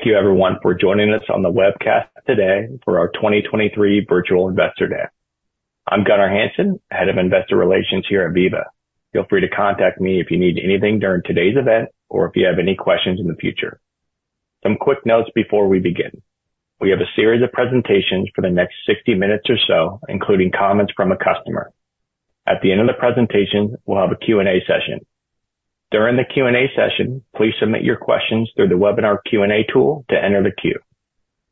Thank you everyone for joining us on the webcast today for our 2023 Virtual Investor Day. I'm Gunnar Hansen, Head of Investor Relations here at Veeva. Feel free to contact me if you need anything during today's event or if you have any questions in the future. Some quick notes before we begin. We have a series of presentations for the next 60 minutes or so, including comments from a customer. At the end of the presentation, we'll have a Q&A session. During the Q&A session, please submit your questions through the webinar Q&A tool to enter the queue.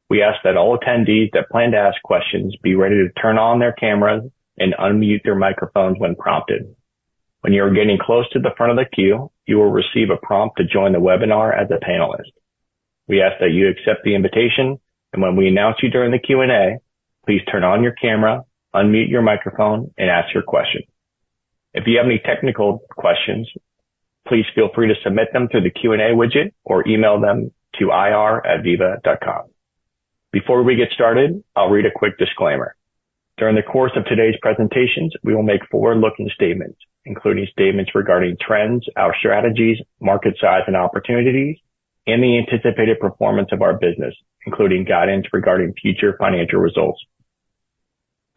We ask that all attendees that plan to ask questions be ready to turn on their cameras and unmute their microphones when prompted. When you are getting close to the front of the queue, you will receive a prompt to join the webinar as a panelist. We ask that you accept the invitation, and when we announce you during the Q&A, please turn on your camera, unmute your microphone, and ask your question. If you have any technical questions, please feel free to submit them through the Q&A widget or email them to ir@veeva.com. Before we get started, I'll read a quick disclaimer. During the course of today's presentations, we will make forward-looking statements, including statements regarding trends, our strategies, market size and opportunities, and the anticipated performance of our business, including guidance regarding future financial results.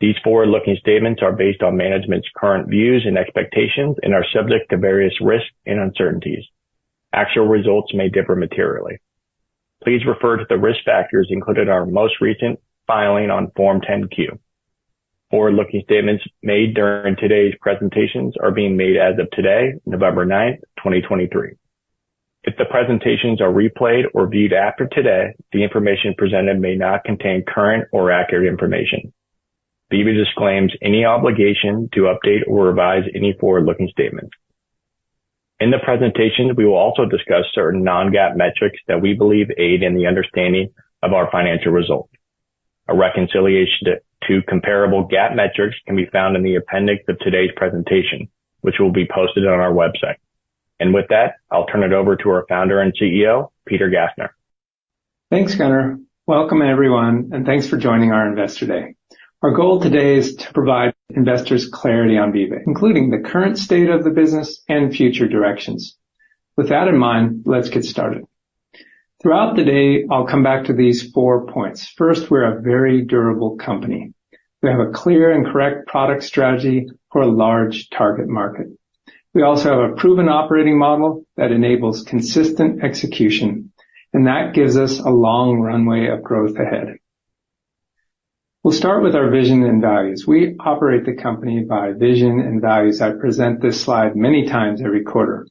These forward-looking statements are based on management's current views and expectations and are subject to various risks and uncertainties. Actual results may differ materially. Please refer to the risk factors included in our most recent filing on Form 10-Q. Forward-looking statements made during today's presentations are being made as of today, November 9, 2023. If the presentations are replayed or viewed after today, the information presented may not contain current or accurate information. Veeva disclaims any obligation to update or revise any forward-looking statement. In the presentation, we will also discuss certain non-GAAP metrics that we believe aid in the understanding of our financial results. A reconciliation to comparable GAAP metrics can be found in the appendix of today's presentation, which will be posted on our website. With that, I'll turn it over to our founder and CEO, Peter Gassner. Thanks, Gunnar. Welcome, everyone, and thanks for joining our Investor Day. Our goal today is to provide investors clarity on Veeva, including the current state of the business and future directions. With that in mind, let's get started. Throughout the day, I'll come back to these four points. First, we're a very durable company. We have a clear and correct product strategy for a large target market. We also have a proven operating model that enables consistent execution, and that gives us a long runway of growth ahead. We'll start with our vision and values. We operate the company by vision and values. I present this slide many times every quarter.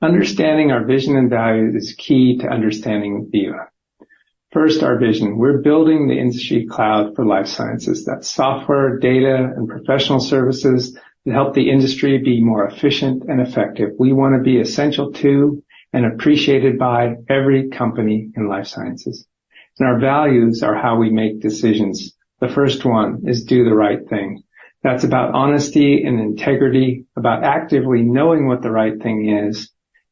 Understanding our vision and values is key to understanding Veeva. First, our vision. We're building the industry cloud for life sciences. That's software, data, and professional services to help the industry be more efficient and effective. We wanna be essential to and appreciated by every company in life sciences. And our values are how we make decisions. The first one is do the right thing. That's about honesty and integrity, about actively knowing what the right thing is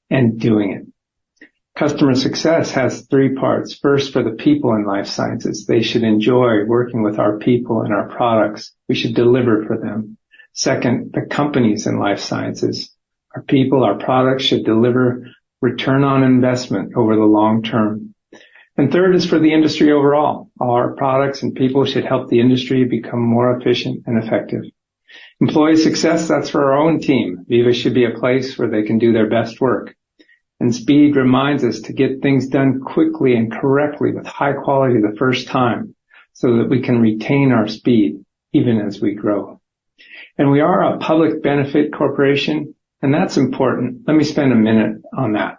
and doing it. Customer success has three parts. First, for the people in life sciences, they should enjoy working with our people and our products. We should deliver for them. Second, the companies in life sciences. Our people, our products, should deliver return on investment over the long term. And third is for the industry overall. Our products and people should help the industry become more efficient and effective. Employee success, that's for our own team. Veeva should be a place where they can do their best work. Speed reminds us to get things done quickly and correctly with high quality the first time, so that we can retain our speed even as we grow. We are a public benefit corporation, and that's important. Let me spend a minute on that.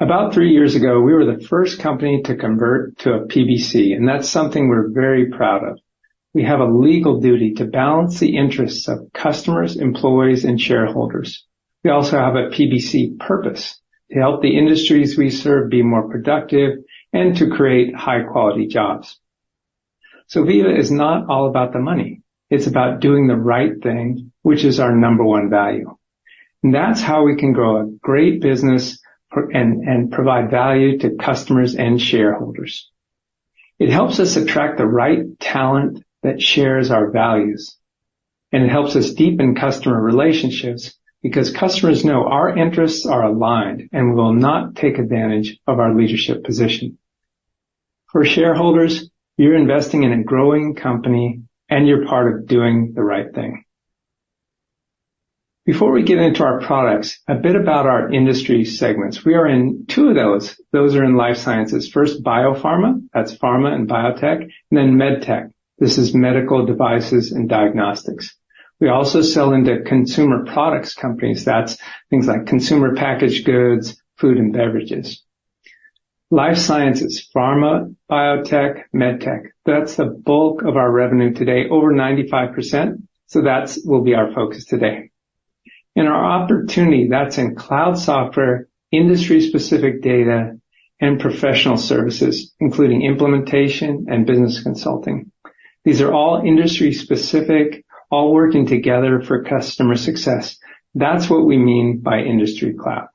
About three years ago, we were the first company to convert to a PBC, and that's something we're very proud of. We have a legal duty to balance the interests of customers, employees, and shareholders. We also have a PBC purpose: to help the industries we serve be more productive and to create high-quality jobs. So Veeva is not all about the money. It's about doing the right thing, which is our number one value, and that's how we can grow a great business for and provide value to customers and shareholders. It helps us attract the right talent that shares our values, and it helps us deepen customer relationships because customers know our interests are aligned and we will not take advantage of our leadership position. For shareholders, you're investing in a growing company, and you're part of doing the right thing. Before we get into our products, a bit about our industry segments. We are in two of those. Those are in life sciences. First, biopharma, that's pharma and biotech, and then MedTech. This is medical devices and diagnostics. We also sell into Consumer Products companies. That's things like consumer packaged goods, food and beverages. Life sciences, pharma, biotech, MedTech, that's the bulk of our revenue today, over 95%, so that will be our focus today. And our opportunity, that's in cloud software, industry-specific data, and professional services, including implementation and business consulting. These are all industry specific, all working together for customer success. That's what we mean by industry cloud.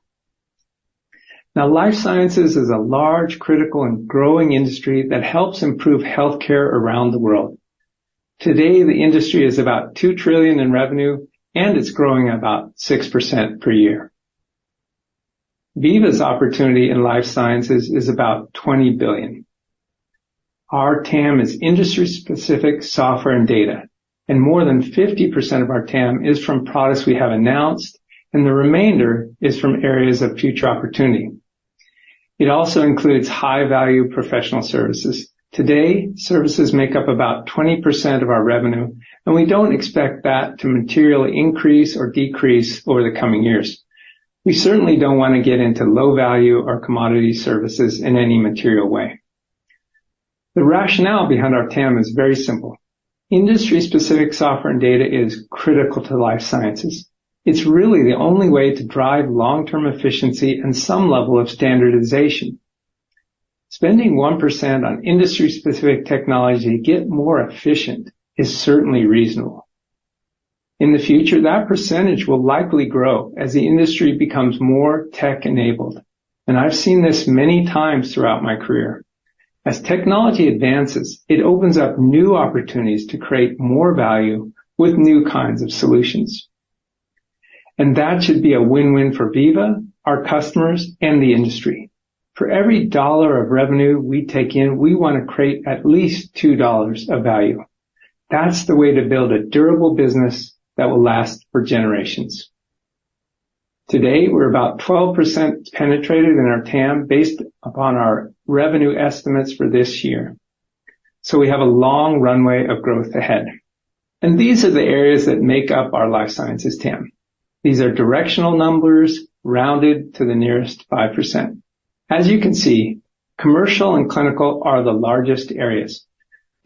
Now, life sciences is a large, critical, and growing industry that helps improve healthcare around the world. Today, the industry is about $2 trillion in revenue, and it's growing about 6% per year. Veeva's opportunity in life sciences is about $20 billion. Our TAM is industry-specific software and data, and more than 50% of our TAM is from products we have announced, and the remainder is from areas of future opportunity. It also includes high-value professional services. Today, services make up about 20% of our revenue, and we don't expect that to materially increase or decrease over the coming years. We certainly don't want to get into low-value or commodity services in any material way. The rationale behind our TAM is very simple. Industry-specific software and data is critical to life sciences. It's really the only way to drive long-term efficiency and some level of standardization. Spending 1% on industry-specific technology to get more efficient is certainly reasonable. In the future, that percentage will likely grow as the industry becomes more tech-enabled, and I've seen this many times throughout my career. As technology advances, it opens up new opportunities to create more value with new kinds of solutions. That should be a win-win for Veeva, our customers, and the industry. For every dollar of revenue we take in, we want to create at least two dollars of value. That's the way to build a durable business that will last for generations. Today, we're about 12% penetrated in our TAM based upon our revenue estimates for this year, so we have a long runway of growth ahead. These are the areas that make up our life sciences TAM. These are directional numbers, rounded to the nearest 5%. As you can see, commercial and clinical are the largest areas.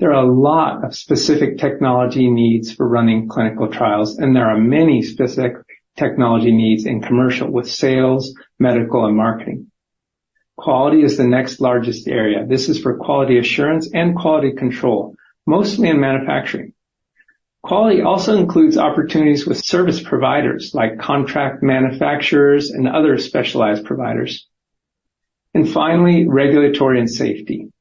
There are a lot of specific technology needs for running clinical trials, and there are many specific technology needs in commercial with sales, medical, and marketing. Quality is the next largest area. This is for quality assurance and quality control, mostly in manufacturing. Quality also includes opportunities with service providers like contract manufacturers and other specialized providers. And finally, regulatory and safety.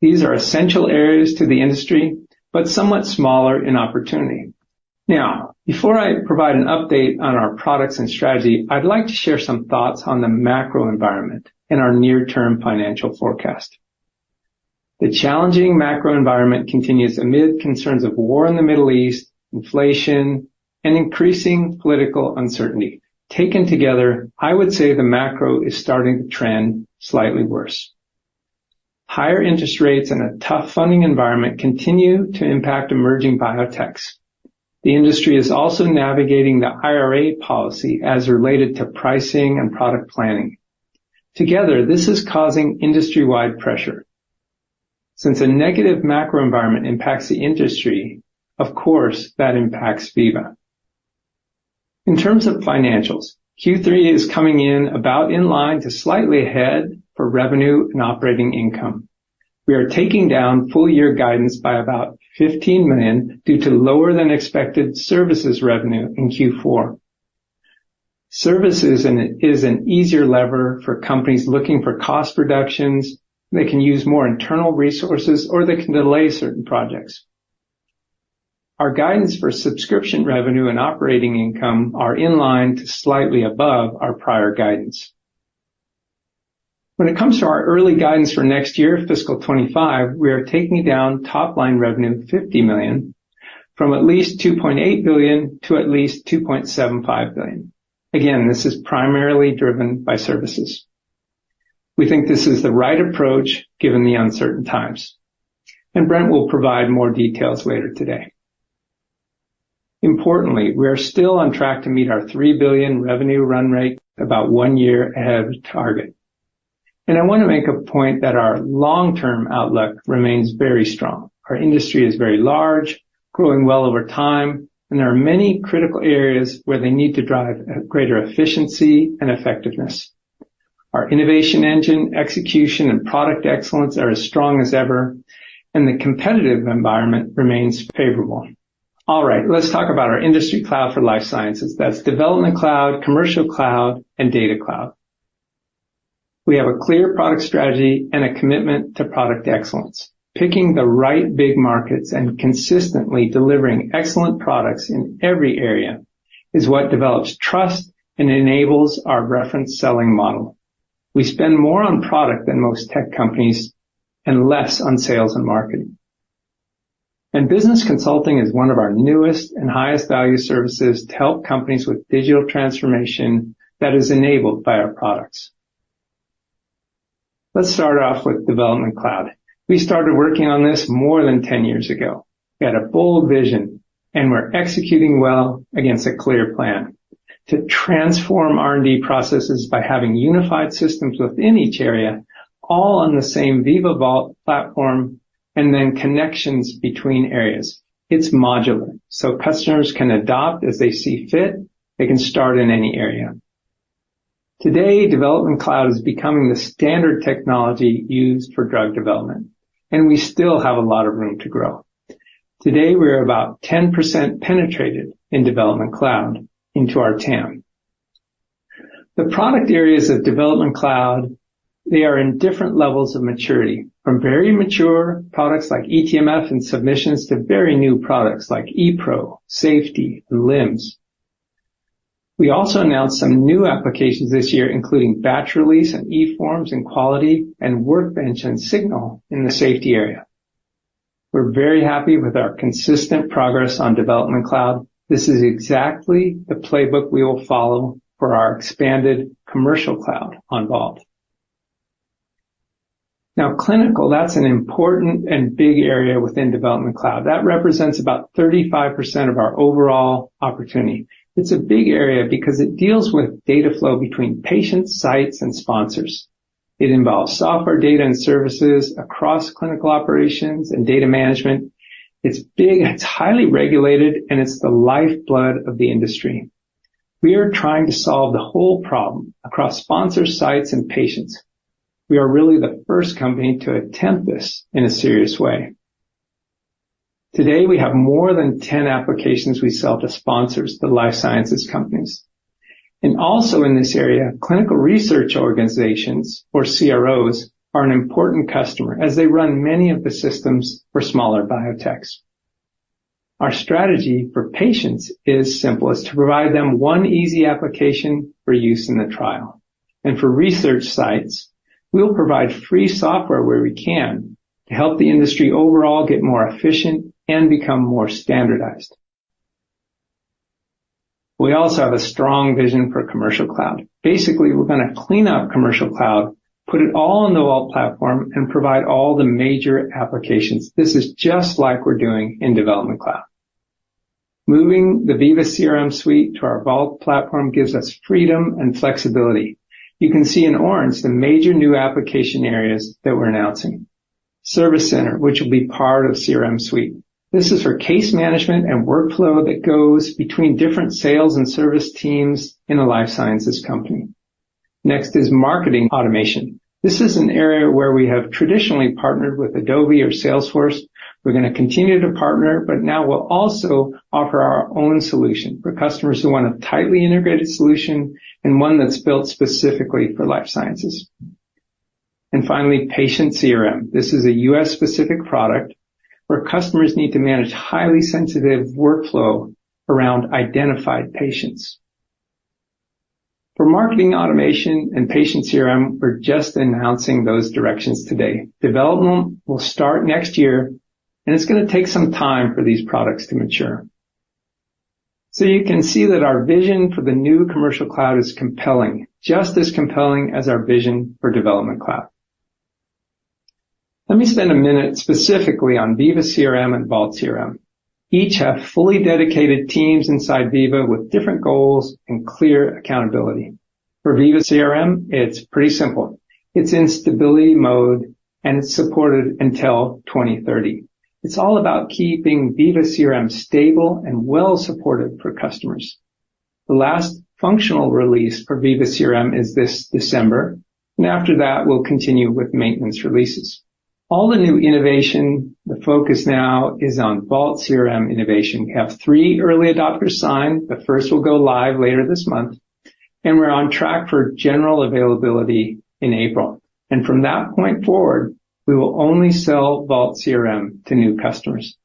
These are essential areas to the industry, but somewhat smaller in opportunity. Now, before I provide an update on our products and strategy, I'd like to share some thoughts on the macro environment and our near-term financial forecast. The challenging macro environment continues amid concerns of war in the Middle East, inflation, and increasing political uncertainty. Taken together, I would say the macro is starting to trend slightly worse. Higher interest rates and a tough funding environment continue to impact emerging biotechs. The industry is also navigating the IRA policy as related to pricing and product planning. Together, this is causing industry-wide pressure. Since a negative macro environment impacts the industry, of course, that impacts Veeva. In terms of financials, Q3 is coming in about in line to slightly ahead for revenue and operating income. We are taking down full year guidance by about $15 million due to lower-than-expected services revenue in Q4. Services is an easier lever for companies looking for cost reductions. They can use more internal resources, or they can delay certain projects. Our guidance for subscription revenue and operating income are in line to slightly above our prior guidance. When it comes to our early guidance for next year, fiscal 2025, we are taking down top-line revenue $50 million, from at least $2.8 billion to at least $2.75 billion. Again, this is primarily driven by services. We think this is the right approach given the uncertain times, and Brent will provide more details later today. Importantly, we are still on track to meet our $3 billion revenue run rate about one year ahead of target. I want to make a point that our long-term outlook remains very strong. Our industry is very large, growing well over time, and there are many critical areas where they need to drive greater efficiency and effectiveness. Our innovation engine, execution, and product excellence are as strong as ever, and the competitive environment remains favorable. All right, let's talk about our industry cloud for life sciences. That's Development Cloud, Commercial Cloud, and Data Cloud. We have a clear product strategy and a commitment to product excellence. Picking the right big markets and consistently delivering excellent products in every area is what develops trust and enables our reference selling model. We spend more on product than most tech companies and less on sales and marketing. Business consulting is one of our newest and highest value services to help companies with digital transformation that is enabled by our products. Let's start off with Development Cloud. We started working on this more than 10 years ago. We had a bold vision, and we're executing well against a clear plan to transform R&D processes by having unified systems within each area, all on the same Veeva Vault platform, and then connections between areas. It's modular, so customers can adopt as they see fit. They can start in any area. Today, Development Cloud is becoming the standard technology used for drug development, and we still have a lot of room to grow. Today, we are about 10% penetrated in Development Cloud into our TAM. The product areas of Development Cloud, they are in different levels of maturity, from very mature products like eTMF and submissions, to very new products like ePRO, Safety, and LIMS. We also announced some new applications this year, including Batch Release and eForms in Quality, and Workbench and Signal in the safety area. We're very happy with our consistent progress on Development Cloud. This is exactly the playbook we will follow for our expanded Commercial Cloud on Vault. Now, clinical, that's an important and big area within Development Cloud. That represents about 35% of our overall opportunity. It's a big area because it deals with data flow between patients, sites, and sponsors. It involves software, data, and services across clinical operations and data management. It's big, it's highly regulated, and it's the lifeblood of the industry. We are trying to solve the whole problem across sponsor sites and patients. We are really the first company to attempt this in a serious way. Today, we have more than 10 applications we sell to sponsors, the life sciences companies. And also in this area, clinical research organizations, or CROs, are an important customer as they run many of the systems for smaller biotechs. Our strategy for patients is simple: it's to provide them one easy application for use in the trial. For research sites, we'll provide free software where we can to help the industry overall get more efficient and become more standardized. We also have a strong vision for Commercial Cloud. Basically, we're gonna clean up Commercial Cloud, put it all on the Vault platform, and provide all the major applications. This is just like we're doing in Development Cloud. Moving the Veeva CRM Suite to our Vault platform gives us freedom and flexibility. You can see in orange the major new application areas that we're announcing. Service Center, which will be part of CRM Suite. This is for case management and workflow that goes between different sales and service teams in a life sciences company. Next is Marketing Automation. This is an area where we have traditionally partnered with Adobe or Salesforce. We're gonna continue to partner, but now we'll also offer our own solution for customers who want a tightly integrated solution and one that's built specifically for life sciences. And finally, Patient CRM. This is a U.S.-specific product where customers need to manage highly sensitive workflow around identified patients. For Marketing Automation and Patient CRM, we're just announcing those directions today. Development will start next year, and it's gonna take some time for these products to mature. So you can see that our vision for the new Commercial Cloud is compelling, just as compelling as our vision for Development Cloud. Let me spend a minute specifically on Veeva CRM and Vault CRM. Each have fully dedicated teams inside Veeva with different goals and clear accountability. For Veeva CRM, it's pretty simple. It's in stability mode, and it's supported until 2030. It's all about keeping Veeva CRM stable and well-supported for customers. The last functional release for Veeva CRM is this December, and after that, we'll continue with maintenance releases. All the new innovation, the focus now is on Vault CRM innovation. We have 3 early adopters signed. The first will go live later this month, and we're on track for general availability in April. And from that point forward, we will only sell Vault CRM to new customers.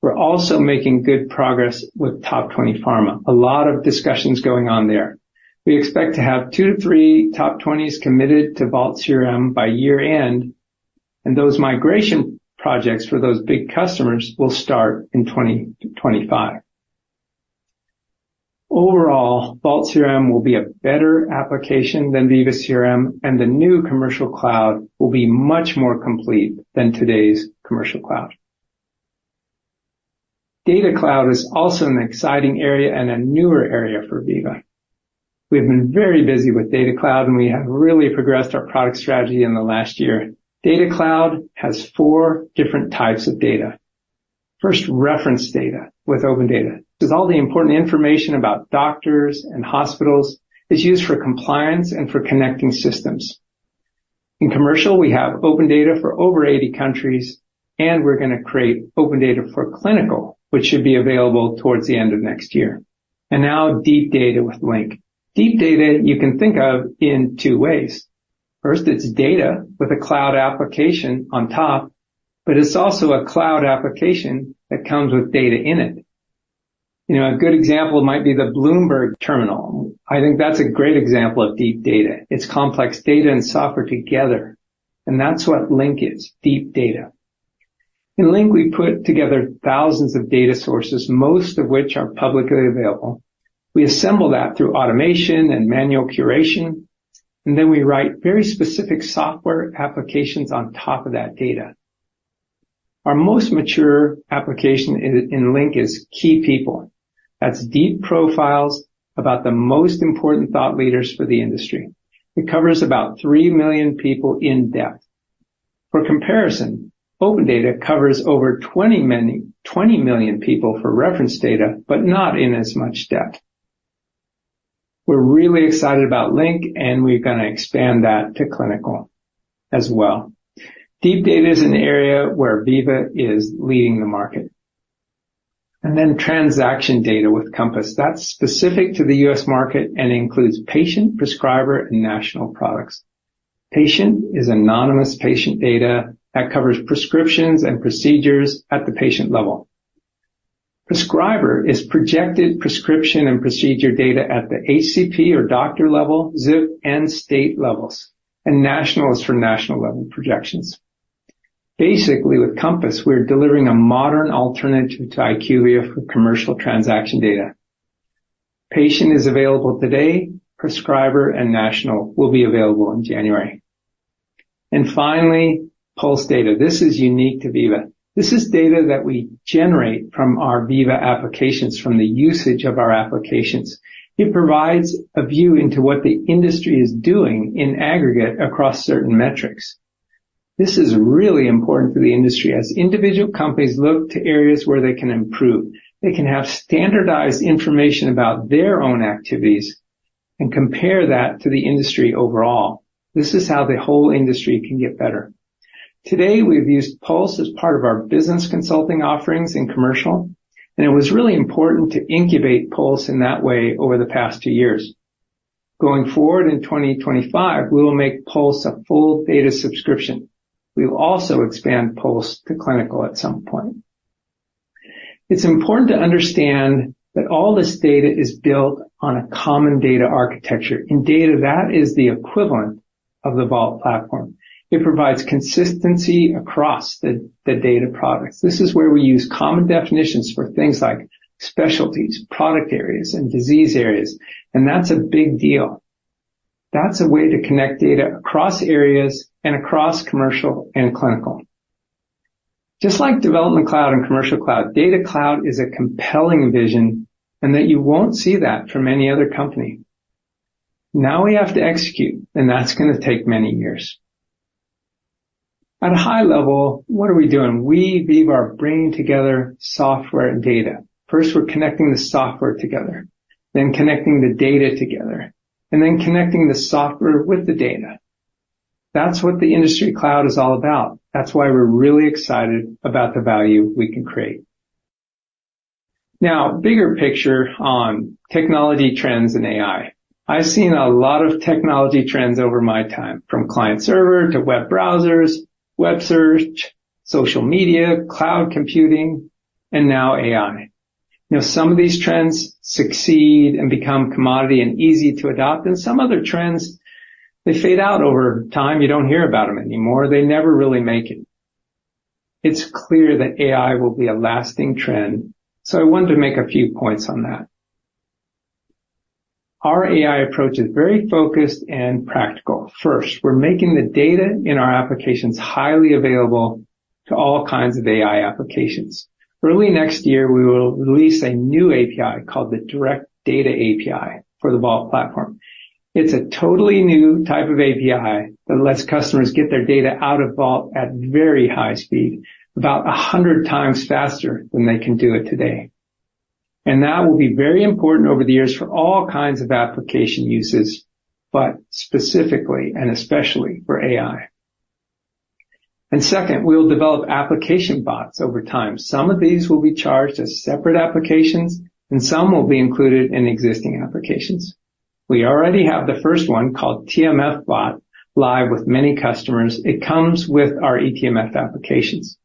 We're also making good progress with top 20 pharma. A lot of discussions going on there. We expect to have 2-3 top 20s committed to Vault CRM by year-end, and those migration projects for those big customers will start in 2025. Overall, Vault CRM will be a better application than Veeva CRM, and the new Commercial Cloud will be much more complete than today's Commercial Cloud. Data Cloud is also an exciting area and a newer area for Veeva. We've been very busy with Data Cloud, and we have really progressed our product strategy in the last year. Data Cloud has four different types of data. First, reference data with OpenData. This is all the important information about doctors and hospitals. It's used for compliance and for connecting systems. In commercial, we have OpenData for over 80 countries, and we're gonna create OpenData for clinical, which should be available towards the end of next year. And now Deep Data with Link. Deep Data you can think of in two ways. First, it's data with a cloud application on top, but it's also a cloud application that comes with data in it. You know, a good example might be the Bloomberg terminal. I think that's a great example of Deep Data. It's complex data and software together, and that's what Link is, Deep Data. In Link, we put together thousands of data sources, most of which are publicly available. We assemble that through automation and manual curation, and then we write very specific software applications on top of that data. Our most mature application in Link is Key People. That's deep profiles about the most important thought leaders for the industry. It covers about 3 million people in-depth. For comparison, OpenData covers over 20 million people for reference data, but not in as much depth. We're really excited about Link, and we're gonna expand that to clinical as well. Deep Data is an area where Veeva is leading the market. And then transaction data with Compass. That's specific to the U.S. market and includes Patient, Prescriber, and National products. Patient is anonymous patient data that covers prescriptions and procedures at the patient level. Prescriber is projected prescription and procedure data at the HCP or doctor level, zip, and state levels, and National is for national level projections. Basically, with Compass, we're delivering a modern alternative to IQVIA for commercial transaction data. Patient is available today. Prescriber and National will be available in January. Finally, Pulse data. This is unique to Veeva. This is data that we generate from our Veeva applications, from the usage of our applications. It provides a view into what the industry is doing in aggregate across certain metrics. This is really important for the industry as individual companies look to areas where they can improve. They can have standardized information about their own activities and compare that to the industry overall. This is how the whole industry can get better. Today, we've used Pulse as part of our business consulting offerings in commercial, and it was really important to incubate Pulse in that way over the past two years. Going forward, in 2025, we will make Pulse a full data subscription. We will also expand Pulse to clinical at some point. It's important to understand that all this data is built on a common data architecture. In data, that is the equivalent of the Vault platform. It provides consistency across the data products. This is where we use common definitions for things like specialties, product areas, and disease areas, and that's a big deal. That's a way to connect data across areas and across commercial and clinical. Just like Development Cloud and Commercial Cloud, Data Cloud is a compelling vision, and that you won't see that from any other company. Now we have to execute, and that's gonna take many years. At a high level, what are we doing? We, Veeva, are bringing together software and data. First, we're connecting the software together, then connecting the data together, and then connecting the software with the data. That's what the Industry Cloud is all about. That's why we're really excited about the value we can create. Now, bigger picture on technology trends and AI. I've seen a lot of technology trends over my time, from client-server to web browsers, web search, social media, cloud computing, and now AI. Now, some of these trends succeed and become commodity and easy to adopt, and some other trends, they fade out over time. You don't hear about them anymore. They never really make it. It's clear that AI will be a lasting trend, so I wanted to make a few points on that. Our AI approach is very focused and practical. First, we're making the data in our applications highly available to all kinds of AI applications. Early next year, we will release a new API called the Direct Data API for the Vault platform. It's a totally new type of API that lets customers get their data out of Vault at very high speed, about 100 times faster than they can do it today. And that will be very important over the years for all kinds of application uses, but specifically and especially for AI. And second, we will develop application bots over time. Some of these will be charged as separate applications, and some will be included in existing applications. We already have the first one, called TMF Bot, live with many customers. It comes with our eTMF applications.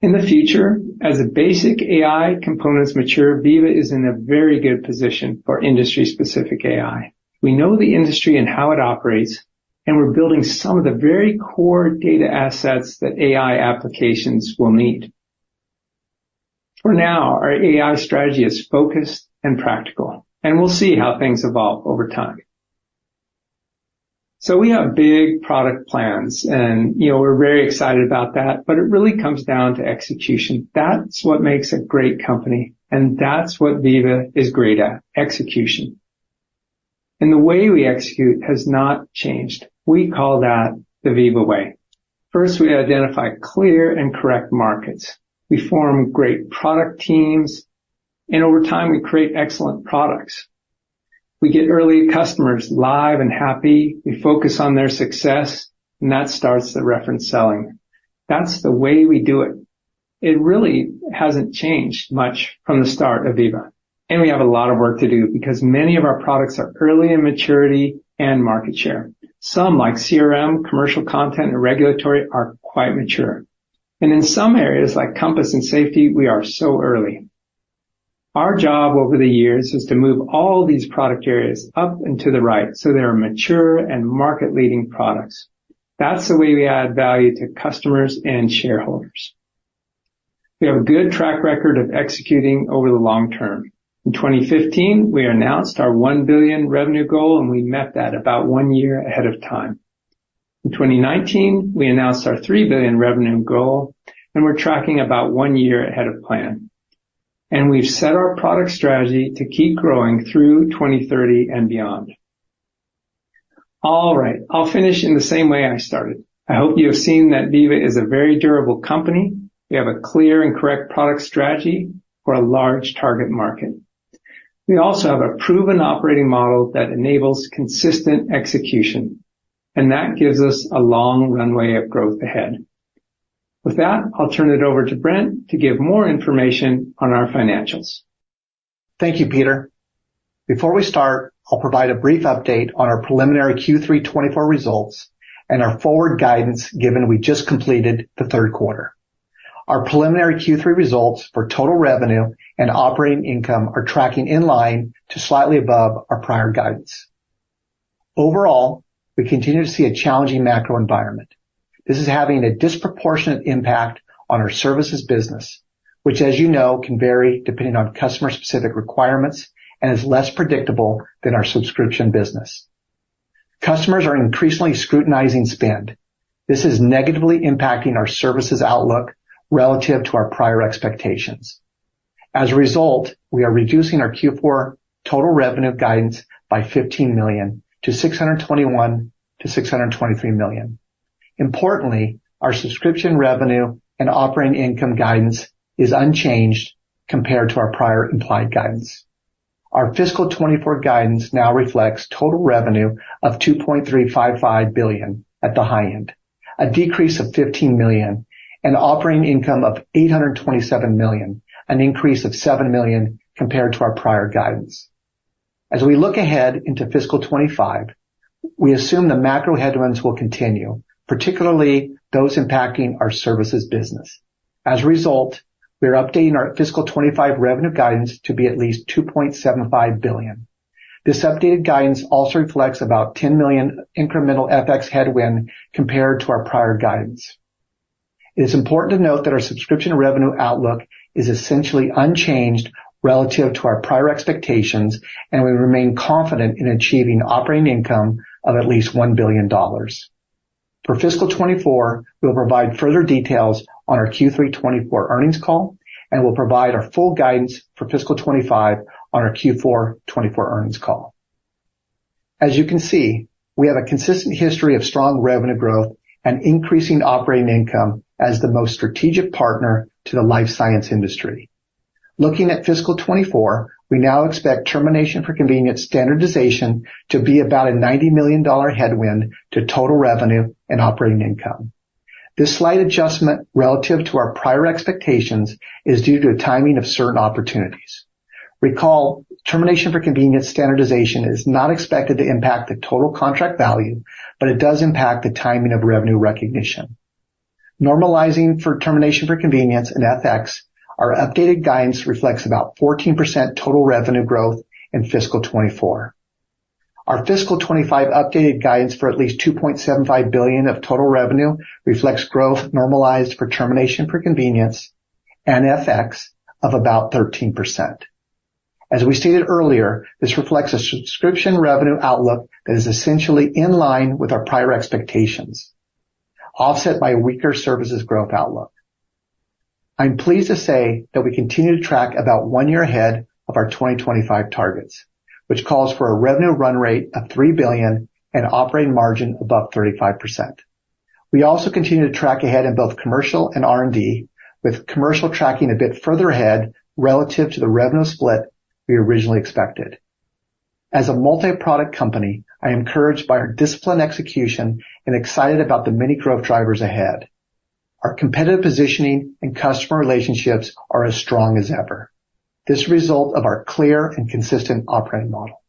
In the future, as the basic AI components mature, Veeva is in a very good position for industry-specific AI. We know the industry and how it operates, and we're building some of the very core data assets that AI applications will need. For now, our AI strategy is focused and practical, and we'll see how things evolve over time. So we have big product plans, and, you know, we're very excited about that, but it really comes down to execution. That's what makes a great company, and that's what Veeva is great at, execution. And the way we execute has not changed. We call that the Veeva way. First, we identify clear and correct markets. We form great product teams, and over time, we create excellent products. We get early customers live and happy. We focus on their success, and that starts the reference selling. That's the way we do it. It really hasn't changed much from the start of Veeva, and we have a lot of work to do because many of our products are early in maturity and market share. Some, like CRM, commercial content, and regulatory, are quite mature. And in some areas, like Compass and Safety, we are so early. Our job over the years is to move all these product areas up and to the right, so they are mature and market-leading products. That's the way we add value to customers and shareholders. We have a good track record of executing over the long term. In 2015, we announced our $1 billion revenue goal, and we met that about one year ahead of time. In 2019, we announced our $3 billion revenue goal, and we're tracking about one year ahead of plan. We've set our product strategy to keep growing through 2030 and beyond. All right, I'll finish in the same way I started. I hope you have seen that Veeva is a very durable company. We have a clear and correct product strategy for a large target market.... We also have a proven operating model that enables consistent execution, and that gives us a long runway of growth ahead. With that, I'll turn it over to Brent to give more information on our financials. Thank you, Peter. Before we start, I'll provide a brief update on our preliminary Q3 2024 results and our forward guidance, given we just completed the third quarter. Our preliminary Q3 results for total revenue and operating income are tracking in line to slightly above our prior guidance. Overall, we continue to see a challenging macro environment. This is having a disproportionate impact on our services business, which, as you know, can vary depending on customer-specific requirements and is less predictable than our subscription business. Customers are increasingly scrutinizing spend. This is negatively impacting our services outlook relative to our prior expectations. As a result, we are reducing our Q4 total revenue guidance by $15 million to $621 million-$623 million. Importantly, our subscription revenue and operating income guidance is unchanged compared to our prior implied guidance. Our fiscal 2024 guidance now reflects total revenue of $2.355 billion at the high end, a decrease of $15 million, and operating income of $827 million, an increase of $7 million compared to our prior guidance. As we look ahead into fiscal 2025, we assume the macro headwinds will continue, particularly those impacting our services business. As a result, we are updating our fiscal 2025 revenue guidance to be at least $2.75 billion. This updated guidance also reflects about $10 million incremental FX headwind compared to our prior guidance. It is important to note that our subscription revenue outlook is essentially unchanged relative to our prior expectations, and we remain confident in achieving operating income of at least $1 billion. For fiscal 2024, we'll provide further details on our Q3 2024 earnings call, and we'll provide our full guidance for fiscal 2025 on our Q4 2024 earnings call. As you can see, we have a consistent history of strong revenue growth and increasing operating income as the most strategic partner to the life science industry. Looking at fiscal 2024, we now expect termination for convenience standardization to be about a $90 million headwind to total revenue and operating income. This slight adjustment relative to our prior expectations is due to the timing of certain opportunities. Recall, termination for convenience standardization is not expected to impact the total contract value, but it does impact the timing of revenue recognition. Normalizing for termination for convenience, and FX, our updated guidance reflects about 14% total revenue growth in fiscal 2024. Our fiscal 2025 updated guidance for at least $2.75 billion of total revenue reflects growth normalized for termination for convenience and FX of about 13%. As we stated earlier, this reflects a subscription revenue outlook that is essentially in line with our prior expectations, offset by a weaker services growth outlook. I'm pleased to say that we continue to track about one year ahead of our 2025 targets, which calls for a revenue run rate of $3 billion and operating margin above 35%. We also continue to track ahead in both commercial and R&D, with commercial tracking a bit further ahead relative to the revenue split we originally expected. As a multi-product company, I am encouraged by our disciplined execution and excited about the many growth drivers ahead. Our competitive positioning and customer relationships are as strong as ever. This result of our clear and consistent operating model.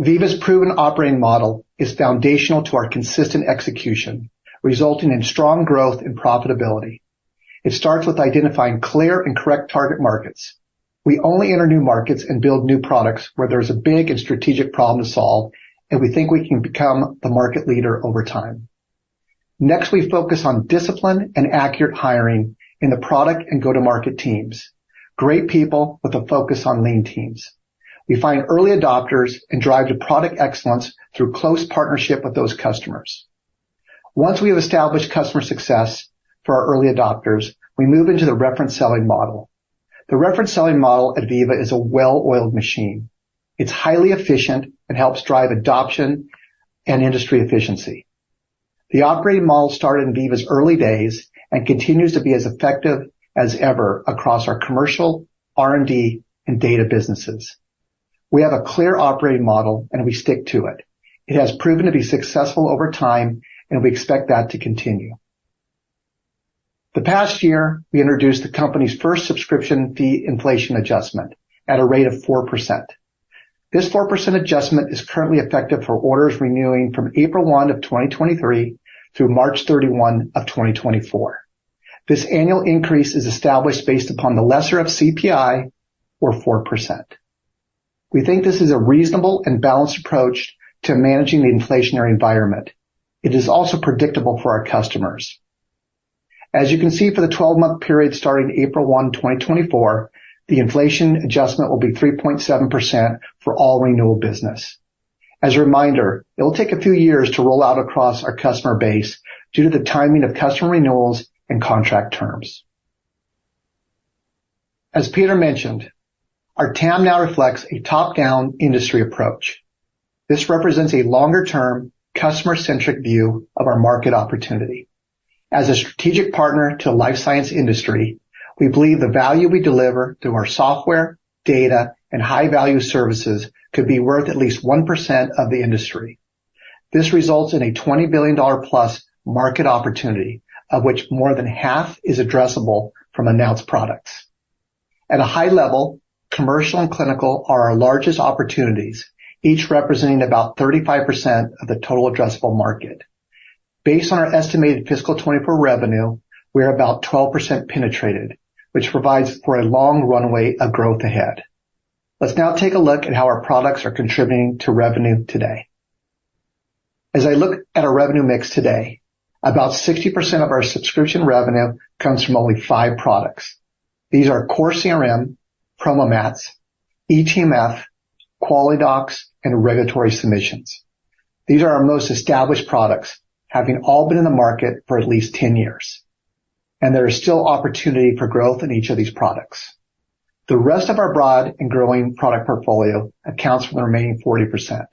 Veeva's proven operating model is foundational to our consistent execution, resulting in strong growth and profitability. It starts with identifying clear and correct target markets. We only enter new markets and build new products where there's a big and strategic problem to solve, and we think we can become the market leader over time. Next, we focus on discipline and accurate hiring in the product and go-to-market teams. Great people with a focus on lean teams. We find early adopters and drive to product excellence through close partnership with those customers. Once we have established customer success for our early adopters, we move into the reference selling model. The reference selling model at Veeva is a well-oiled machine. It's highly efficient and helps drive adoption and industry efficiency. The operating model started in Veeva's early days and continues to be as effective as ever across our commercial, R&D, and data businesses. We have a clear operating model, and we stick to it. It has proven to be successful over time, and we expect that to continue. The past year, we introduced the company's first subscription fee inflation adjustment at a rate of 4%. This 4% adjustment is currently effective for orders renewing from April 1, 2023 through March 31, 2024. This annual increase is established based upon the lesser of CPI or 4%. We think this is a reasonable and balanced approach to managing the inflationary environment. It is also predictable for our customers. As you can see, for the twelve-month period starting April 1, 2024, the inflation adjustment will be 3.7% for all renewal business. As a reminder, it'll take a few years to roll out across our customer base due to the timing of customer renewals and contract terms. As Peter mentioned, our TAM now reflects a top-down industry approach. This represents a longer-term, customer-centric view of our market opportunity. As a strategic partner to the life science industry, we believe the value we deliver through our software, data, and high-value services could be worth at least 1% of the industry. This results in a $20 billion+ market opportunity, of which more than half is addressable from announced products. At a high level, commercial and clinical are our largest opportunities, each representing about 35% of the total addressable market. Based on our estimated fiscal 2024 revenue, we are about 12% penetrated, which provides for a long runway of growth ahead. Let's now take a look at how our products are contributing to revenue today. As I look at our revenue mix today, about 60% of our subscription revenue comes from only 5 products. These are Core CRM, PromoMats, eTMF, QualityDocs, and Regulatory Submissions. These are our most established products, having all been in the market for at least 10 years, and there is still opportunity for growth in each of these products. The rest of our broad and growing product portfolio accounts for the remaining 40%.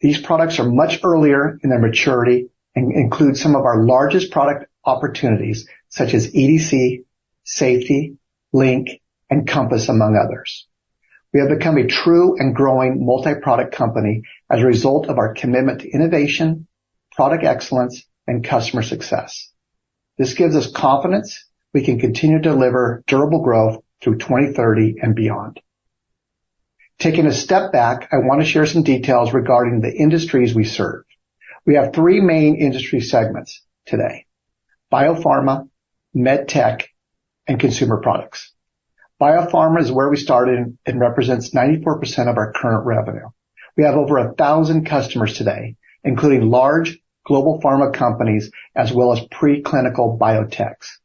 These products are much earlier in their maturity and include some of our largest product opportunities, such as EDC, Safety, Link, and Compass, among others. We have become a true and growing multiproduct company as a result of our commitment to innovation, product excellence, and customer success. This gives us confidence we can continue to deliver durable growth through 2030 and beyond. Taking a step back, I want to share some details regarding the industries we serve. We have three main industry segments today: Biopharma, MedTech, and Consumer Products. Biopharma is where we started and represents 94% of our current revenue. We have over 1,000 customers today, including large global pharma companies, as well as preclinical biotechs.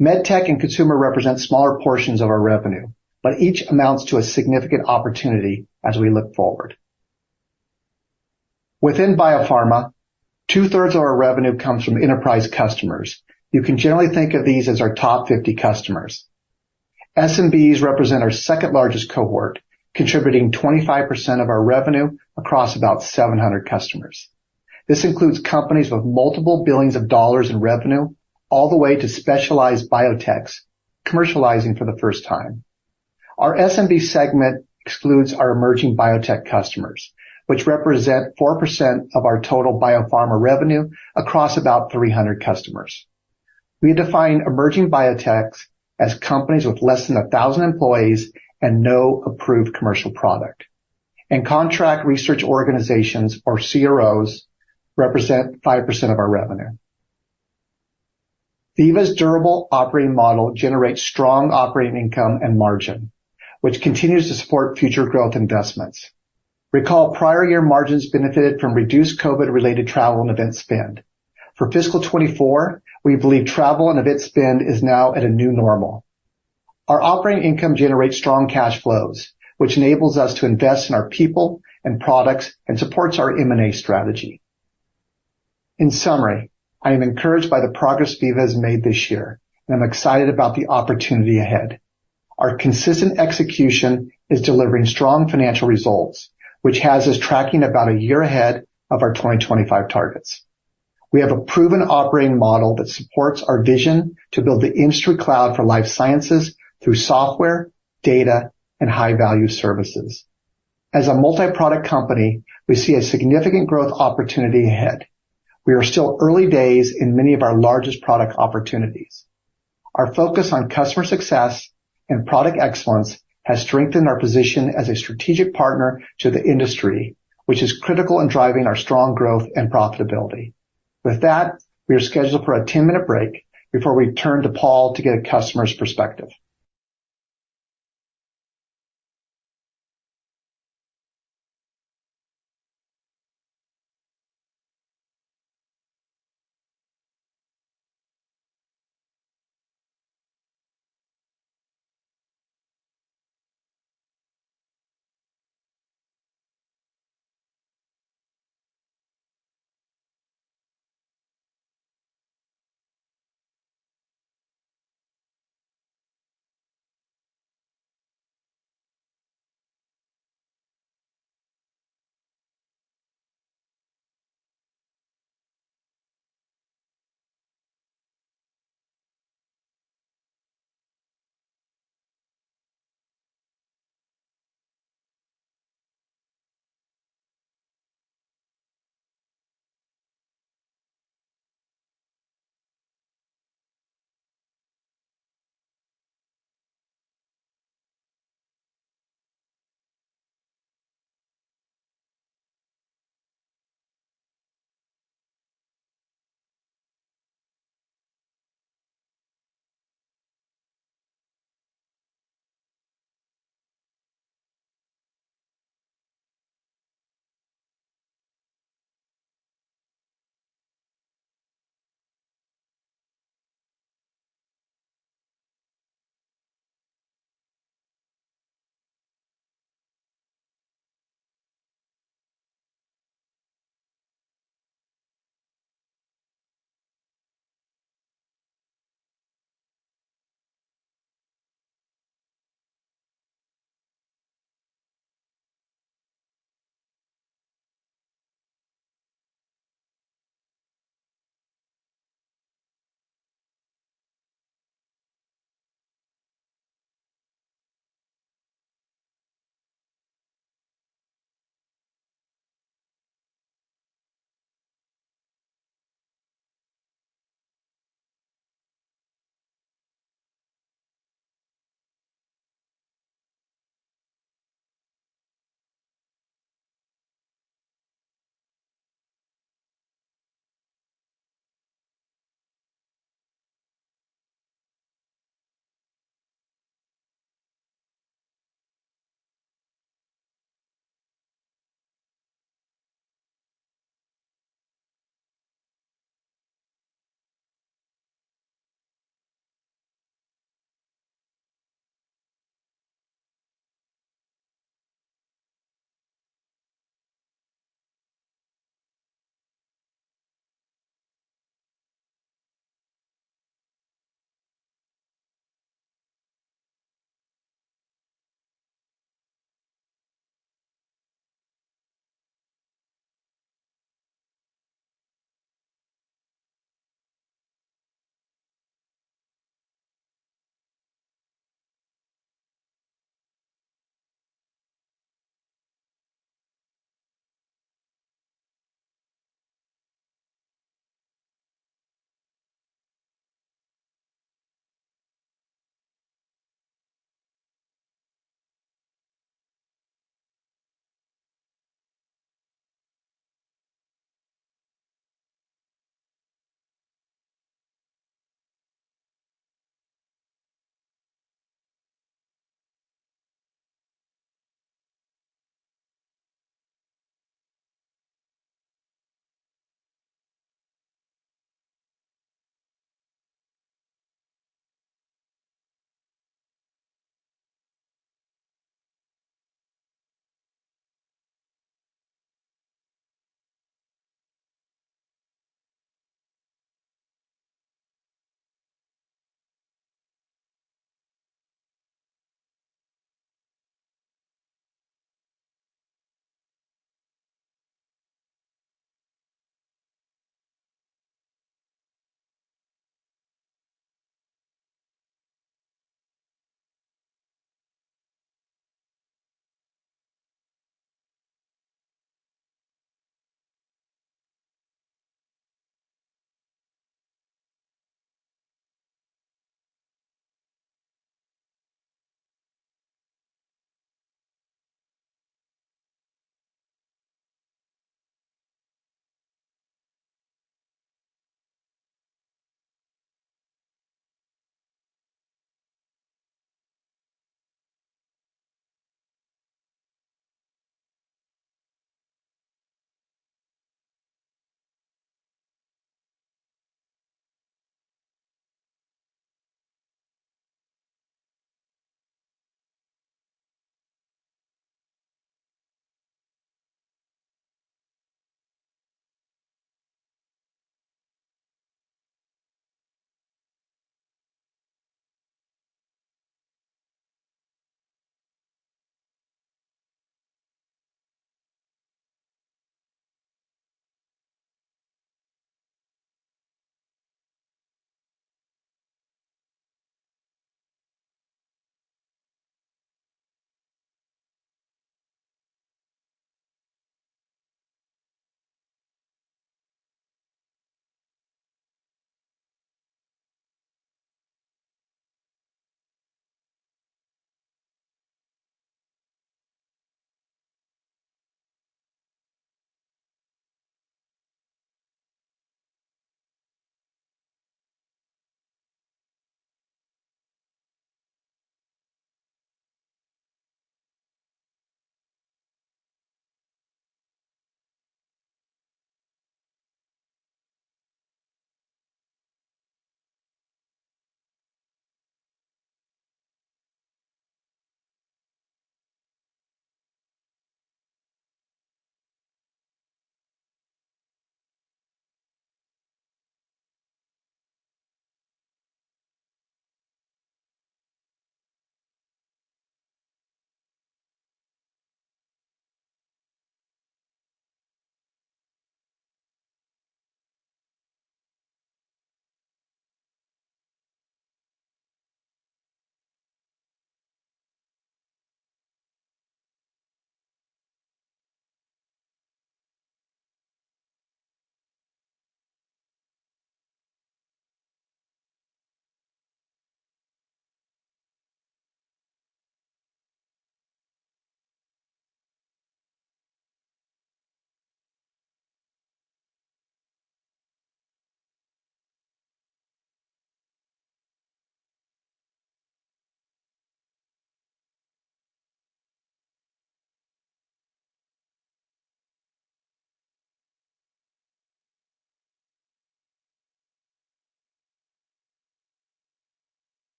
MedTech and consumer represent smaller portions of our revenue, but each amounts to a significant opportunity as we look forward. Within Biopharma, two-thirds of our revenue comes from enterprise customers. You can generally think of these as our top 50 customers. SMBs represent our second-largest cohort, contributing 25% of our revenue across about 700 customers. This includes companies with multiple billions of dollars in revenue, all the way to specialized biotechs commercializing for the first time. Our SMB segment excludes our emerging biotech customers, which represent 4% of our total biopharma revenue across about 300 customers. We define emerging biotechs as companies with less than 1,000 employees and no approved commercial product. Contract research organizations, or CROs, represent 5% of our revenue. Veeva's durable operating model generates strong operating income and margin, which continues to support future growth investments. Recall, prior year margins benefited from reduced COVID-related travel and event spend. For fiscal 2024, we believe travel and event spend is now at a new normal. Our operating income generates strong cash flows, which enables us to invest in our people and products and supports our M&A strategy. In summary, I am encouraged by the progress Veeva has made this year, and I'm excited about the opportunity ahead. Our consistent execution is delivering strong financial results, which has us tracking about a year ahead of our 2025 targets. We have a proven operating model that supports our vision to build the industry cloud for life sciences through software, data, and high-value services. As a multiproduct company, we see a significant growth opportunity ahead. We are still early days in many of our largest product opportunities. Our focus on customer success and product excellence has strengthened our position as a strategic partner to the industry, which is critical in driving our strong growth and profitability. With that, we are scheduled for a 10-minute break before we turn to Paul to get a customer's perspective. ...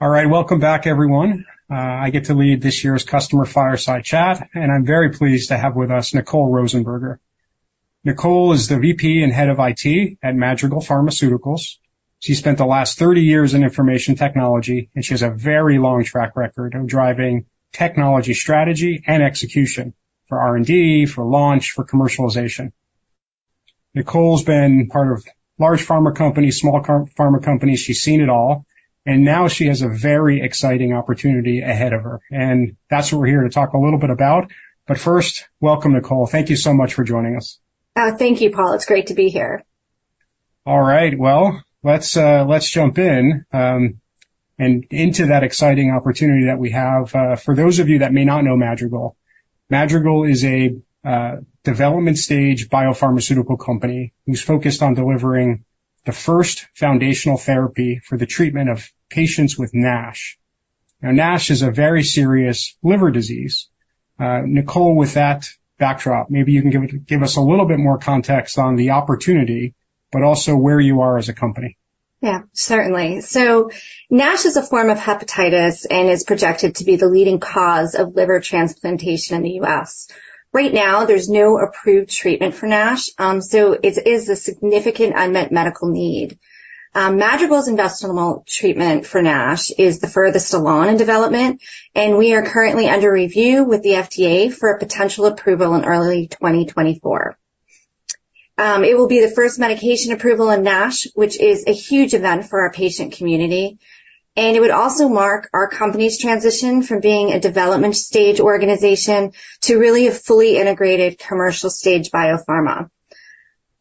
All right, welcome back, everyone. I get to lead this year's customer fireside chat, and I'm very pleased to have with us Nicole Rosenberger. Nicole is the VP and Head of IT at Madrigal Pharmaceuticals. She spent the last 30 years in information technology, and she has a very long track record of driving technology, strategy, and execution for R&D, for launch, for commercialization. Nicole's been part of large pharma companies, small pharma companies. She's seen it all, and now she has a very exciting opportunity ahead of her, and that's what we're here to talk a little bit about. But first, welcome, Nicole. Thank you so much for joining us. Oh, thank you, Paul. It's great to be here. All right, well, let's, let's jump in, and into that exciting opportunity that we have. For those of you that may not know Madrigal, Madrigal is a development-stage biopharmaceutical company who's focused on delivering the first foundational therapy for the treatment of patients with NASH. Now, NASH is a very serious liver disease. Nicole, with that backdrop, maybe you can give, give us a little bit more context on the opportunity, but also where you are as a company. Yeah, certainly. So NASH is a form of hepatitis and is projected to be the leading cause of liver transplantation in the U.S. Right now, there's no approved treatment for NASH, so it is a significant unmet medical need. Madrigal's investigational treatment for NASH is the furthest along in development, and we are currently under review with the FDA for a potential approval in early 2024. It will be the first medication approval in NASH, which is a huge event for our patient community, and it would also mark our company's transition from being a development stage organization to really a fully integrated commercial stage biopharma.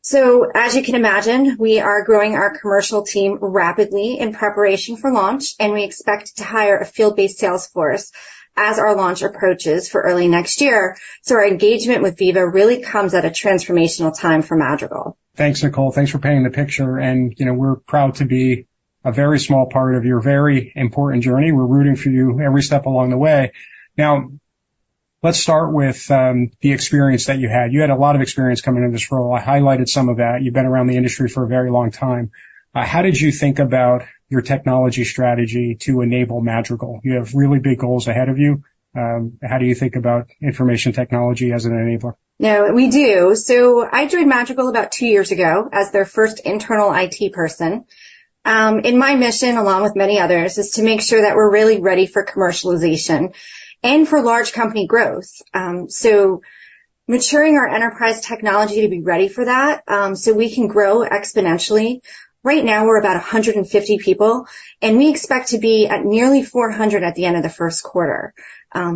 So as you can imagine, we are growing our commercial team rapidly in preparation for launch, and we expect to hire a field-based sales force as our launch approaches for early next year. Our engagement with Veeva really comes at a transformational time for Madrigal. Thanks, Nicole. Thanks for painting the picture, and, you know, we're proud to be a very small part of your very important journey. We're rooting for you every step along the way. Now, let's start with the experience that you had. You had a lot of experience coming in this role. I highlighted some of that. You've been around the industry for a very long time. How did you think about your technology strategy to enable Madrigal? You have really big goals ahead of you. How do you think about information technology as an enabler? Yeah, we do. So I joined Madrigal about two years ago as their first internal IT person. And my mission, along with many others, is to make sure that we're really ready for commercialization and for large company growth. So maturing our enterprise technology to be ready for that, so we can grow exponentially. Right now, we're about 150 people, and we expect to be at nearly 400 at the end of the first quarter.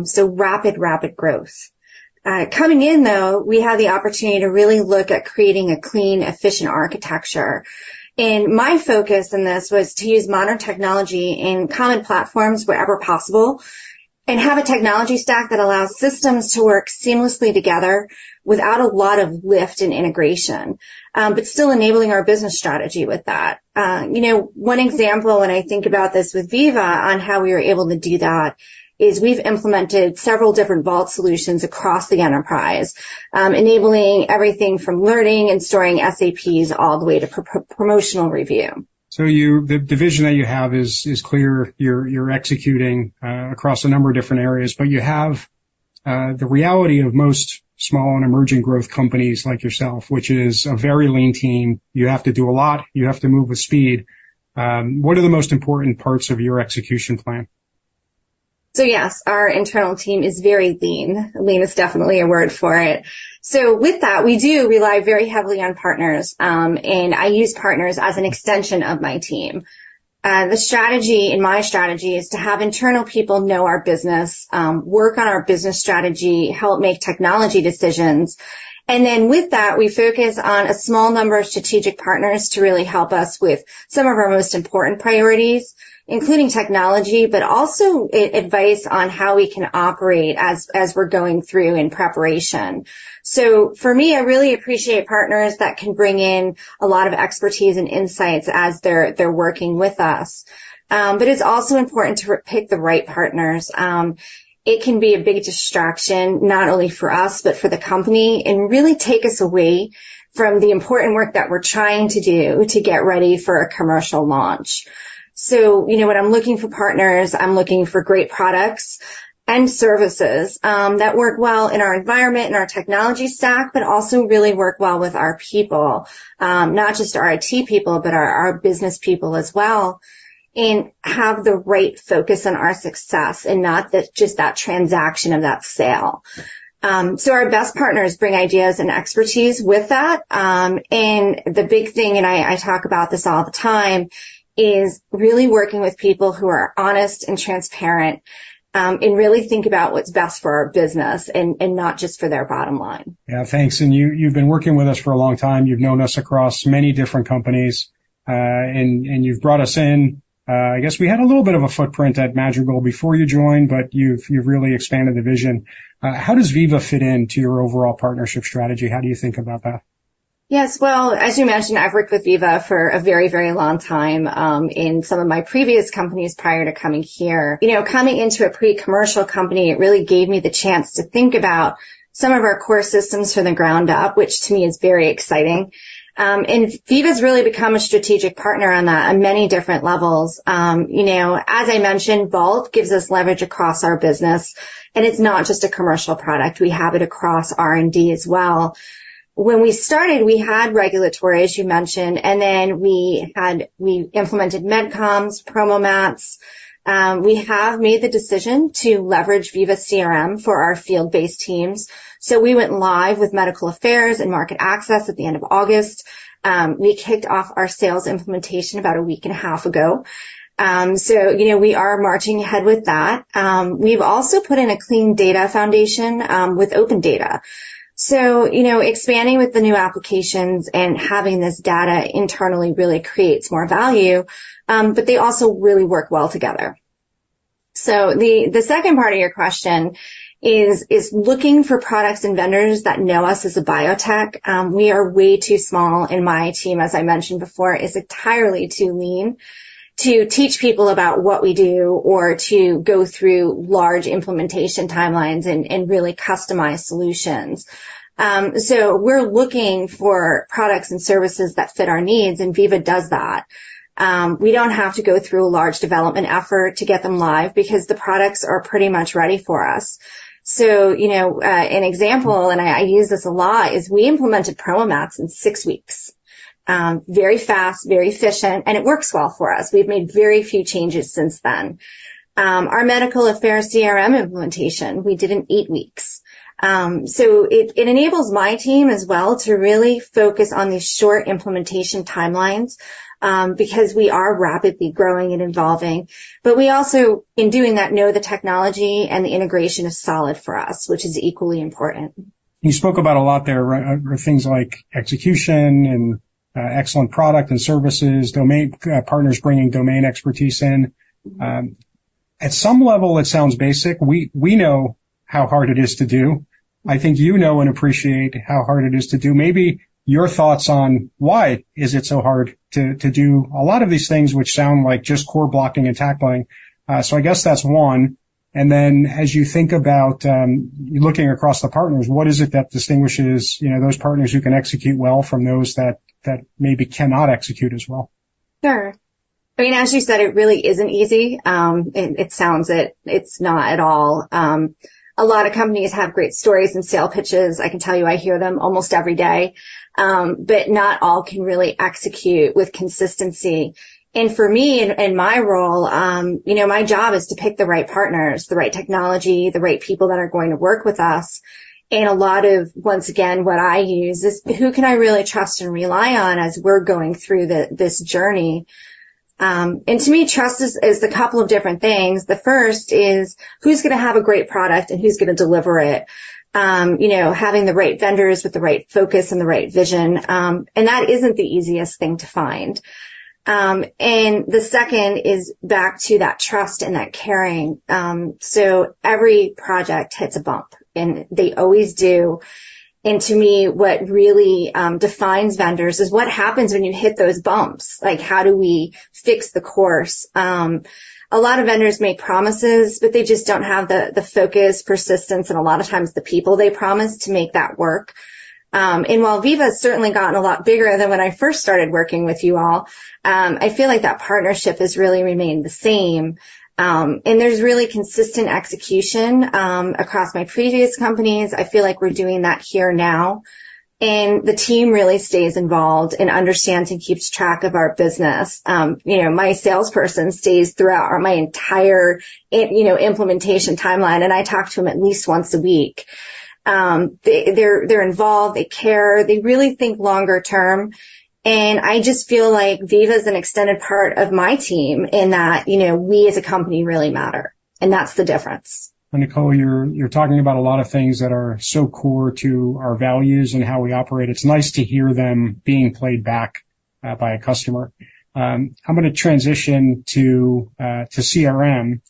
So rapid, rapid growth. Coming in, though, we had the opportunity to really look at creating a clean, efficient architecture, and my focus in this was to use modern technology and common platforms wherever possible, and have a technology stack that allows systems to work seamlessly together without a lot of lift in integration, but still enabling our business strategy with that. You know, one example when I think about this with Veeva on how we were able to do that is we've implemented several different Vault solutions across the enterprise, enabling everything from learning and storing SOPs all the way to promotional review. So the vision that you have is clear. You're executing across a number of different areas, but you have the reality of most small and emerging growth companies like yourself, which is a very lean team. You have to do a lot. You have to move with speed. What are the most important parts of your execution plan?... So yes, our internal team is very lean. Lean is definitely a word for it. So with that, we do rely very heavily on partners, and I use partners as an extension of my team. The strategy, and my strategy, is to have internal people know our business, work on our business strategy, help make technology decisions, and then with that, we focus on a small number of strategic partners to really help us with some of our most important priorities, including technology, but also advice on how we can operate as, as we're going through in preparation. So for me, I really appreciate partners that can bring in a lot of expertise and insights as they're, they're working with us. But it's also important to pick the right partners. It can be a big distraction, not only for us but for the company, and really take us away from the important work that we're trying to do to get ready for a commercial launch. So, you know, when I'm looking for partners, I'm looking for great products and services, that work well in our environment and our technology stack, but also really work well with our people. Not just our IT people, but our business people as well, and have the right focus on our success and not just that transaction of that sale. So, our best partners bring ideas and expertise with that. And the big thing, and I talk about this all the time, is really working with people who are honest and transparent, and really think about what's best for our business and not just for their bottom line. Yeah, thanks. And you, you've been working with us for a long time. You've known us across many different companies, and you've brought us in. I guess we had a little bit of a footprint at Madrigal before you joined, but you've really expanded the vision. How does Veeva fit into your overall partnership strategy? How do you think about that? Yes, well, as you mentioned, I've worked with Veeva for a very, very long time, in some of my previous companies prior to coming here. You know, coming into a pre-commercial company, it really gave me the chance to think about some of our core systems from the ground up, which to me, is very exciting. Veeva's really become a strategic partner on that on many different levels. You know, as I mentioned, Vault gives us leverage across our business, and it's not just a commercial product. We have it across R&D as well. When we started, we had regulatory, as you mentioned, and then we had... We implemented MedComms, PromoMats. We have made the decision to leverage Veeva CRM for our field-based teams. So we went live with medical affairs and market access at the end of August. We kicked off our sales implementation about a week and a half ago. So, you know, we are marching ahead with that. We've also put in a clean data foundation with OpenData. So, you know, expanding with the new applications and having this data internally really creates more value, but they also really work well together. So the second part of your question is looking for products and vendors that know us as a biotech. We are way too small, and my team, as I mentioned before, is entirely too lean to teach people about what we do or to go through large implementation timelines and really customize solutions. So we're looking for products and services that fit our needs, and Veeva does that. We don't have to go through a large development effort to get them live because the products are pretty much ready for us. So, you know, an example, and I, I use this a lot, is we implemented PromoMats in 6 weeks. Very fast, very efficient, and it works well for us. We've made very few changes since then. Our medical affairs CRM implementation, we did in 8 weeks. So it, it enables my team as well to really focus on these short implementation timelines, because we are rapidly growing and evolving. But we also, in doing that, know the technology and the integration is solid for us, which is equally important. You spoke about a lot there, things like execution and excellent product and services, domain partners bringing domain expertise in. At some level, it sounds basic. We know how hard it is to do. I think you know and appreciate how hard it is to do. Maybe your thoughts on why is it so hard to do a lot of these things, which sound like just core blocking and tackling? So I guess that's one. And then as you think about looking across the partners, what is it that distinguishes those partners who can execute well from those that maybe cannot execute as well? Sure. I mean, as you said, it really isn't easy. It sounds easy. It's not at all. A lot of companies have great stories and sales pitches. I can tell you I hear them almost every day. But not all can really execute with consistency. And for me, in my role, you know, my job is to pick the right partners, the right technology, the right people that are going to work with us. And a lot of... Once again, what I use is, who can I really trust and rely on as we're going through this journey? And to me, trust is a couple of different things. The first is: Who's going to have a great product, and who's going to deliver it? You know, having the right vendors with the right focus and the right vision, and that isn't the easiest thing to find. And the second is back to that trust and that caring. So every project hits a bump, and they always do. And to me, what really defines vendors is what happens when you hit those bumps. Like, how do we fix the course? A lot of vendors make promises, but they just don't have the focus, persistence, and a lot of times, the people they promise to make that work. And while Veeva's certainly gotten a lot bigger than when I first started working with you all, I feel like that partnership has really remained the same. And there's really consistent execution across my previous companies. I feel like we're doing that here now, and the team really stays involved and understands and keeps track of our business. You know, my salesperson stays throughout my entire implementation timeline, and I talk to him at least once a week. They're involved, they care, they really think longer term, and I just feel like Veeva is an extended part of my team in that, you know, we, as a company, really matter.... And that's the difference. Well, Nicole, you're talking about a lot of things that are so core to our values and how we operate. It's nice to hear them being played back by a customer. I'm gonna transition to CRM.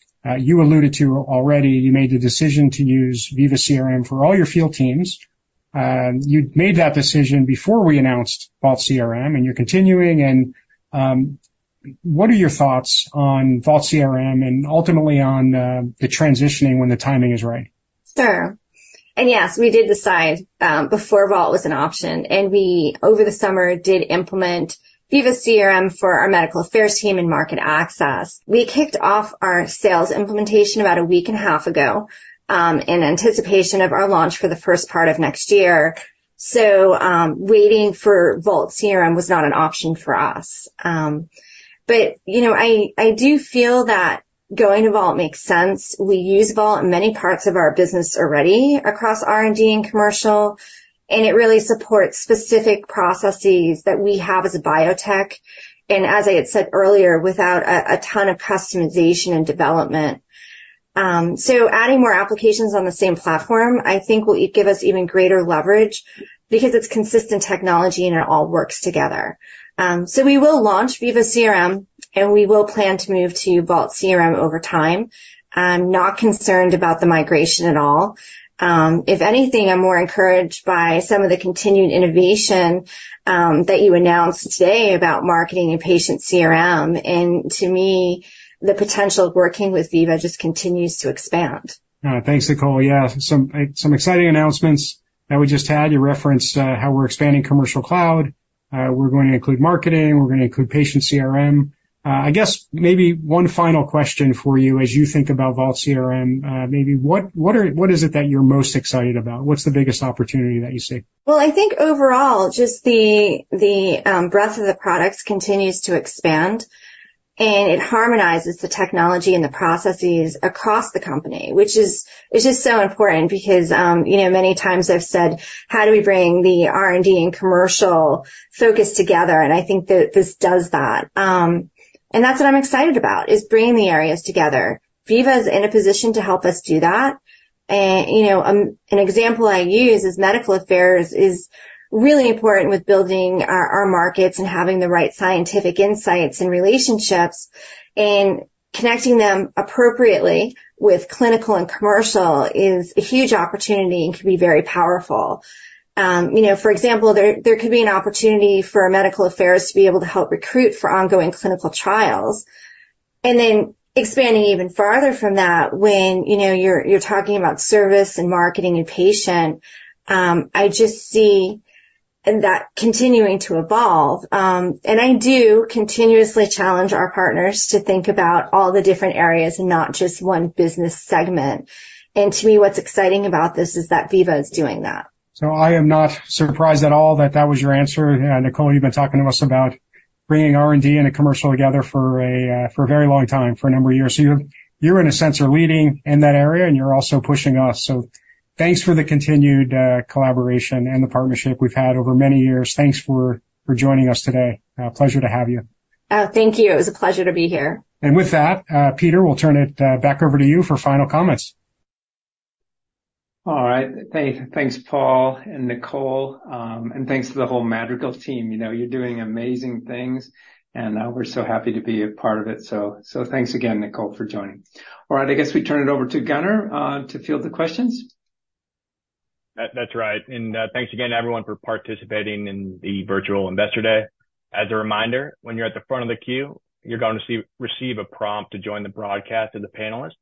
You alluded to already, you made the decision to use Veeva CRM for all your field teams. You made that decision before we announced Vault CRM, and you're continuing, and what are your thoughts on Vault CRM and ultimately on the transitioning when the timing is right? Sure. Yes, we did decide before Vault was an option, and we, over the summer, did implement Veeva CRM for our medical affairs team and market access. We kicked off our sales implementation about a week and a half ago in anticipation of our launch for the first part of next year. Waiting for Vault CRM was not an option for us. But, you know, I do feel that going to Vault makes sense. We use Vault in many parts of our business already across R&D and commercial, and it really supports specific processes that we have as a biotech, and as I had said earlier, without a ton of customization and development. Adding more applications on the same platform, I think will give us even greater leverage because it's consistent technology, and it all works together. So we will launch Veeva CRM, and we will plan to move to Vault CRM over time. I'm not concerned about the migration at all. If anything, I'm more encouraged by some of the continued innovation that you announced today about marketing and Patient CRM, and to me, the potential of working with Veeva just continues to expand. Thanks, Nicole. Yeah, some exciting announcements that we just had. You referenced how we're expanding Commercial Cloud. We're going to include marketing, we're gonna include Patient CRM. I guess maybe one final question for you. As you think about Vault CRM, maybe what is it that you're most excited about? What's the biggest opportunity that you see? Well, I think overall, just the breadth of the products continues to expand, and it harmonizes the technology and the processes across the company, which is so important because, you know, many times I've said: How do we bring the R&D and commercial focus together? And I think that this does that. And that's what I'm excited about, is bringing the areas together. Veeva is in a position to help us do that. And, you know, an example I use is medical affairs is really important with building our markets and having the right scientific insights and relationships, and connecting them appropriately with clinical and commercial is a huge opportunity and can be very powerful. You know, for example, there could be an opportunity for medical affairs to be able to help recruit for ongoing clinical trials. And then expanding even farther from that, when, you know, you're talking about service and marketing and Patient, I just see that continuing to evolve. And I do continuously challenge our partners to think about all the different areas, not just one business segment. And to me, what's exciting about this is that Veeva is doing that. So I am not surprised at all that that was your answer. Nicole, you've been talking to us about bringing R&D and commercial together for a very long time, for a number of years. So you're, you're in a sense, you're leading in that area, and you're also pushing us. So thanks for the continued collaboration and the partnership we've had over many years. Thanks for joining us today. Pleasure to have you. Oh, thank you. It was a pleasure to be here. With that, Peter, we'll turn it back over to you for final comments. All right. Thanks, thanks, Paul and Nicole, and thanks to the whole Madrigal team. You know, you're doing amazing things, and we're so happy to be a part of it. So, thanks again, Nicole, for joining. All right, I guess we turn it over to Gunnar to field the questions. That, that's right. And, thanks again to everyone for participating in the Virtual Investor Day. As a reminder, when you're at the front of the queue, you're going to see... receive a prompt to join the broadcast and the panelists.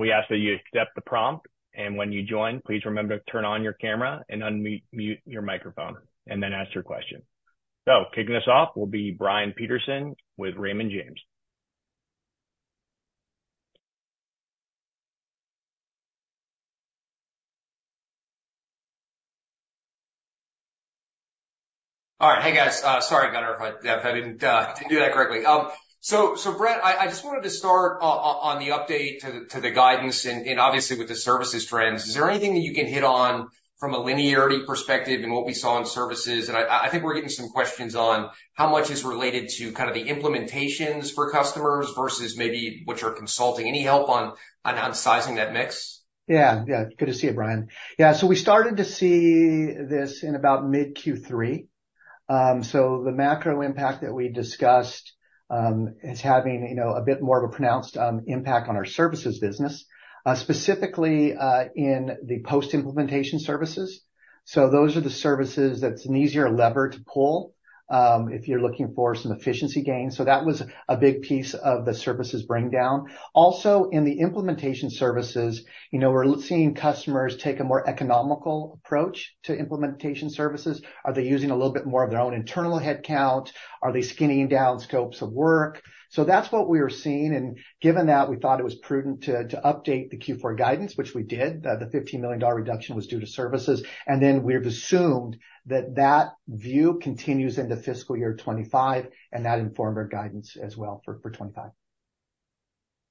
We ask that you accept the prompt, and when you join, please remember to turn on your camera and unmute your microphone, and then ask your question. So kicking us off will be Brian Peterson with Raymond James. All right. Hey, guys. Sorry, Gunnar, if I didn't do that correctly. So, Brent, I just wanted to start on the update to the guidance and obviously with the services trends. Is there anything that you can hit on from a linearity perspective and what we saw in services? And I think we're getting some questions on how much is related to kind of the implementations for customers versus maybe what you're consulting. Any help on sizing that mix? Yeah, yeah. Good to see you, Brian. Yeah, so we started to see this in about mid Q3. So the macro impact that we discussed is having, you know, a bit more of a pronounced impact on our services business, specifically, in the post-implementation services. So those are the services that's an easier lever to pull if you're looking for some efficiency gains. So that was a big piece of the services bring down. Also, in the implementation services, you know, we're seeing customers take a more economical approach to implementation services. Are they using a little bit more of their own internal headcount? Are they skinning down scopes of work? So that's what we are seeing, and given that, we thought it was prudent to update the Q4 guidance, which we did. The $15 million reduction was due to services, and then we've assumed that that view continues into fiscal year 2025, and that informed our guidance as well for 2025.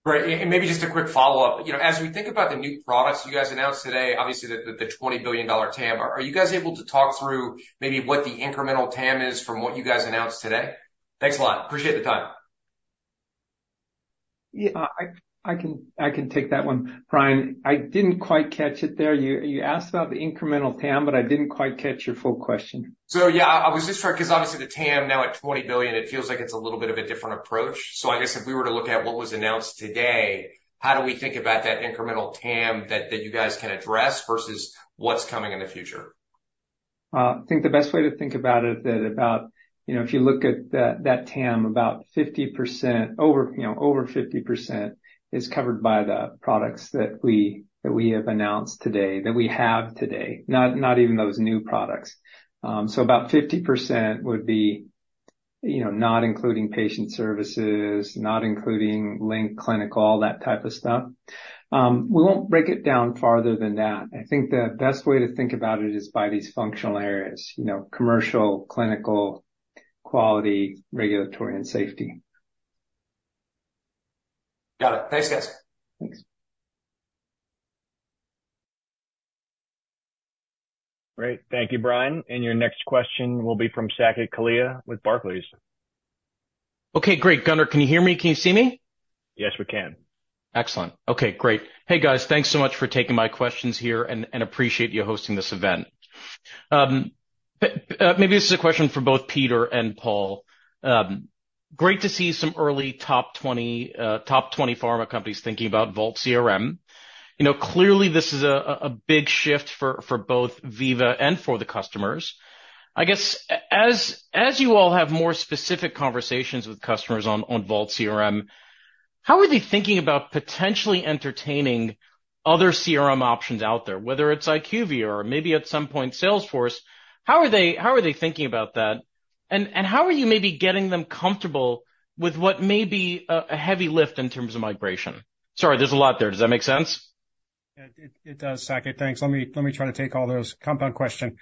Right. And, and maybe just a quick follow-up. You know, as we think about the new products you guys announced today, obviously, the, the $20 billion TAM, are you guys able to talk through maybe what the incremental TAM is from what you guys announced today? Thanks a lot. Appreciate the time. Yeah, I can take that one, Brian. I didn't quite catch it there. You asked about the incremental TAM, but I didn't quite catch your full question. So yeah, I was just trying, 'cause obviously, the TAM now at $20 billion, it feels like it's a little bit of a different approach. So I guess if we were to look at what was announced today, how do we think about that incremental TAM that you guys can address versus what's coming in the future? I think the best way to think about it, you know, if you look at that TAM, about 50% over—you know, over 50% is covered by the products that we have announced today, that we have today, not even those new products. So about 50% would be, you know, not including Patient services, not including Link, Clinical, all that type of stuff. We won't break it down farther than that. I think the best way to think about it is by these functional areas, you know, Commercial, Clinical, Quality, Regulatory, and Safety. Got it. Thanks, guys. Thanks. Great. Thank you, Brian. Your next question will be from Saket Kalia with Barclays. Okay, great. Gunnar, can you hear me? Can you see me? Yes, we can. Excellent. Okay, great. Hey, guys, thanks so much for taking my questions here and appreciate you hosting this event. Maybe this is a question for both Peter and Paul. Great to see some early top twenty pharma companies thinking about Vault CRM. You know, clearly this is a big shift for both Veeva and for the customers. I guess as you all have more specific conversations with customers on Vault CRM, how are they thinking about potentially entertaining other CRM options out there, whether it's IQVIA or maybe at some point, Salesforce? How are they thinking about that? And how are you maybe getting them comfortable with what may be a heavy lift in terms of migration? Sorry, there's a lot there. Does that make sense? Yeah, it does, Saket. Thanks. Let me try to take all those compound questions.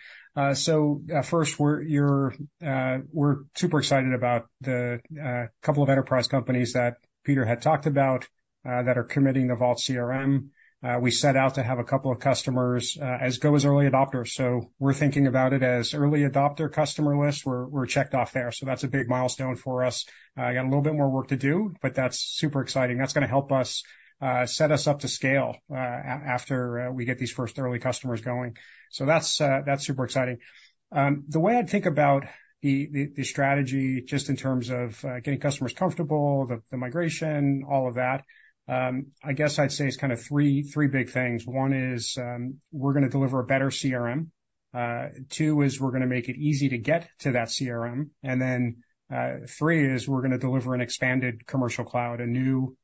So first, we're super excited about the couple of enterprise companies that Peter had talked about that are committing to the Vault CRM. We set out to have a couple of customers as early adopters, so we're thinking about it as early adopter customer list. We're checked off there, so that's a big milestone for us. Got a little bit more work to do, but that's super exciting. That's gonna help us set us up to scale after we get these first early customers going. So that's super exciting. The way I'd think about the strategy, just in terms of getting customers comfortable, the migration, all of that, I guess I'd say it's kind of three big things. One is, we're gonna deliver a better CRM. Two, is we're gonna make it easy to get to that CRM. And then, three is we're gonna deliver an expanded Commercial Cloud, a new,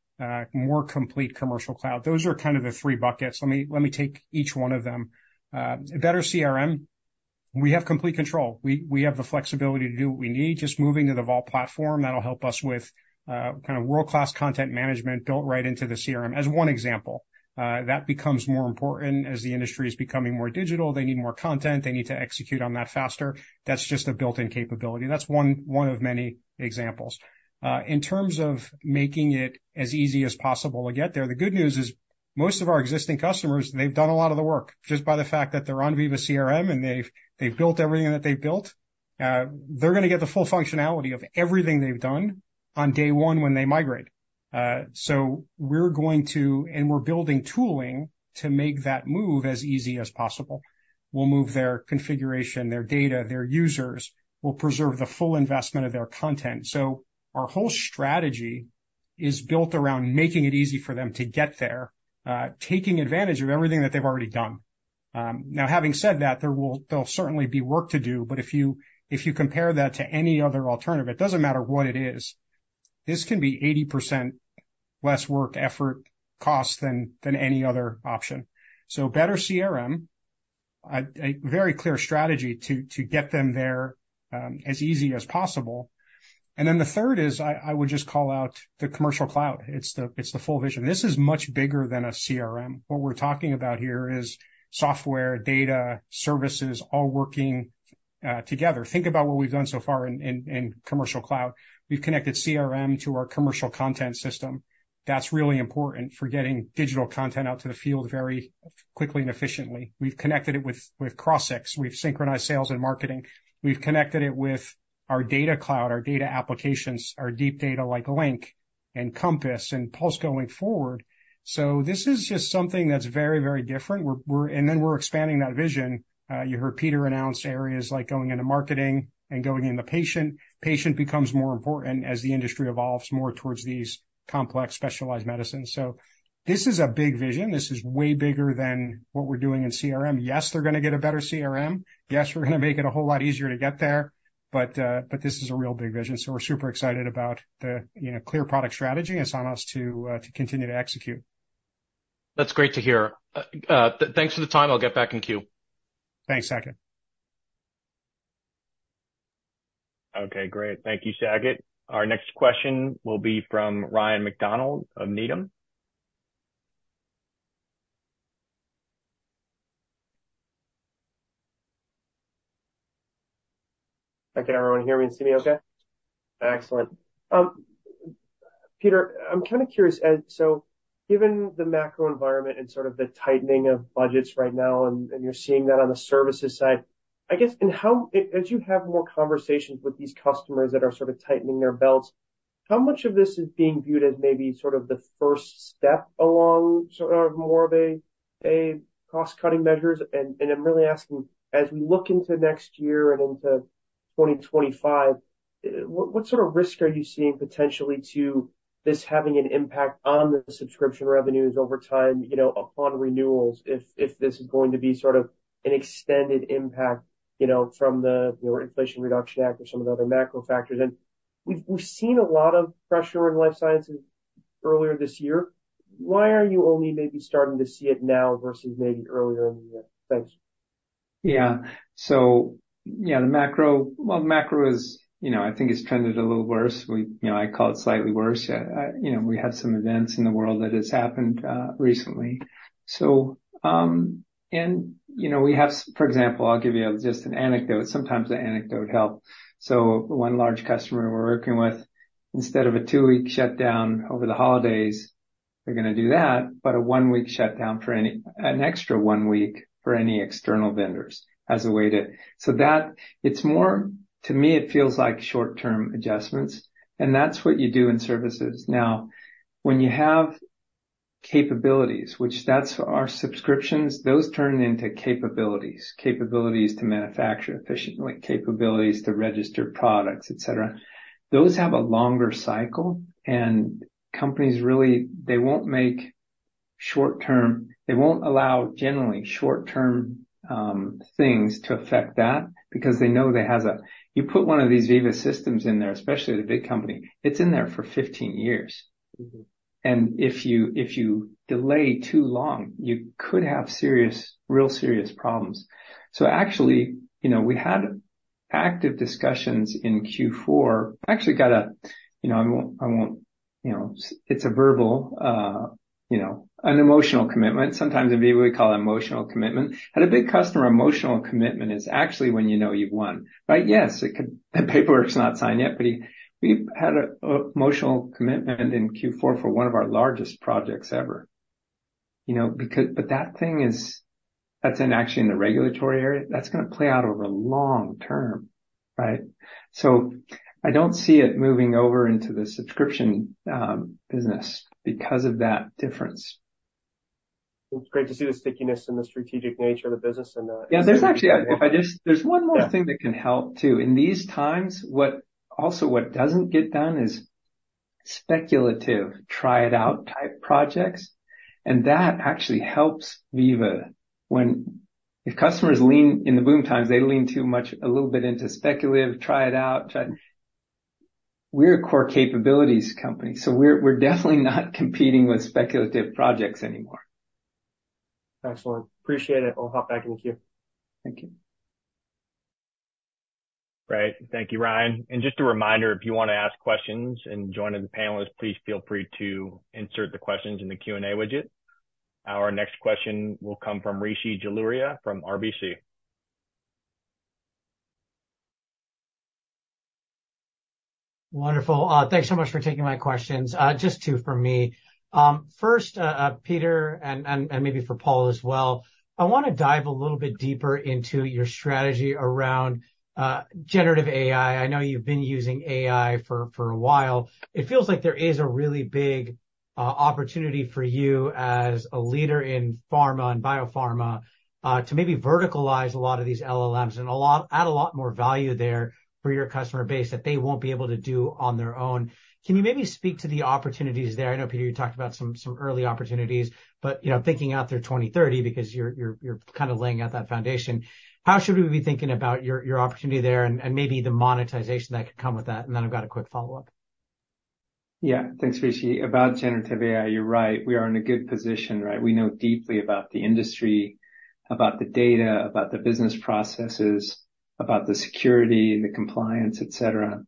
more complete Commercial Cloud. Those are kind of the three buckets. Let me take each one of them. A better CRM, we have complete control. We have the flexibility to do what we need. Just moving to the Vault platform, that'll help us with kind of world-class content management built right into the CRM. As one example, that becomes more important as the industry is becoming more digital. They need more content. They need to execute on that faster. That's just a built-in capability, and that's one of many examples. In terms of making it as easy as possible to get there, the good news is, most of our existing customers, they've done a lot of the work just by the fact that they're on Veeva CRM, and they've built everything that they've built. They're gonna get the full functionality of everything they've done on day one when they migrate. So we're going to... And we're building tooling to make that move as easy as possible. We'll move their configuration, their data, their users. We'll preserve the full investment of their content. So our whole strategy is built around making it easy for them to get there, taking advantage of everything that they've already done. Now, having said that, there'll certainly be work to do, but if you compare that to any other alternative, it doesn't matter what it is, this can be 80% less work, effort, cost than any other option. So better CRM, a very clear strategy to get them there, as easy as possible. And then the third is, I would just call out the Commercial Cloud. It's the full vision. This is much bigger than a CRM. What we're talking about here is software, data, services, all working together. Think about what we've done so far in Commercial Cloud. We've connected CRM to our commercial content system. That's really important for getting digital content out to the field very quickly and efficiently. We've connected it with Crossix. We've synchronized sales and marketing. We've connected it with our Data Cloud, our data applications, our deep data like Link and Compass and Pulse going forward. So this is just something that's very, very different. And then we're expanding that vision. You heard Peter announce areas like going into marketing and going in the Patient. Patient becomes more important as the industry evolves more towards these complex, specialized medicines. So this is a big vision. This is way bigger than what we're doing in CRM. Yes, they're gonna get a better CRM. Yes, we're gonna make it a whole lot easier to get there, but this is a real big vision, so we're super excited about the, you know, clear product strategy. It's on us to continue to execute. That's great to hear. Thanks for the time. I'll get back in queue. Thanks, Saket. Okay, great. Thank you, Saket. Our next question will be from Ryan MacDonald of Needham. Okay, everyone hear me and see me okay? Excellent.... Peter, I'm kind of curious, so given the macro environment and sort of the tightening of budgets right now, and, and you're seeing that on the services side, I guess, and how, as, as you have more conversations with these customers that are sort of tightening their belts, how much of this is being viewed as maybe sort of the first step along, sort of more of a, a cost-cutting measures? And, and I'm really asking, as we look into next year and into 2025, what, what sort of risk are you seeing potentially to this having an impact on the subscription revenues over time, you know, upon renewals, if, if this is going to be sort of an extended impact, you know, from the, you know, Inflation Reduction Act or some of the other macro factors? We've seen a lot of pressure in life sciences earlier this year. Why are you only maybe starting to see it now versus maybe earlier in the year? Thanks. Yeah. So, yeah, the macro—well, the macro is, you know, I think, has trended a little worse. We—you know, I call it slightly worse. You know, we had some events in the world that has happened recently. So, and, you know, we have, for example, I'll give you just an anecdote. Sometimes the anecdote help. So one large customer we're working with, instead of a 2-week shutdown over the holidays, they're gonna do that, but a 1-week shutdown for any—an extra 1 week for any external vendors as a way to—so that it's more, to me, it feels like short-term adjustments, and that's what you do in services. Now, when you have capabilities, which that's our subscriptions, those turn into capabilities. Capabilities to manufacture efficiently, capabilities to register products, et cetera. Those have a longer cycle, and companies really, they won't make short-term, they won't allow, generally, short-term things to affect that because they know that has a, you put one of these Veeva Systems in there, especially the big company, it's in there for 15 years. Mm-hmm. If you, if you delay too long, you could have serious, real serious problems. So actually, you know, we had active discussions in Q4. Actually got a, you know, You know, it's a verbal, you know, an emotional commitment. Sometimes in Veeva, we call it emotional commitment. Had a big customer emotional commitment is actually when you know you've won, right? Yes, it could, the paperwork's not signed yet, but we, we've had an emotional commitment in Q4 for one of our largest projects ever, you know, because. But that thing is, that's in actually in the regulatory area. That's gonna play out over long term, right? So I don't see it moving over into the subscription, business because of that difference. It's great to see the stickiness and the strategic nature of the business and the- Yeah, there's actually one more thing that can help, too. In these times, what also doesn't get done is speculative, try-it-out type projects, and that actually helps Veeva. When if customers lean in the boom times, they lean too much, a little bit into speculative, try it out. We're a core capabilities company, so we're definitely not competing with speculative projects anymore. Excellent. Appreciate it. I'll hop back in the queue. Thank you. Great. Thank you, Ryan. Just a reminder, if you want to ask questions and join the panelists, please feel free to insert the questions in the Q&A widget. Our next question will come from Rishi Jaluria from RBC. Wonderful. Thanks so much for taking my questions. Just two from me. First, Peter, and maybe for Paul as well, I wanna dive a little bit deeper into your strategy around generative AI. I know you've been using AI for a while. It feels like there is a really big opportunity for you as a leader in pharma and biopharma to maybe verticalize a lot of these LLMs and a lot add a lot more value there for your customer base that they won't be able to do on their own. Can you maybe speak to the opportunities there? I know, Peter, you talked about some early opportunities, but you know, thinking out through 2030 because you're kind of laying out that foundation. How should we be thinking about your opportunity there and maybe the monetization that could come with that? Then I've got a quick follow-up. Yeah. Thanks, Rishi. About generative AI, you're right, we are in a good position, right? We know deeply about the industry, about the data, about the business processes, about the security and the compliance, et cetera.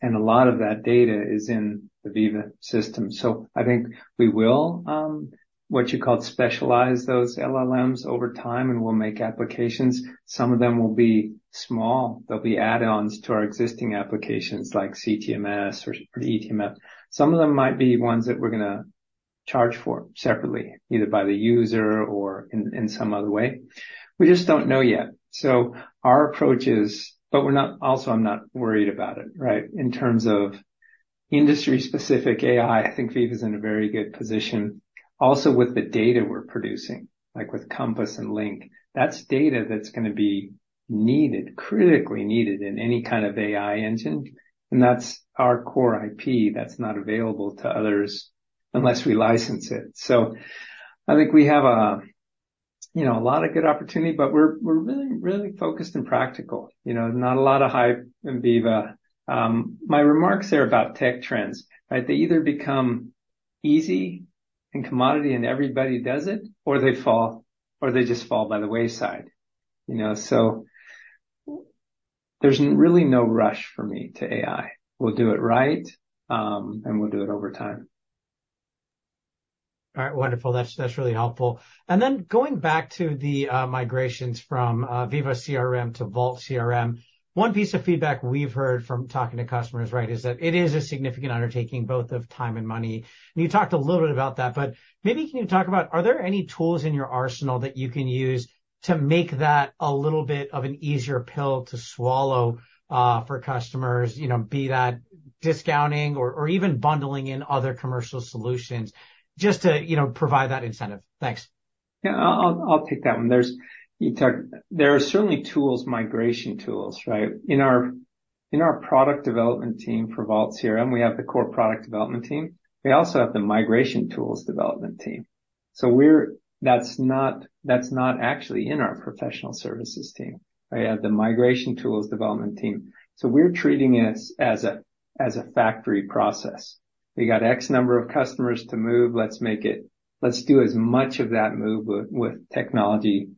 And a lot of that data is in the Veeva system. So I think we will, what you call, specialize those LLMs over time, and we'll make applications. Some of them will be small. They'll be add-ons to our existing applications, like CTMS or eTMF. Some of them might be ones that we're gonna charge for separately, either by the user or in, in some other way. We just don't know yet. So our approach is... But we're not also, I'm not worried about it, right? In terms of industry-specific AI, I think Veeva is in a very good position. Also, with the data we're producing, like with Compass and Link, that's data that's gonna be needed, critically needed in any kind of AI engine, and that's our core IP that's not available to others unless we license it. So I think we have a, you know, a lot of good opportunity, but we're, we're really, really focused and practical. You know, not a lot of hype in Veeva. My remarks are about tech trends, right? They either become easy and commodity, and everybody does it, or they fall, or they just fall by the wayside, you know? So there's really no rush for me to AI. We'll do it right, and we'll do it over time.... All right, wonderful. That's, that's really helpful. And then going back to the migrations from Veeva CRM to Vault CRM, one piece of feedback we've heard from talking to customers, right, is that it is a significant undertaking, both of time and money. And you talked a little bit about that, but maybe can you talk about, are there any tools in your arsenal that you can use to make that a little bit of an easier pill to swallow for customers? You know, be that discounting or, or even bundling in other commercial solutions just to, you know, provide that incentive. Thanks. Yeah, I'll, I'll take that one. There are certainly tools, migration tools, right? In our, in our product development team for Vault CRM, we have the core product development team. We also have the migration tools development team. So that's not, that's not actually in our professional services team. I have the migration tools development team. So we're treating it as a, as a factory process. We got X number of customers to move, let's make it. Let's do as much of that move with, with technology, as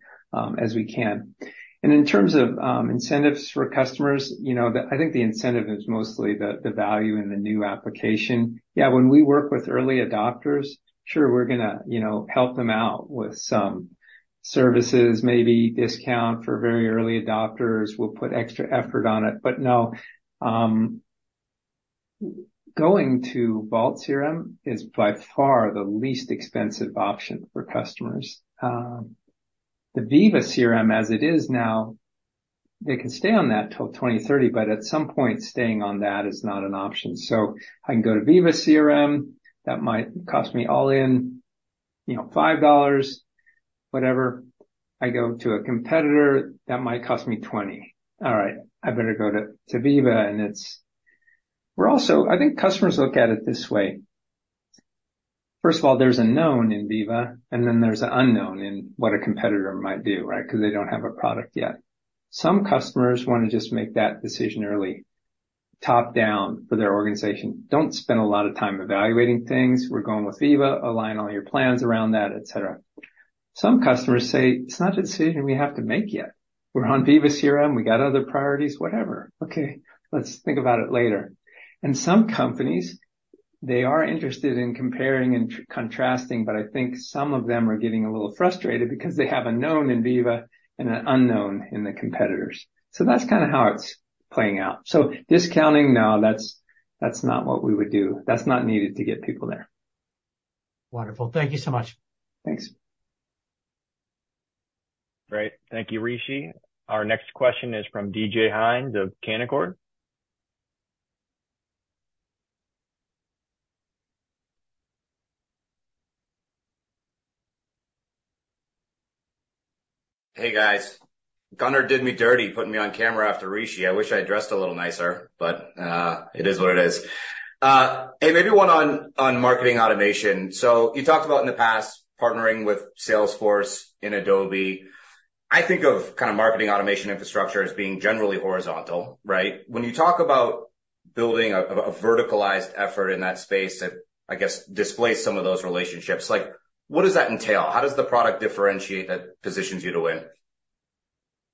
we can. And in terms of, incentives for customers, you know, the, I think the incentive is mostly the, the value in the new application. Yeah, when we work with early adopters, sure, we're gonna, you know, help them out with some services, maybe discount for very early adopters. We'll put extra effort on it. But no, going to Vault CRM is by far the least expensive option for customers. The Veeva CRM as it is now, they can stay on that till 2030, but at some point, staying on that is not an option. So I can go to Veeva CRM, that might cost me all in, you know, $5, whatever. I go to a competitor, that might cost me $20. All right, I better go to Veeva, and it's. We're also. I think customers look at it this way. First of all, there's a known in Veeva, and then there's an unknown in what a competitor might do, right? Because they don't have a product yet. Some customers wanna just make that decision early, top down for their organization. Don't spend a lot of time evaluating things. We're going with Veeva, align all your plans around that, et cetera. Some customers say: It's not a decision we have to make yet. We're on Veeva CRM, we got other priorities, whatever. Okay, let's think about it later. Some companies, they are interested in comparing and contrasting, but I think some of them are getting a little frustrated because they have a known in Veeva and an unknown in the competitors. So that's kinda how it's playing out. So discounting, no, that's, that's not what we would do. That's not needed to get people there. Wonderful. Thank you so much. Thanks. Great. Thank you, Rishi. Our next question is from DJ Hynes of Canaccord. Hey, guys. Gunnar did me dirty, putting me on camera after Rishi. I wish I had dressed a little nicer, but it is what it is. Hey, maybe one on marketing automation. So you talked about in the past, partnering with Salesforce and Adobe. I think of kind of marketing automation infrastructure as being generally horizontal, right? When you talk about building a verticalized effort in that space, that I guess displays some of those relationships, like, what does that entail? How does the product differentiate that positions you to win?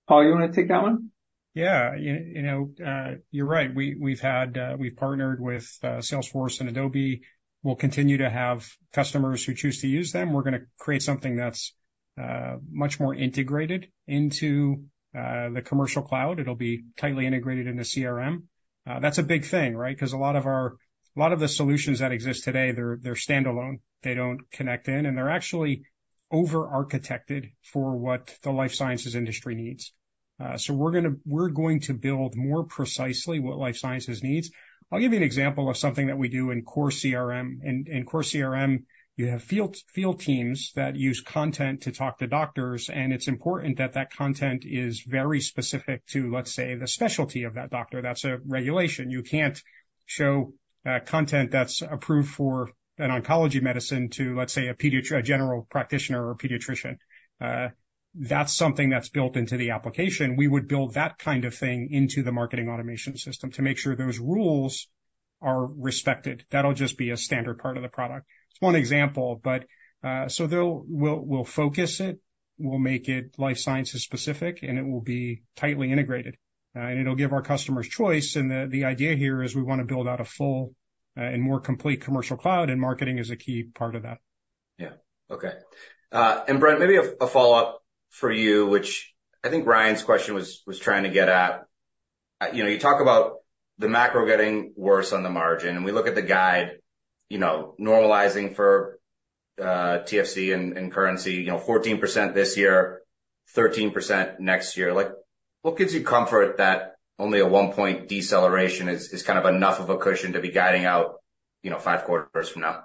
Paul, you wanna take that one? Yeah. You know, you're right. We've partnered with Salesforce and Adobe. We'll continue to have customers who choose to use them. We're gonna create something that's much more integrated into the Commercial Cloud. It'll be tightly integrated into CRM. That's a big thing, right? Because a lot of the solutions that exist today, they're standalone. They don't connect in, and they're actually over-architected for what the life sciences industry needs. So we're going to build more precisely what life sciences needs. I'll give you an example of something that we do in core CRM. In core CRM, you have field teams that use content to talk to doctors, and it's important that that content is very specific to, let's say, the specialty of that doctor. That's a regulation. You can't show content that's approved for an oncology medicine to, let's say, a general practitioner or a pediatrician. That's something that's built into the application. We would build that kind of thing into the marketing automation system to make sure those rules are respected. That'll just be a standard part of the product. It's one example, but so we'll focus it, we'll make it life sciences specific, and it will be tightly integrated, and it'll give our customers choice. And the idea here is we wanna build out a full and more complete Commercial Cloud, and marketing is a key part of that. Yeah. Okay. And Brent, maybe a follow-up for you, which I think Ryan's question was trying to get at. You know, you talk about the macro getting worse on the margin, and we look at the guide, you know, normalizing for TFC and currency, you know, 14% this year, 13% next year. Like, what gives you comfort that only a one-point deceleration is kind of enough of a cushion to be guiding out, you know, five quarters from now?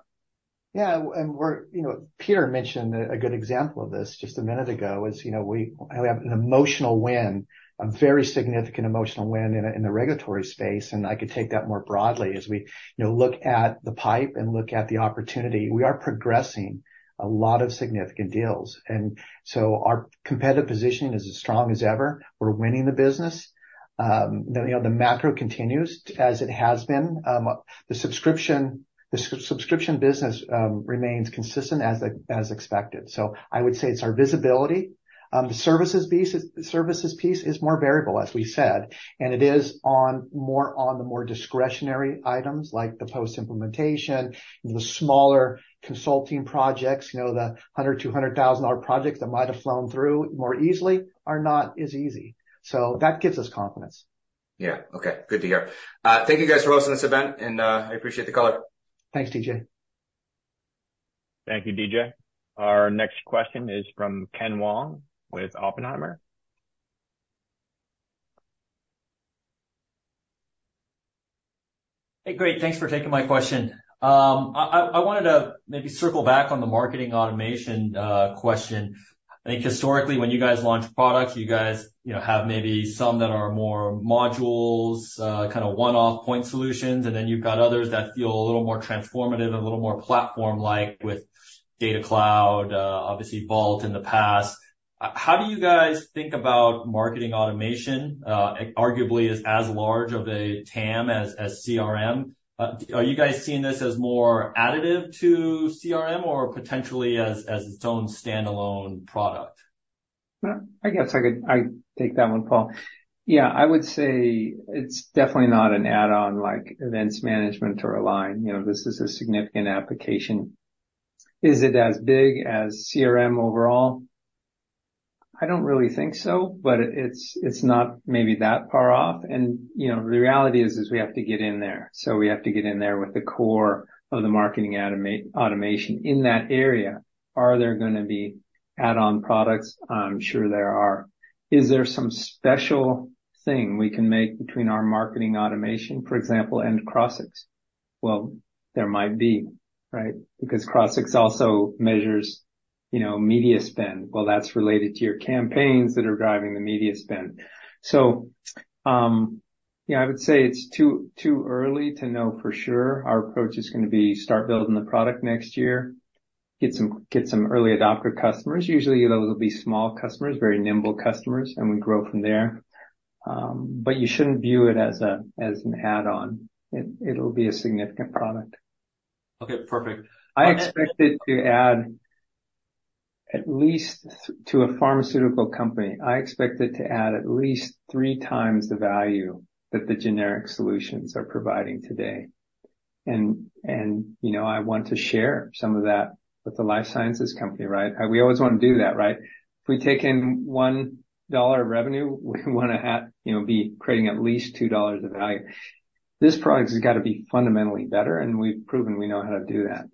Yeah, and we're you know, Peter mentioned a good example of this just a minute ago, is you know, we have an emotional win, a very significant emotional win in the regulatory space, and I could take that more broadly. As we you know, look at the pipe and look at the opportunity, we are progressing a lot of significant deals, and so our competitive positioning is as strong as ever. We're winning the business. The you know, the macro continues as it has been. The subscription business remains consistent as expected. So I would say it's our visibility. The services piece, services piece is more variable, as we said, and it is on the more discretionary items like the post-implementation, the smaller consulting projects, you know, the $100,000, $200,000 projects that might have flown through more easily are not as easy. So that gives us confidence. Yeah. Okay, good to hear. Thank you guys for hosting this event, and I appreciate the call. Thanks, DJ.... Thank you, DJ. Our next question is from Ken Wong with Oppenheimer. Hey, great. Thanks for taking my question. I wanted to maybe circle back on the marketing automation question. I think historically, when you guys launch products, you guys, you know, have maybe some that are more modules, kind of one-off point solutions, and then you've got others that feel a little more transformative and a little more platform-like with Data Cloud, obviously, Vault in the past. How do you guys think about marketing automation? Arguably, as large of a TAM as CRM. Are you guys seeing this as more additive to CRM or potentially as its own standalone product? Well, I guess I could take that one, Paul. Yeah, I would say it's definitely not an add-on like Events Management or Align. You know, this is a significant application. Is it as big as CRM overall? I don't really think so, but it's not maybe that far off. And, you know, the reality is we have to get in there. So we have to get in there with the core of the marketing automation in that area. Are there gonna be add-on products? I'm sure there are. Is there some special thing we can make between our marketing automation, for example, and Crossix? Well, there might be, right? Because Crossix also measures, you know, media spend. Well, that's related to your campaigns that are driving the media spend. So, yeah, I would say it's too early to know for sure. Our approach is gonna be start building the product next year, get some early adopter customers. Usually, those will be small customers, very nimble customers, and we grow from there. But you shouldn't view it as an add-on. It'll be a significant product. Okay, perfect. I expect it to add at least... To a pharmaceutical company, I expect it to add at least three times the value that the generic solutions are providing today. And, you know, I want to share some of that with the life sciences company, right? We always want to do that, right? If we take in $1 of revenue, we want to have, you know, be creating at least $2 of value. This product has got to be fundamentally better, and we've proven we know how to do that.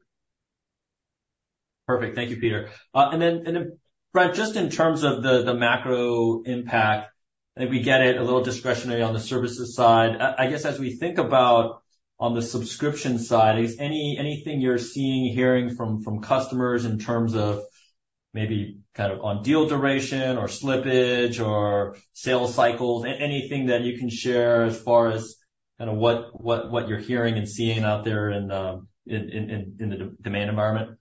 Perfect. Thank you, Peter. And then, Brent, just in terms of the macro impact, I think we get it a little discretionary on the services side. I guess as we think about on the subscription side, is anything you're seeing, hearing from customers in terms of maybe kind of on deal duration or slippage or sales cycles? Anything that you can share as far as kind of what you're hearing and seeing out there in the demand environment?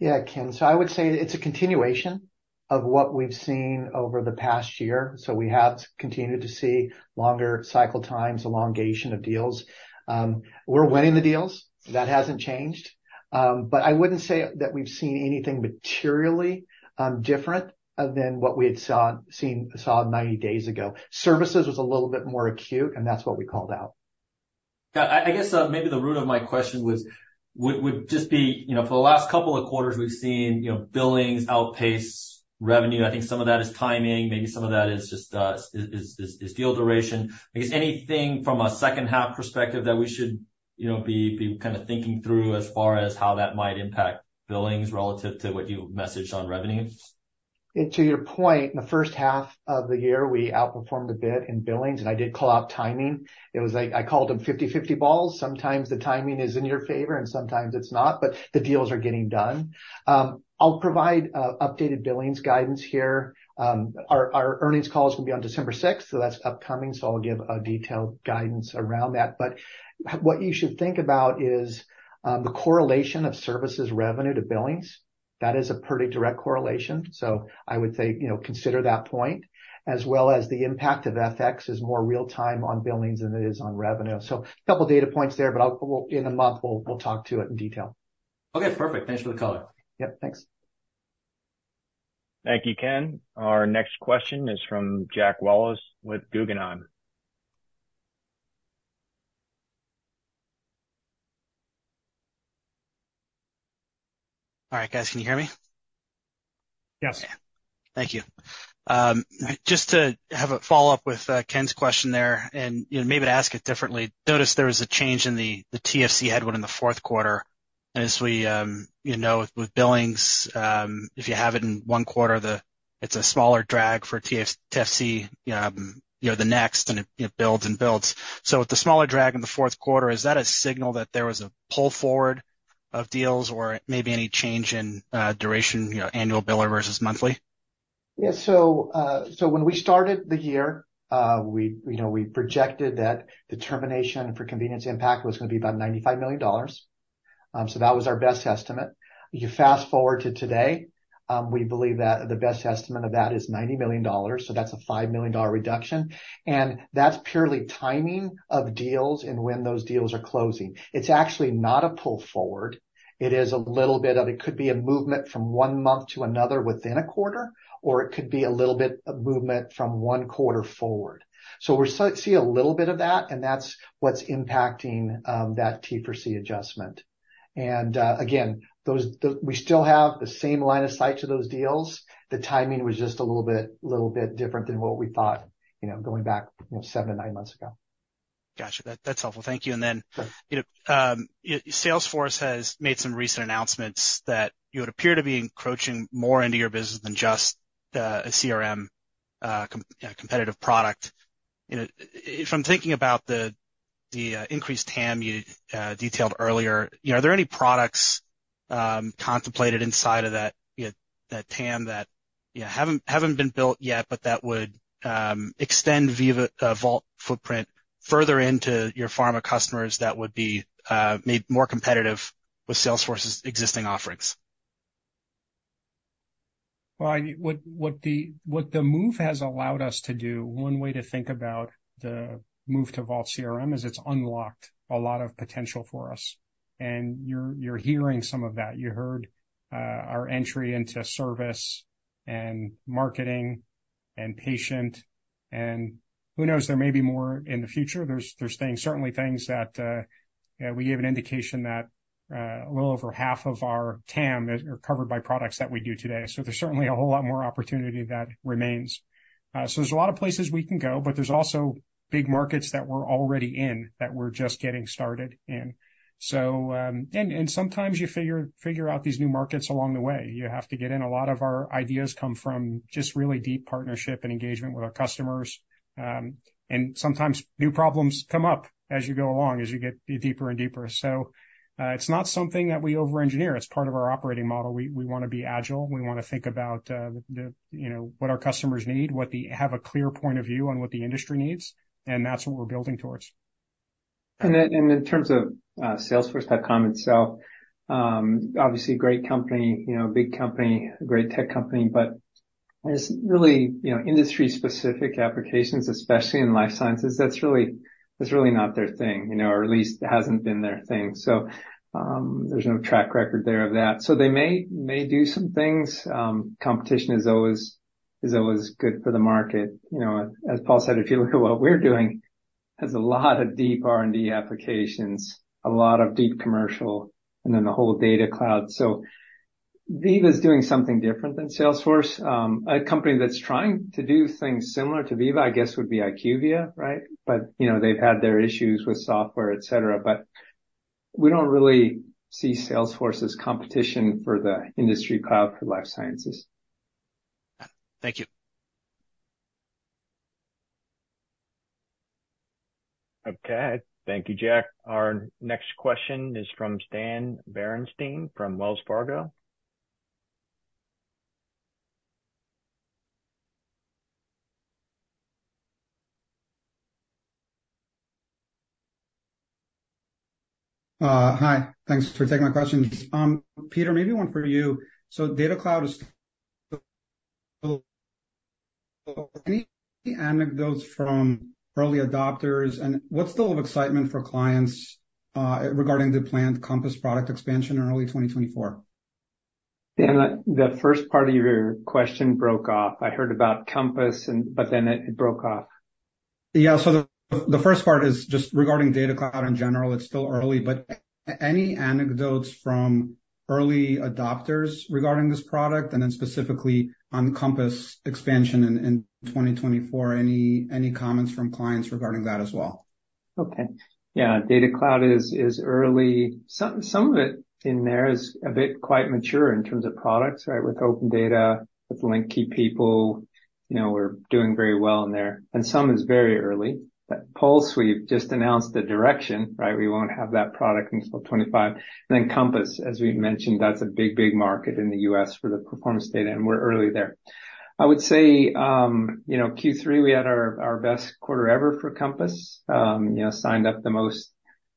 Yeah, Ken. So I would say it's a continuation of what we've seen over the past year. So we have continued to see longer cycle times, elongation of deals. We're winning the deals. That hasn't changed. But I wouldn't say that we've seen anything materially different than what we had seen 90 days ago. Services was a little bit more acute, and that's what we called out. Yeah, I guess, maybe the root of my question was, would just be, you know, for the last couple of quarters, we've seen, you know, billings outpace revenue. I think some of that is timing. Maybe some of that is just deal duration. I guess anything from a second-half perspective that we should, you know, be kind of thinking through as far as how that might impact billings relative to what you messaged on revenues? To your point, in the first half of the year, we outperformed a bit in billings, and I did call out timing. It was like I called them 50/50 balls. Sometimes the timing is in your favor, and sometimes it's not, but the deals are getting done. I'll provide updated billings guidance here. Our earnings calls will be on December sixth, so that's upcoming, so I'll give a detailed guidance around that. But what you should think about is the correlation of services revenue to billings. That is a pretty direct correlation. So I would say, you know, consider that point, as well as the impact of FX is more real time on billings than it is on revenue. So a couple data points there, but we'll, in a month, we'll talk to it in detail. Okay, perfect. Thanks for the color. Yep, thanks. Thank you, Ken. Our next question is from Jack Wallace with Guggenheim. All right, guys, can you hear me? Yes. Thank you. Just to have a follow-up with, Ken's question there, and, you know, maybe to ask it differently. Noticed there was a change in the TFC headwind in the fourth quarter, and as we, you know, with billings, if you have it in one quarter, the—it's a smaller drag for TFC, you know, the next, and it builds and builds. So with the smaller drag in the fourth quarter, is that a signal that there was a pull forward of deals or maybe any change in, duration, you know, annual biller versus monthly? Yeah, so, so when we started the year, we, you know, we projected that the termination for convenience impact was gonna be about $95 million. So that was our best estimate. You fast forward to today, we believe that the best estimate of that is $90 million, so that's a $5 million reduction, and that's purely timing of deals and when those deals are closing. It's actually not a pull forward. It is a little bit of... It could be a movement from one month to another within a quarter, or it could be a little bit of movement from one quarter forward. So we're starting to see a little bit of that, and that's what's impacting that TFC adjustment. And, again, those, the-- we still have the same line of sight to those deals. The timing was just a little bit, little bit different than what we thought, you know, going back, you know, 7-9 months ago.... Gotcha. That, that's helpful. Thank you. And then, you know, Salesforce has made some recent announcements that it would appear to be encroaching more into your business than just the CRM, competitive product. You know, if I'm thinking about the increased TAM you detailed earlier, you know, are there any products contemplated inside of that, you know, that TAM that, you know, haven't been built yet, but that would extend Veeva Vault footprint further into your pharma customers that would be made more competitive with Salesforce's existing offerings? Well, what the move has allowed us to do, one way to think about the move to Vault CRM is it's unlocked a lot of potential for us, and you're hearing some of that. You heard our entry into service and marketing and Patient, and who knows? There may be more in the future. There's things, certainly things that you know, we gave an indication that a little over half of our TAM is covered by products that we do today. So there's certainly a whole lot more opportunity that remains. So there's a lot of places we can go, but there's also big markets that we're already in, that we're just getting started in. So and sometimes you figure out these new markets along the way. You have to get in. A lot of our ideas come from just really deep partnership and engagement with our customers. Sometimes new problems come up as you go along, as you get deeper and deeper. It's not something that we over-engineer. It's part of our operating model. We wanna be agile. We wanna think about, you know, what our customers need, have a clear point of view on what the industry needs, and that's what we're building towards. In terms of Salesforce.com itself, obviously a great company, you know, a big company, a great tech company, but as really, you know, industry-specific applications, especially in life sciences, that's really, that's really not their thing, you know, or at least hasn't been their thing. So there's no track record there of that. So they may, may do some things. Competition is always, is always good for the market. You know, as Paul said, if you look at what we're doing, there's a lot of deep R&D applications, a lot of deep commercial, and then the whole Data Cloud. So Veeva is doing something different than Salesforce. A company that's trying to do things similar to Veeva, I guess, would be IQVIA, right? But, you know, they've had their issues with software, et cetera. But we don't really see Salesforce as competition for the Industry Cloud for Life Sciences. Thank you. Okay. Thank you, Jack. Our next question is from Stan Berenshteyn, from Wells Fargo. Hi. Thanks for taking my questions. Peter, maybe one for you. Data Cloud, any anecdotes from early adopters, and what's the level of excitement for clients regarding the planned Compass product expansion in early 2024? Stan, the first part of your question broke off. I heard about Compass and, but then it broke off. Yeah. So the first part is just regarding Data Cloud in general. It's still early, but any anecdotes from early adopters regarding this product, and then specifically on Compass expansion in 2024. Any comments from clients regarding that as well? Okay. Yeah. Data Cloud is early. Some of it in there is a bit quite mature in terms of products, right? With OpenData, with Link Key People, you know, we're doing very well in there, and some is very early. But Pulse, we've just announced the direction, right? We won't have that product until 2025. And then Compass, as we've mentioned, that's a big, big market in the U.S. for the performance data, and we're early there. I would say, you know, Q3, we had our best quarter ever for Compass. You know, signed up the most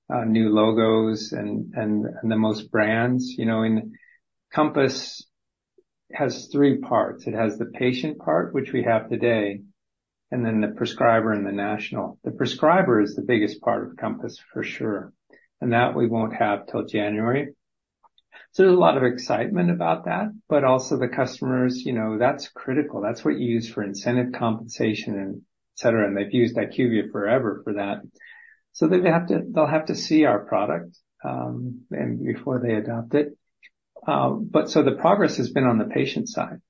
new logos and the most brands. You know, and Compass has three parts. It has the Patient part, which we have today, and then the Prescriber and the National. The Prescriber is the biggest part of Compass, for sure, and that we won't have till January. So there's a lot of excitement about that, but also the customers, you know, that's critical. That's what you use for incentive compensation, et cetera, and they've used IQVIA forever for that. So they're gonna have to. They'll have to see our product, and before they adopt it. But so the progress has been on the Patient side,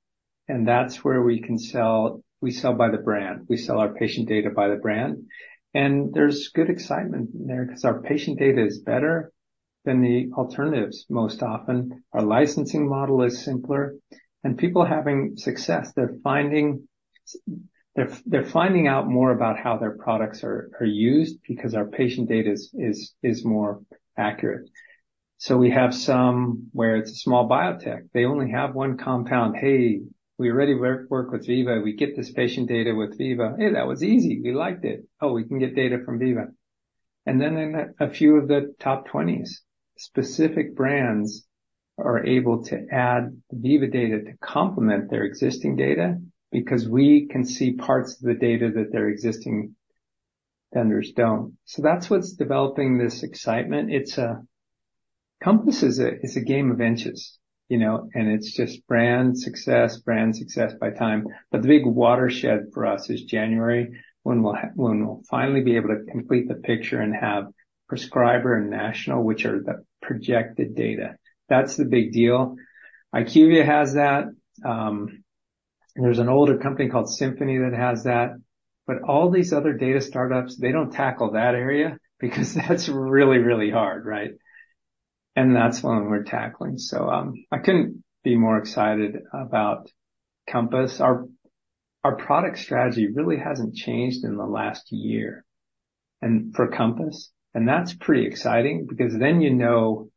and that's where we can sell. We sell by the brand. We sell our Patient data by the brand, and there's good excitement there because our Patient data is better than the alternatives, most often. Our licensing model is simpler, and people are having success. They're finding out more about how their products are used because our Patient data is more accurate. So we have somewhere it's a small biotech. They only have one compound. "Hey, we already work with Veeva. We get this Patient data with Veeva. Hey, that was easy. We liked it. Oh, we can get data from Veeva." And then in a few of the top 20s, specific brands are able to add Veeva data to complement their existing data because we can see parts of the data that their existing vendors don't. So that's what's developing this excitement. Compass is a, it's a game of inches, you know, and it's just brand success, brand success by time. But the big watershed for us is January, when we'll finally be able to complete the picture and have Prescriber and National, which are the projected data. That's the big deal. IQVIA has that. There's an older company called Symphony that has that, but all these other data startups, they don't tackle that area because that's really, really hard, right? And that's the one we're tackling. I couldn't be more excited about Compass. Our product strategy really hasn't changed in the last year, and for Compass, and that's pretty exciting because then you know,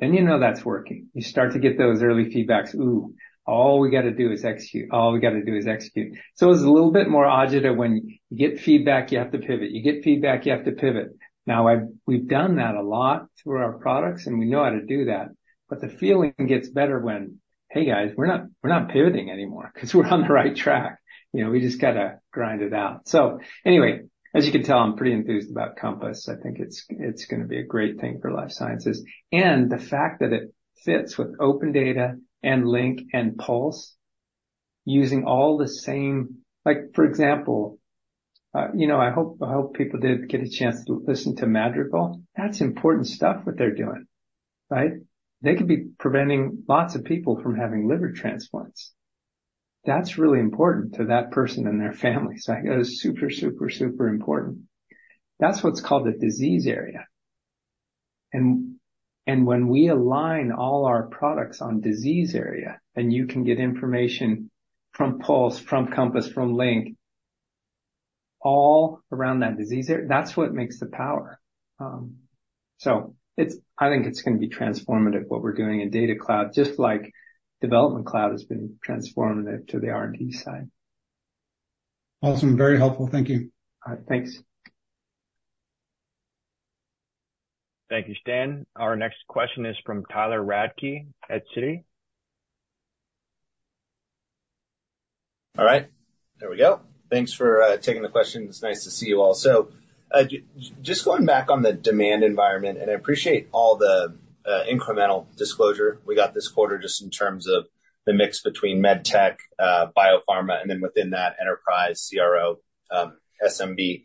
then you know that's working. You start to get those early feedbacks. Ooh, all we got to do is execute. All we got to do is execute. So it's a little bit more agita when you get feedback, you have to pivot. You get feedback, you have to pivot. Now, we've done that a lot through our products, and we know how to do that, but the feeling gets better when, "Hey, guys, we're not, we're not pivoting anymore because we're on the right track." You know, we just got to grind it out. So anyway, as you can tell, I'm pretty enthused about Compass. I think it's gonna be a great thing for life sciences. And the fact that it fits with OpenData and Link and Pulse, using all the same—like, for example, you know, I hope people did get a chance to listen to Madrigal. That's important stuff, what they're doing, right? They could be preventing lots of people from having liver transplants. That's really important to that person and their family. So I think it is super, super, super important. That's what's called a disease area. When we align all our products on disease area, and you can get information from Pulse, from Compass, from Link, all around that disease area, that's what makes the power. So it's. I think it's gonna be transformative, what we're doing in Data Cloud, just like Development Cloud has been transformative to the R&D side. Awesome. Very helpful. Thank you. All right, thanks. Thank you, Stan. Our next question is from Tyler Radke at Citi. All right, there we go. Thanks for taking the question. It's nice to see you all. So, just going back on the demand environment, and I appreciate all the incremental disclosure we got this quarter, just in terms of the mix between MedTech, Biopharma, and then within that, enterprise CRO, SMB.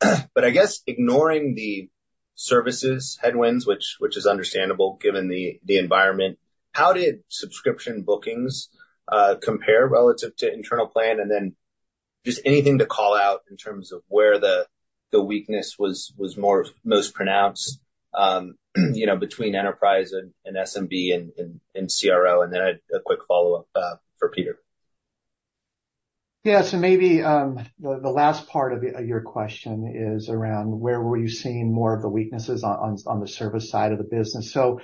But I guess ignoring the services headwinds, which is understandable given the environment, how did subscription bookings compare relative to internal plan? And then just anything to call out in terms of where the weakness was most pronounced, you know, between enterprise and SMB and CRO. And then a quick follow-up for Peter. Yeah. So maybe the last part of your question is around where you were seeing more of the weaknesses on the service side of the business? So,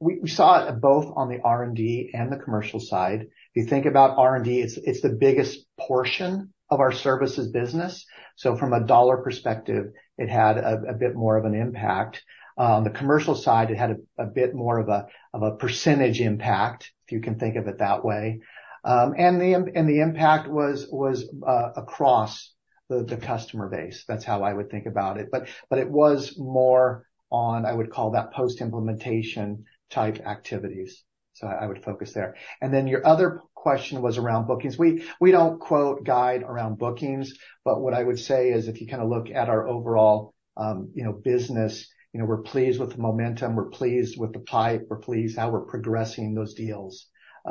we saw it both on the R&D and the commercial side. If you think about R&D, it's the biggest portion of our services business. So from a dollar perspective, it had a bit more of an impact. On the commercial side, it had a bit more of a percentage impact, if you can think of it that way. And the impact was across the customer base. That's how I would think about it. But it was more on, I would call that post-implementation type activities, so I would focus there. And then your other question was around bookings. We don't quote guide around bookings, but what I would say is, if you kind of look at our overall, you know, business, you know, we're pleased with the momentum, we're pleased with the pipe, we're pleased how we're progressing those deals.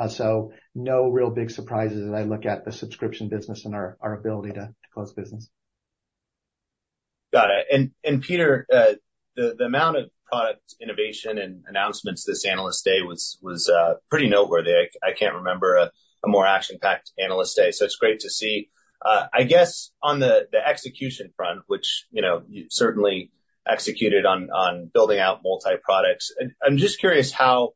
So no real big surprises as I look at the subscription business and our ability to close business. Got it. And Peter, the amount of product innovation and announcements this Analyst Day was pretty noteworthy. I can't remember a more action-packed Analyst Day, so it's great to see. I guess on the execution front, which, you know, you certainly executed on building out multi-products. I'm just curious how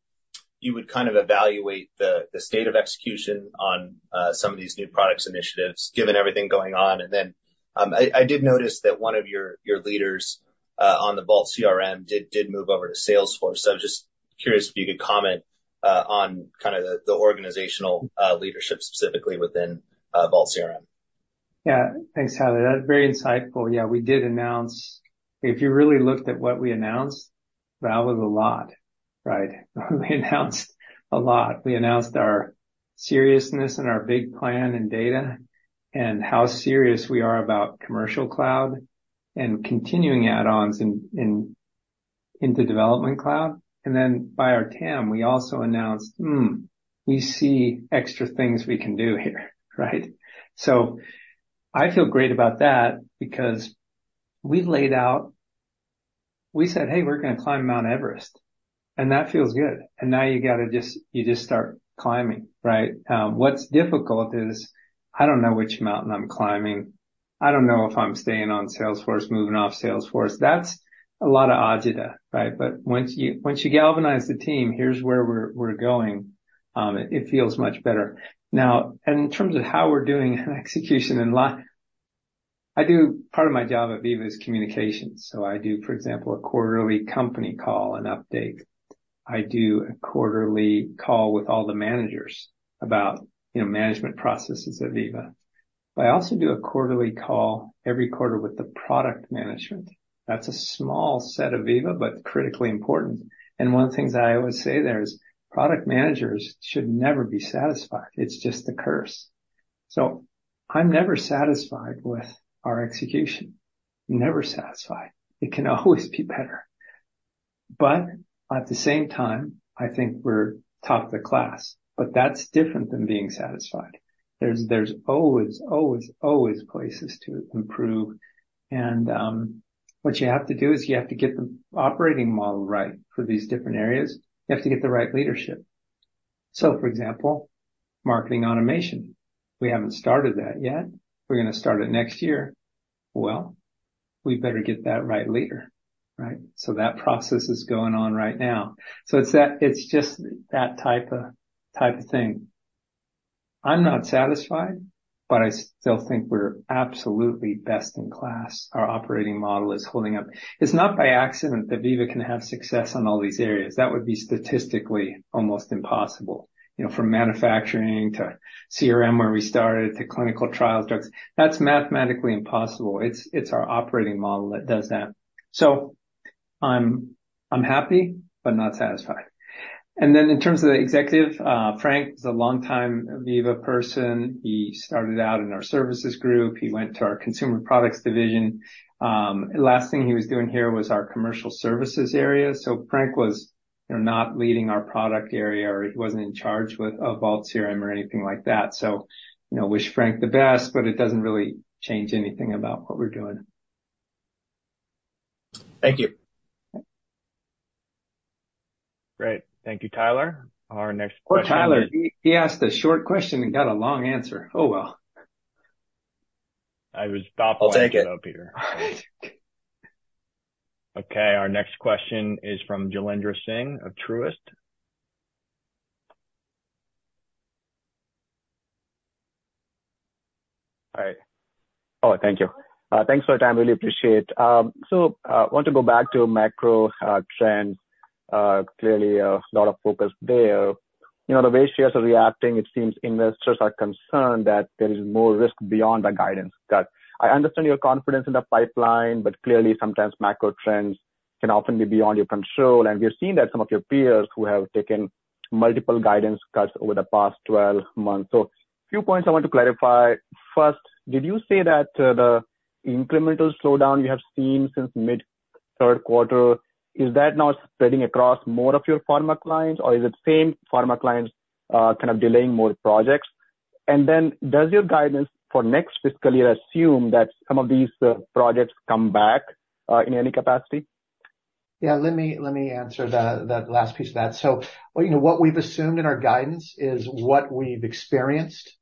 you would kind of evaluate the state of execution on some of these new products initiatives, given everything going on. And then, I did notice that one of your leaders on the Vault CRM did move over to Salesforce. So I'm just curious if you could comment on kind of the organizational leadership, specifically within Vault CRM. Yeah. Thanks, Tyler. That's very insightful. Yeah, we did announce... If you really looked at what we announced, that was a lot, right? We announced a lot. We announced our seriousness and our big plan in data, and how serious we are about Commercial Cloud, and continuing add-ons into Development Cloud. And then by our TAM, we also announced, "Hmm, we see extra things we can do here," right? So I feel great about that because we laid out, we said, "Hey, we're gonna climb Mount Everest," and that feels good. And now you got to just, you just start climbing, right? What's difficult is I don't know which mountain I'm climbing. I don't know if I'm staying on Salesforce, moving off Salesforce. That's a lot of agita, right? But once you galvanize the team, here's where we're going, it feels much better. Now, and in terms of how we're doing execution in line, I do, part of my job at Veeva is communications, so I do, for example, a quarterly company call and update. I do a quarterly call with all the managers about, you know, management processes at Veeva. But I also do a quarterly call every quarter with the product management. That's a small set of Veeva, but critically important. And one of the things I always say there is, product managers should never be satisfied. It's just the curse. So I'm never satisfied with our execution. Never satisfied. It can always be better.... But at the same time, I think we're top of the class. But that's different than being satisfied. There's always, always, always places to improve. And what you have to do is you have to get the operating model right for these different areas. You have to get the right leadership. So, for example, marketing automation, we haven't started that yet. We're going to start it next year. Well, we better get that right leader, right? So that process is going on right now. So it's that. It's just that type of, type of thing. I'm not satisfied, but I still think we're absolutely best in class. Our operating model is holding up. It's not by accident that Veeva can have success on all these areas. That would be statistically almost impossible. You know, from manufacturing to CRM, where we started, to clinical trial drugs, that's mathematically impossible. It's, it's our operating model that does that. So I'm, I'm happy but not satisfied. And then in terms of the executive, Frank is a longtime Veeva person. He started out in our services group. He went to our Consumer Products division. Last thing he was doing here was our commercial services area. So Frank was, you know, not leading our product area, or he wasn't in charge of Vault CRM or anything like that. So, you know, wish Frank the best, but it doesn't really change anything about what we're doing. Thank you. Great. Thank you, Tyler. Our next question- Well, Tyler, he asked a short question and got a long answer. Oh, well. I was thoughtful. I'll take it. Oh, Peter. Okay, our next question is from Jailendra Singh of Truist. Hi. Oh, thank you. Thanks for your time. Really appreciate it. So, I want to go back to macro trends. Clearly, a lot of focus there. You know, the way shares are reacting, it seems investors are concerned that there is more risk beyond the guidance cut. I understand your confidence in the pipeline, but clearly, sometimes macro trends can often be beyond your control. And we've seen that some of your peers who have taken multiple guidance cuts over the past 12 months. So a few points I want to clarify. First, did you say that, the incremental slowdown you have seen since mid-third quarter, is that now spreading across more of your pharma clients, or is it same pharma clients, kind of, delaying more projects? Does your guidance for next fiscal year assume that some of these projects come back in any capacity? Yeah, let me, let me answer the, the last piece of that. So, you know, what we've assumed in our guidance is what we've experienced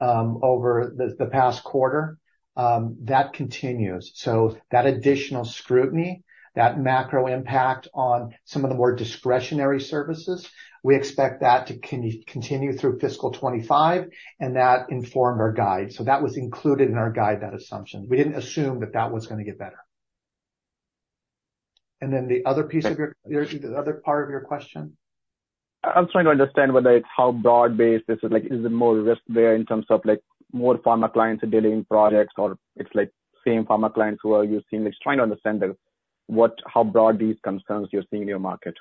over the, the past quarter. That continues. So that additional scrutiny, that macro impact on some of the more discretionary services, we expect that to continue through fiscal 25, and that informed our guide. So that was included in our guide, that assumption. We didn't assume that that was going to get better. And then the other piece of your, the other part of your question? I'm trying to understand whether it's how broad-based this is. Like, is there more risk there in terms of, like, more pharma clients delaying projects, or it's like same pharma clients who are you've seen? Just trying to understand the, what - how broad these concerns you're seeing in your market.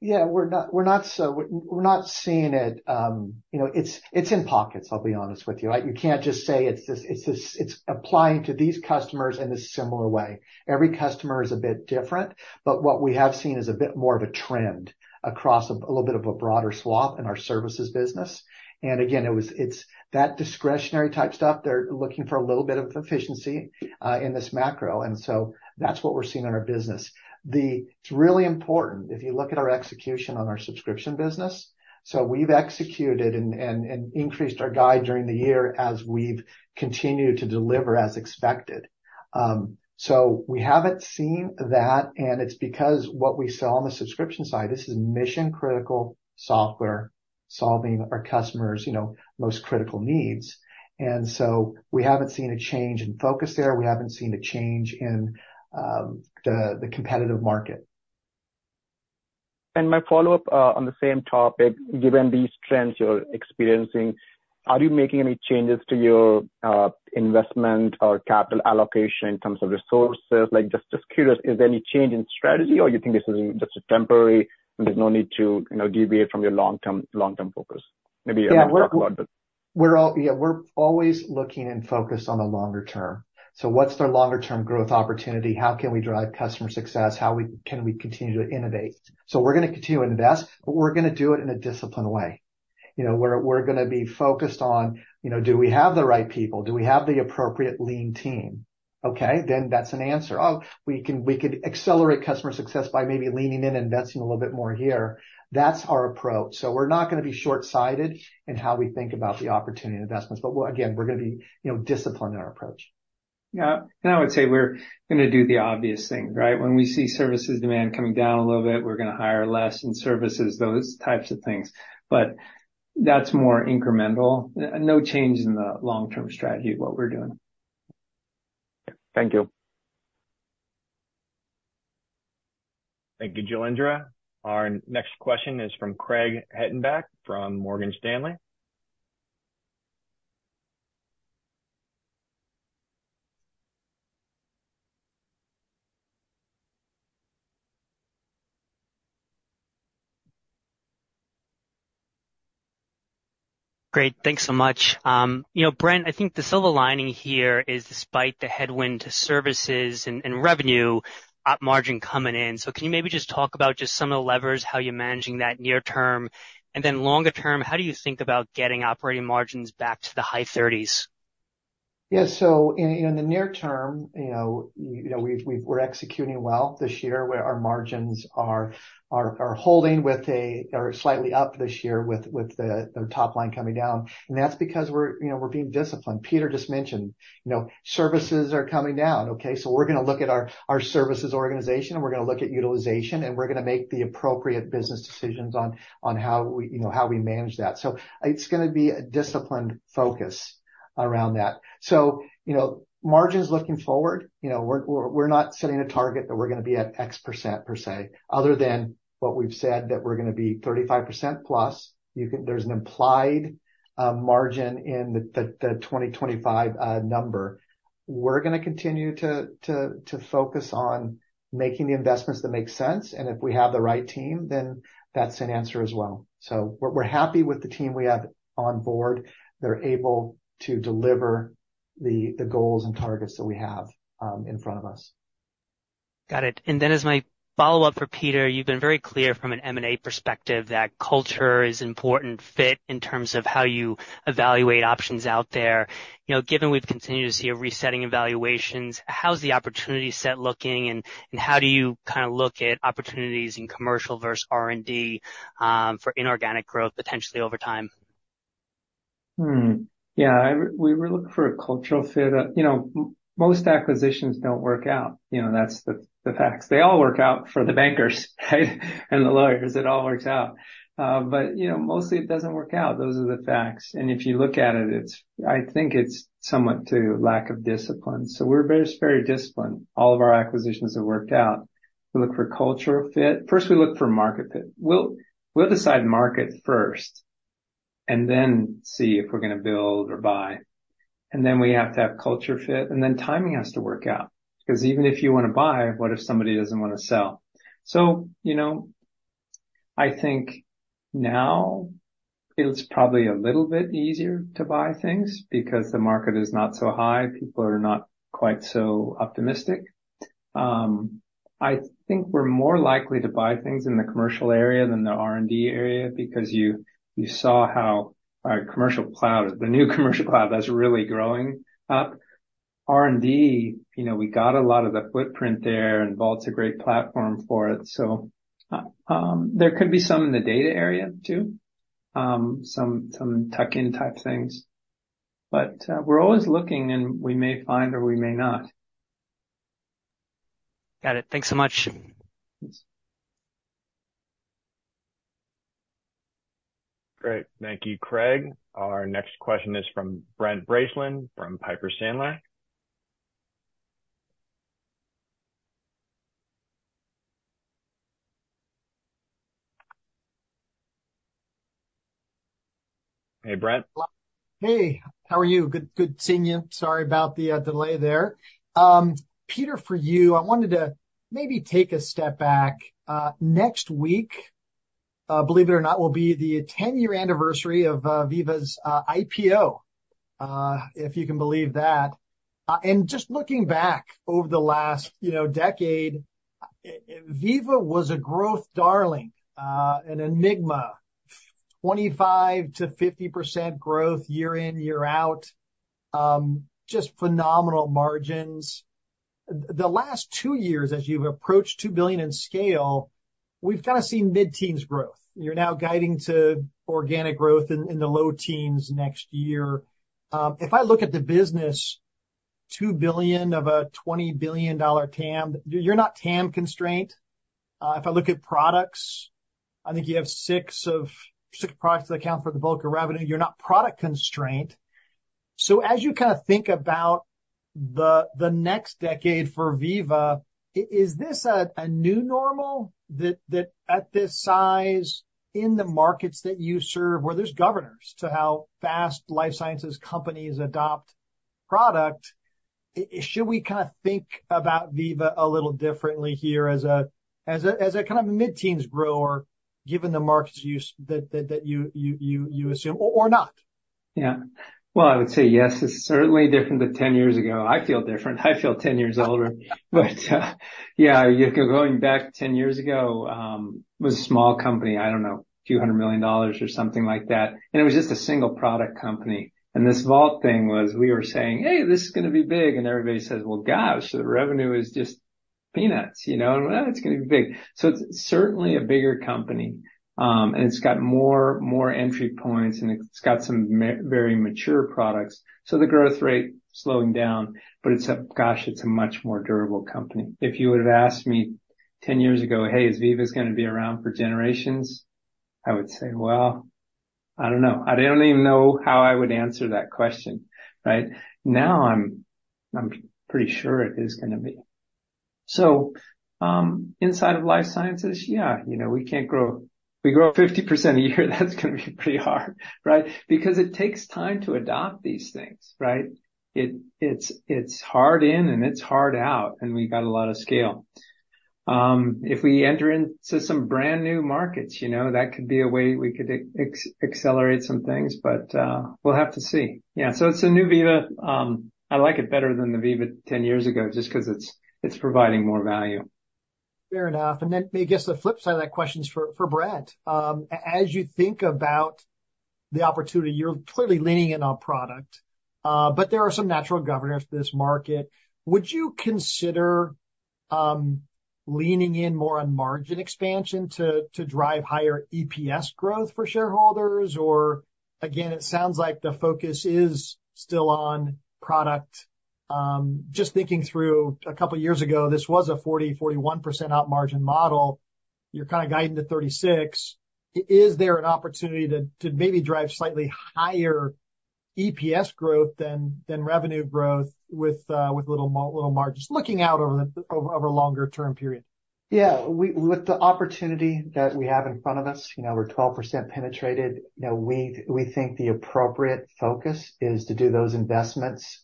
Yeah, we're not so... We're not seeing it, you know, it's, it's in pockets, I'll be honest with you. You can't just say it's this, it's this, it's applying to these customers in a similar way. Every customer is a bit different, but what we have seen is a bit more of a trend across a, a little bit of a broader swath in our services business. And again, it's that discretionary type stuff. They're looking for a little bit of efficiency in this macro, and so that's what we're seeing in our business. It's really important if you look at our execution on our subscription business. So we've executed and, and, and increased our guide during the year as we've continued to deliver as expected. So we haven't seen that, and it's because what we sell on the subscription side, this is mission-critical software, solving our customers, you know, most critical needs. And so we haven't seen a change in focus there. We haven't seen a change in the competitive market. My follow-up on the same topic. Given these trends you're experiencing, are you making any changes to your investment or capital allocation in terms of resources? Like, just curious, is there any change in strategy, or you think this is just temporary and there's no need to, you know, deviate from your long-term, long-term focus? Maybe you want to talk about the- Yeah, we're always looking and focused on the longer term. So what's the longer-term growth opportunity? How can we drive customer success? How can we continue to innovate? So we're going to continue to invest, but we're going to do it in a disciplined way. You know, we're going to be focused on, you know, do we have the right people? Do we have the appropriate lean team? Okay, then that's an answer. Oh, we could accelerate customer success by maybe leaning in and investing a little bit more here. That's our approach. So we're not going to be short-sighted in how we think about the opportunity and investments. But, again, we're going to be, you know, disciplined in our approach. Yeah, and I would say we're going to do the obvious thing, right? When we see services demand coming down a little bit, we're going to hire less in services, those types of things. But that's more incremental. No change in the long-term strategy of what we're doing. Thank you. Thank you, Jailendra. Our next question is from Craig Hettenbach, from Morgan Stanley. ... Great. Thanks so much. You know, Brent, I think the silver lining here is despite the headwind to services and revenue, op margin coming in. So can you maybe just talk about just some of the levers, how you're managing that near term, and then longer term, how do you think about getting operating margins back to the high thirties? Yeah. So in the near term, you know, we're executing well this year, where our margins are holding, are slightly up this year with the top line coming down. And that's because we're, you know, being disciplined. Peter just mentioned, you know, services are coming down, okay? So we're gonna look at our services organization, and we're gonna look at utilization, and we're gonna make the appropriate business decisions on how we, you know, manage that. So it's gonna be a disciplined focus around that. So, you know, margins looking forward, you know, we're not setting a target that we're gonna be at X% per se, other than what we've said, that we're gonna be 35% plus. There's an implied margin in the 2025 number. We're gonna continue to focus on making the investments that make sense, and if we have the right team, then that's an answer as well. So we're happy with the team we have on board. They're able to deliver the goals and targets that we have in front of us. Got it. And then as my follow-up for Peter, you've been very clear from an M&A perspective that culture is important fit in terms of how you evaluate options out there. You know, given we've continued to see a resetting evaluations, how's the opportunity set looking, and how do you kinda look at opportunities in commercial versus R&D for inorganic growth, potentially over time? Hmm. Yeah, we really look for a cultural fit. You know, most acquisitions don't work out. You know, that's the facts. They all work out for the bankers, right? And the lawyers. It all works out. But, you know, mostly it doesn't work out. Those are the facts, and if you look at it, it's somewhat to lack of discipline. So we're very, very disciplined. All of our acquisitions have worked out. We look for cultural fit. First, we look for market fit. We'll decide market first and then see if we're gonna build or buy, and then we have to have cultural fit, and then timing has to work out. Because even if you wanna buy, what if somebody doesn't wanna sell? So, you know, I think now it's probably a little bit easier to buy things because the market is not so high. People are not quite so optimistic. I think we're more likely to buy things in the commercial area than the R&D area because you saw how our Commercial Cloud, the new Commercial Cloud, that's really growing up. R&D, you know, we got a lot of the footprint there, and Vault's a great platform for it. So, there could be some in the data area too, some tuck-in type things. But, we're always looking, and we may find or we may not. Got it. Thanks so much. Thanks. Great. Thank you, Craig. Our next question is from Brent Bracelin, from Piper Sandler. Hey, Brent. Hey, how are you? Good, good seeing you. Sorry about the delay there. Peter, for you, I wanted to maybe take a step back. Next week, believe it or not, will be the 10-year anniversary of Veeva's IPO, if you can believe that. Just looking back over the last, you know, decade, Veeva was a growth darling, an enigma. 25%-50% growth year in, year out. Just phenomenal margins. The last two years, as you've approached $2 billion in scale, we've kinda seen mid-teens growth. You're now guiding to organic growth in the low teens next year. If I look at the business, $2 billion of a $20 billion TAM, you're not TAM constrained. If I look at products, I think you have six products that account for the bulk of revenue. You're not product constrained. So as you kinda think about the next decade for Veeva, is this a new normal, that at this size, in the markets that you serve, where there's governors to how fast life sciences companies adopt product, should we kinda think about Veeva a little differently here as a kind of a mid-teens grower, given the markets that you assume or not? Yeah. Well, I would say yes, it's certainly different than 10 years ago. I feel different. I feel 10 years older. But, yeah, going back 10 years ago, was a small company, I don't know, $200 million or something like that, and it was just a single product company. And this Vault thing was... we were saying, "Hey, this is gonna be big." And everybody says, "Well, gosh, the revenue is just peanuts," you know? "Well, it's gonna be big." So it's certainly a bigger company, and it's got more, more entry points, and it's got some very mature products, so the growth rate is slowing down, but it's a... Gosh, it's a much more durable company. If you would've asked me 10 years ago, "Hey, is Veeva's gonna be around for generations?" I would say, "Well, I don't know." I don't even know how I would answer that question, right? Now, I'm pretty sure it is gonna be. So, inside of life sciences, yeah, you know, we can't grow - we grow 50% a year, that's gonna be pretty hard, right? Because it takes time to adopt these things, right? It, it's hard in and it's hard out, and we've got a lot of scale.... If we enter into some brand new markets, you know, that could be a way we could accelerate some things, but, we'll have to see. Yeah, so it's a new Veeva. I like it better than the Veeva 10 years ago, just because it's providing more value. Fair enough. Then, I guess, the flip side of that question is for Brent. As you think about the opportunity, you're clearly leaning in on product, but there are some natural governors for this market. Would you consider leaning in more on margin expansion to drive higher EPS growth for shareholders? Or again, it sounds like the focus is still on product. Just thinking through a couple of years ago, this was a 40-41% op margin model. You're kinda guiding to 36. Is there an opportunity to maybe drive slightly higher EPS growth than revenue growth with little margins, looking out over a longer term period? Yeah. With the opportunity that we have in front of us, you know, we're 12% penetrated. You know, we think the appropriate focus is to do those investments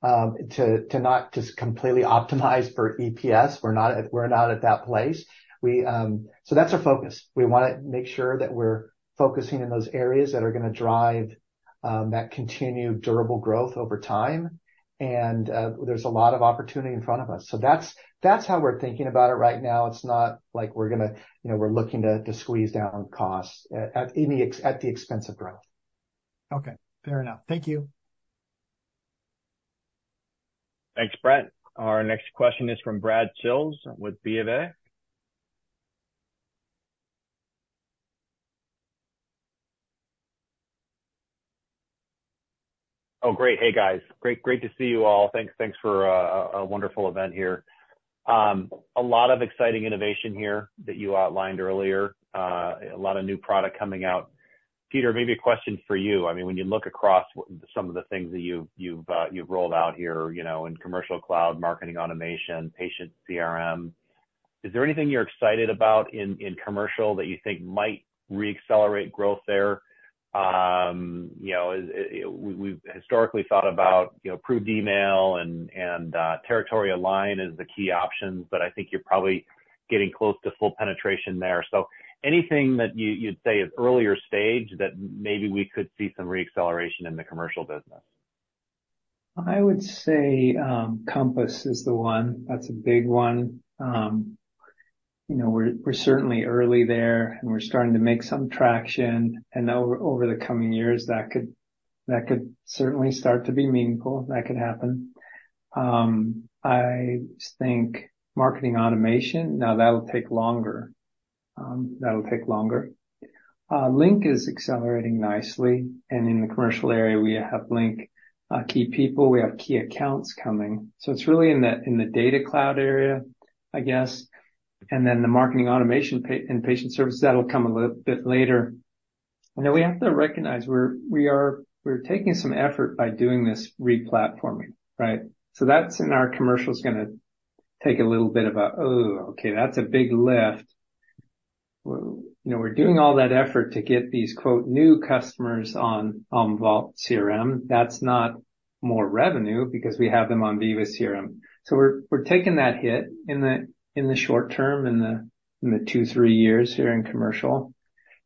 for growth, to not just completely optimize for EPS. We're not at that place. So that's our focus. We wanna make sure that we're focusing in those areas that are going to drive that continued durable growth over time, and there's a lot of opportunity in front of us. So that's how we're thinking about it right now. It's not like we're gonna, you know, we're looking to squeeze down on costs at any expense of growth. Okay. Fair enough. Thank you. Thanks, Brent. Our next question is from Brad Sills with BofA. Oh, great. Hey, guys. Great, great to see you all. Thanks for a wonderful event here. A lot of exciting innovation here that you outlined earlier. A lot of new product coming out. Peter, maybe a question for you. I mean, when you look across what some of the things that you've rolled out here, you know, in Commercial Cloud, marketing automation, Patient CRM, is there anything you're excited about in commercial that you think might reaccelerate growth there? You know, we've historically thought about, you know, approved email and territory align as the key options, but I think you're probably getting close to full penetration there. So anything that you'd say is earlier stage that maybe we could see some reacceleration in the commercial business? I would say, Compass is the one. That's a big one. You know, we're, we're certainly early there, and we're starting to make some traction, and over, over the coming years, that could, that could certainly start to be meaningful. That could happen. I think marketing automation, now, that'll take longer. That'll take longer. Link is accelerating nicely, and in the commercial area, we have Link, Key People, we have Key Accounts coming. So it's really in the, in the Data Cloud area, I guess, and then the marketing automation and Patient services, that'll come a little bit later. And then we have to recognize, we're, we are- we're taking some effort by doing this replatforming, right? So that's in our commercial, is gonna take a little bit of a, oh, okay, that's a big lift. Well, you know, we're doing all that effort to get these, quote, "new customers" on Vault CRM. That's not more revenue because we have them on Veeva CRM. So we're taking that hit in the short term, in the 2-3 years here in commercial,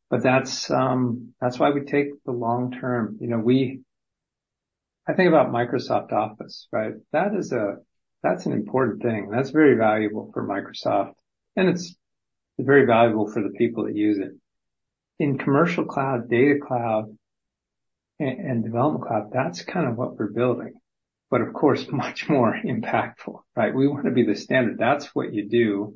but that's why we take the long term. You know, we—I think about Microsoft Office, right? That is—That's an important thing. That's very valuable for Microsoft, and it's very valuable for the people that use it. In Commercial Cloud, Data Cloud, and Development Cloud, that's kind of what we're building, but of course, much more impactful, right? We want to be the standard. That's what you do.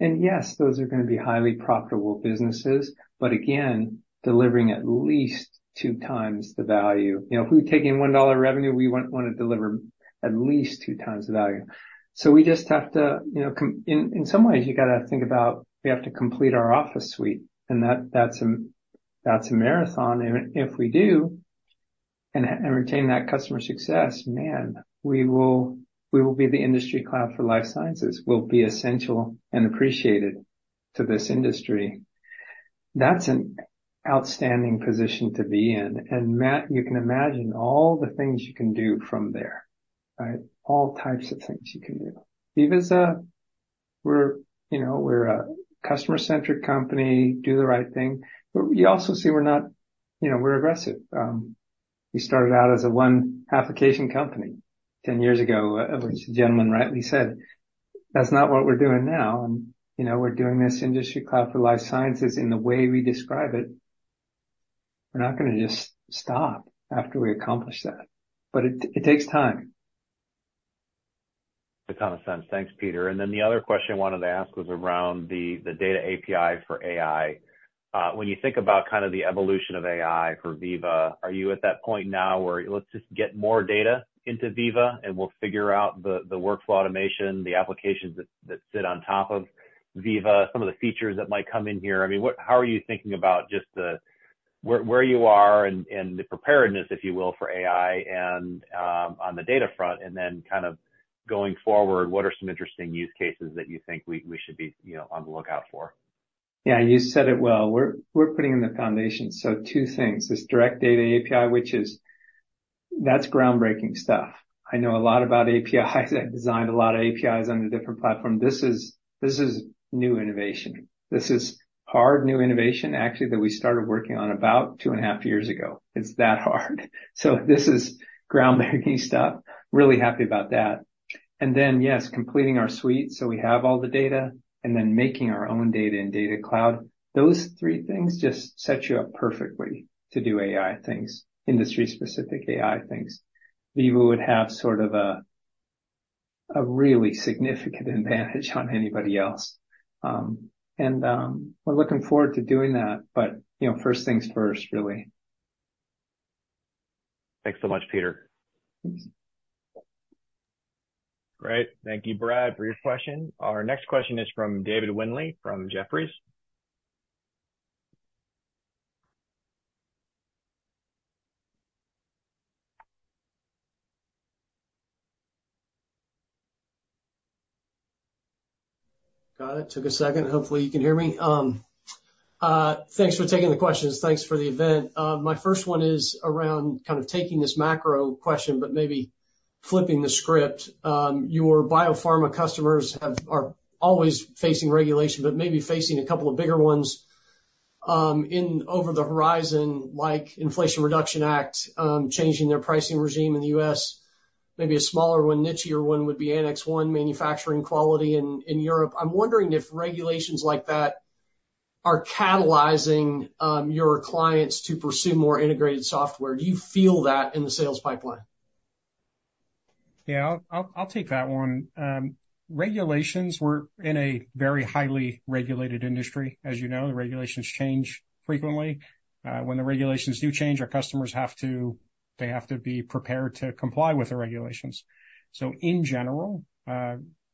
And yes, those are going to be highly profitable businesses, but again, delivering at least 2 times the value. You know, if we take in $1 revenue, we want to deliver at least two times the value. So we just have to, you know, in some ways, you got to think about, we have to complete our Office Suite, and that's a marathon. And if we do, and retain that customer success, man, we will be the industry cloud for life sciences. We'll be essential and appreciated to this industry. That's an outstanding position to be in, and you can imagine all the things you can do from there, right? All types of things you can do. Veeva is we're, you know, we're a customer-centric company, do the right thing, but you also see we're not. You know, we're aggressive. We started out as a one application company 10 years ago, as the gentleman rightly said. That's not what we're doing now, and, you know, we're doing this industry cloud for life sciences in the way we describe it. We're not gonna just stop after we accomplish that, but it takes time. That kind of sense. Thanks, Peter. And then the other question I wanted to ask was around the, the data API for AI. When you think about kind of the evolution of AI for Veeva, are you at that point now where let's just get more data into Veeva, and we'll figure out the, the workflow automation, the applications that, that sit on top of Veeva, some of the features that might come in here? I mean, what- how are you thinking about just the, where, where you are and, and the preparedness, if you will, for AI and on the data front, and then kind of going forward, what are some interesting use cases that you think we, we should be, you know, on the lookout for? Yeah, you said it well. We're putting in the foundation. So two things, this Direct Data API, which is— That's groundbreaking stuff. I know a lot about APIs. I've designed a lot of APIs under different platforms. This is new innovation. This is hard, new innovation, actually, that we started working on about 2.5 years ago. It's that hard. So this is groundbreaking stuff. Really happy about that. And then, yes, completing our suite, so we have all the data, and then making our own data in Data Cloud. Those three things just set you up perfectly to do AI things, industry-specific AI things. Veeva would have sort of a really significant advantage on anybody else. We're looking forward to doing that, but, you know, first things first, really. Thanks so much, Peter. Great. Thank you, Brad, for your question. Our next question is from David Windley, from Jefferies. Got it. Took a second. Hopefully, you can hear me. Thanks for taking the questions. Thanks for the event. My first one is around kind of taking this macro question, but maybe flipping the script. Your biopharma customers are always facing regulation, but maybe facing a couple of bigger ones in over the horizon, like Inflation Reduction Act, changing their pricing regime in the U.S. Maybe a smaller one, nicheier one, would be Annex 1 manufacturing quality in Europe. I'm wondering if regulations like that are catalyzing your clients to pursue more integrated software. Do you feel that in the sales pipeline? Yeah, I'll take that one. Regulations, we're in a very highly regulated industry. As you know, the regulations change frequently. When the regulations do change, our customers have to be prepared to comply with the regulations. So in general,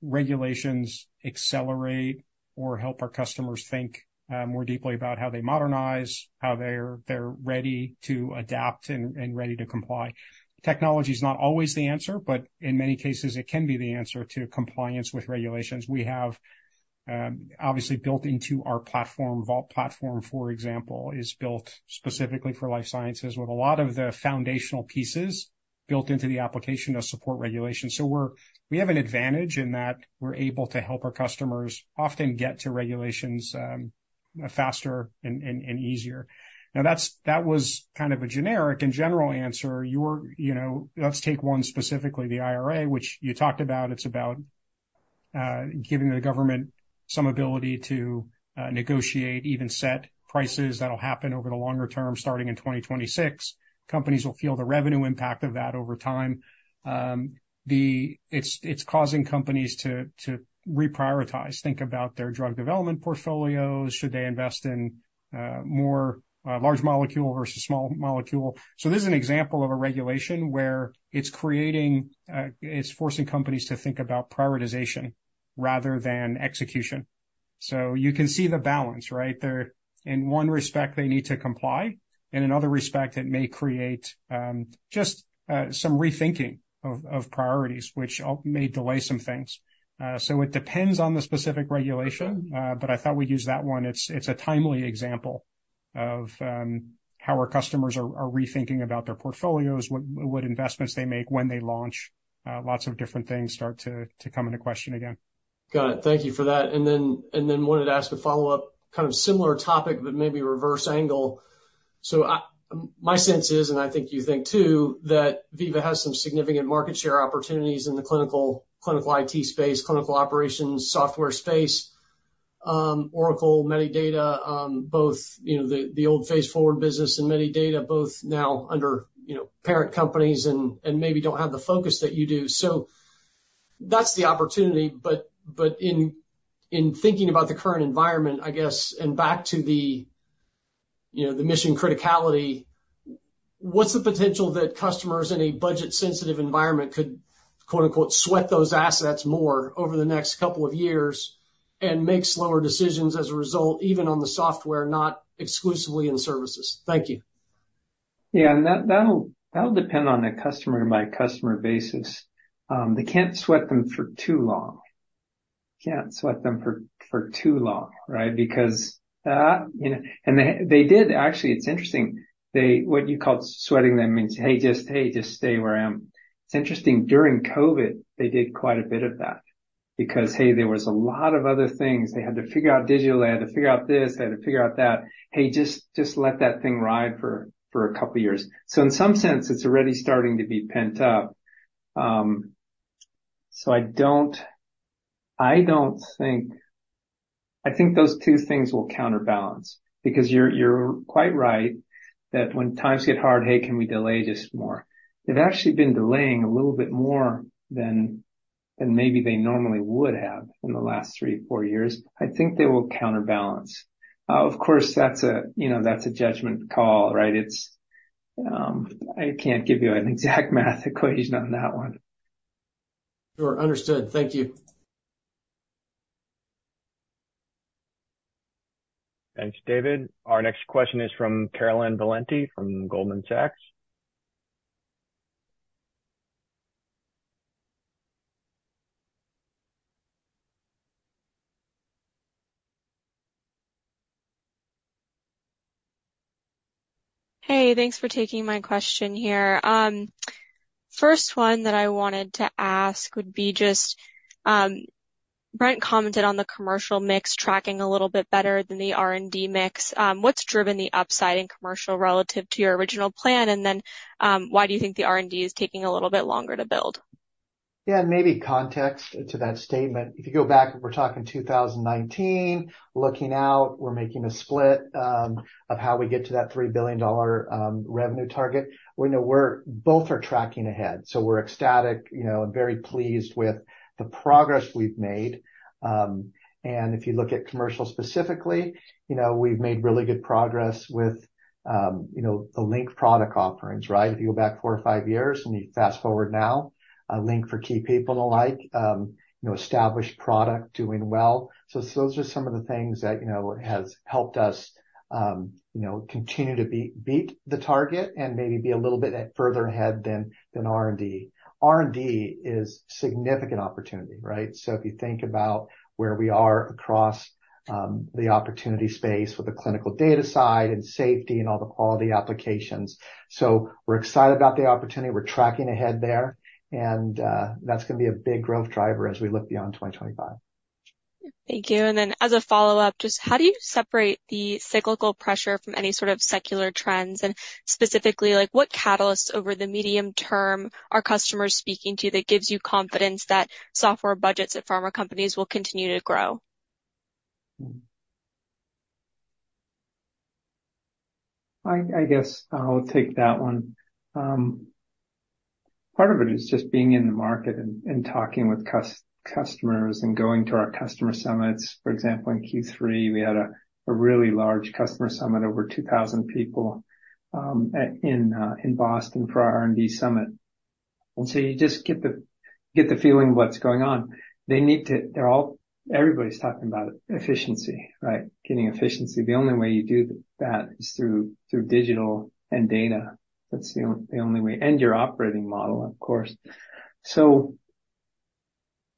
regulations accelerate or help our customers think more deeply about how they modernize, how they're ready to adapt and ready to comply. Technology is not always the answer, but in many cases it can be the answer to compliance with regulations. We have, obviously, built into our platform. Vault platform, for example, is built specifically for life sciences, with a lot of the foundational pieces built into the application to support regulation. So we have an advantage in that we're able to help our customers often get to regulations faster and easier. Now, that was kind of a generic and general answer. You know, let's take one specifically, the IRA, which you talked about. It's about giving the government some ability to negotiate, even set prices that'll happen over the longer term, starting in 2026. Companies will feel the revenue impact of that over time. It's causing companies to reprioritize, think about their drug development portfolios, should they invest in more large molecule versus small molecule? So this is an example of a regulation where it's creating, it's forcing companies to think about prioritization rather than execution. So you can see the balance, right? They're in one respect, they need to comply, in another respect, it may create just some rethinking of priorities, which may delay some things. So it depends on the specific regulation, but I thought we'd use that one. It's a timely example of how our customers are rethinking about their portfolios, what investments they make when they launch. Lots of different things start to come into question again. Got it. Thank you for that. And then wanted to ask a follow-up, kind of similar topic, but maybe reverse angle. So, my sense is, and I think you think, too, that Veeva has some significant market share opportunities in the clinical, clinical IT space, clinical operations, software space. Oracle, Medidata, both, you know, the old Phase Forward business and Medidata, both now under, you know, parent companies and maybe don't have the focus that you do. So that's the opportunity, but in thinking about the current environment, I guess, and back to the, you know, the mission criticality, what's the potential that customers in a budget-sensitive environment could, quote, unquote, “sweat those assets more” over the next couple of years and make slower decisions as a result, even on the software, not exclusively in services? Thank you. Yeah, and that, that'll, that'll depend on a customer-by-customer basis. They can't sweat them for too long. Can't sweat them for, for too long, right? Because, you know... And they, they did actually, it's interesting, they-- what you call sweating them means, "Hey, just, hey, just stay where I am." It's interesting, during COVID, they did quite a bit of that because, hey, there was a lot of other things they had to figure out digitally. They had to figure out this, they had to figure out that. "Hey, just, just let that thing ride for, for a couple of years." So in some sense, it's already starting to be pent up. So I think those two things will counterbalance, because you're quite right, that when times get hard, "Hey, can we delay just more?" They've actually been delaying a little bit more than maybe they normally would have in the last three or four years. I think they will counterbalance. Of course, that's a, you know, that's a judgment call, right? It's, I can't give you an exact math equation on that one. Sure. Understood. Thank you. Thanks, David. Our next question is from Gabriela Borges, from Goldman Sachs. Hey, thanks for taking my question here. First one that I wanted to ask would be just, Brent commented on the commercial mix tracking a little bit better than the R&D mix. What's driven the upside in commercial relative to your original plan? And then, why do you think the R&D is taking a little bit longer to build? Yeah, maybe context to that statement. If you go back, we're talking 2019, looking out, we're making a split of how we get to that $3 billion revenue target. We know we're both are tracking ahead, so we're ecstatic, you know, and very pleased with the progress we've made. And if you look at commercial specifically, you know, we've made really good progress with the Link product offerings, right? If you go back 4 or 5 years and you fast-forward now, Link for Key People and the like, you know, established product doing well. So those are some of the things that, you know, has helped us continue to beat the target and maybe be a little bit further ahead than R&D. R&D is significant opportunity, right? So if you think about where we are across the opportunity space with the clinical data side and safety and all the quality applications. So we're excited about the opportunity. We're tracking ahead there, and that's gonna be a big growth driver as we look beyond 2025. Thank you. Then as a follow-up, just how do you separate the cyclical pressure from any sort of secular trends? Specifically, like, what catalysts over the medium term are customers speaking to you that gives you confidence that software budgets at pharma companies will continue to grow? I guess I'll take that one. Part of it is just being in the market and talking with customers and going to our customer summits. For example, in Q3, we had a really large customer summit, over 2,000 people, at in Boston for our R&D summit. And so you just get the feeling of what's going on. They need to... They're all-- everybody's talking about efficiency, right? Getting efficiency. The only way you do that is through digital and data. That's the only way, and your operating model, of course. So,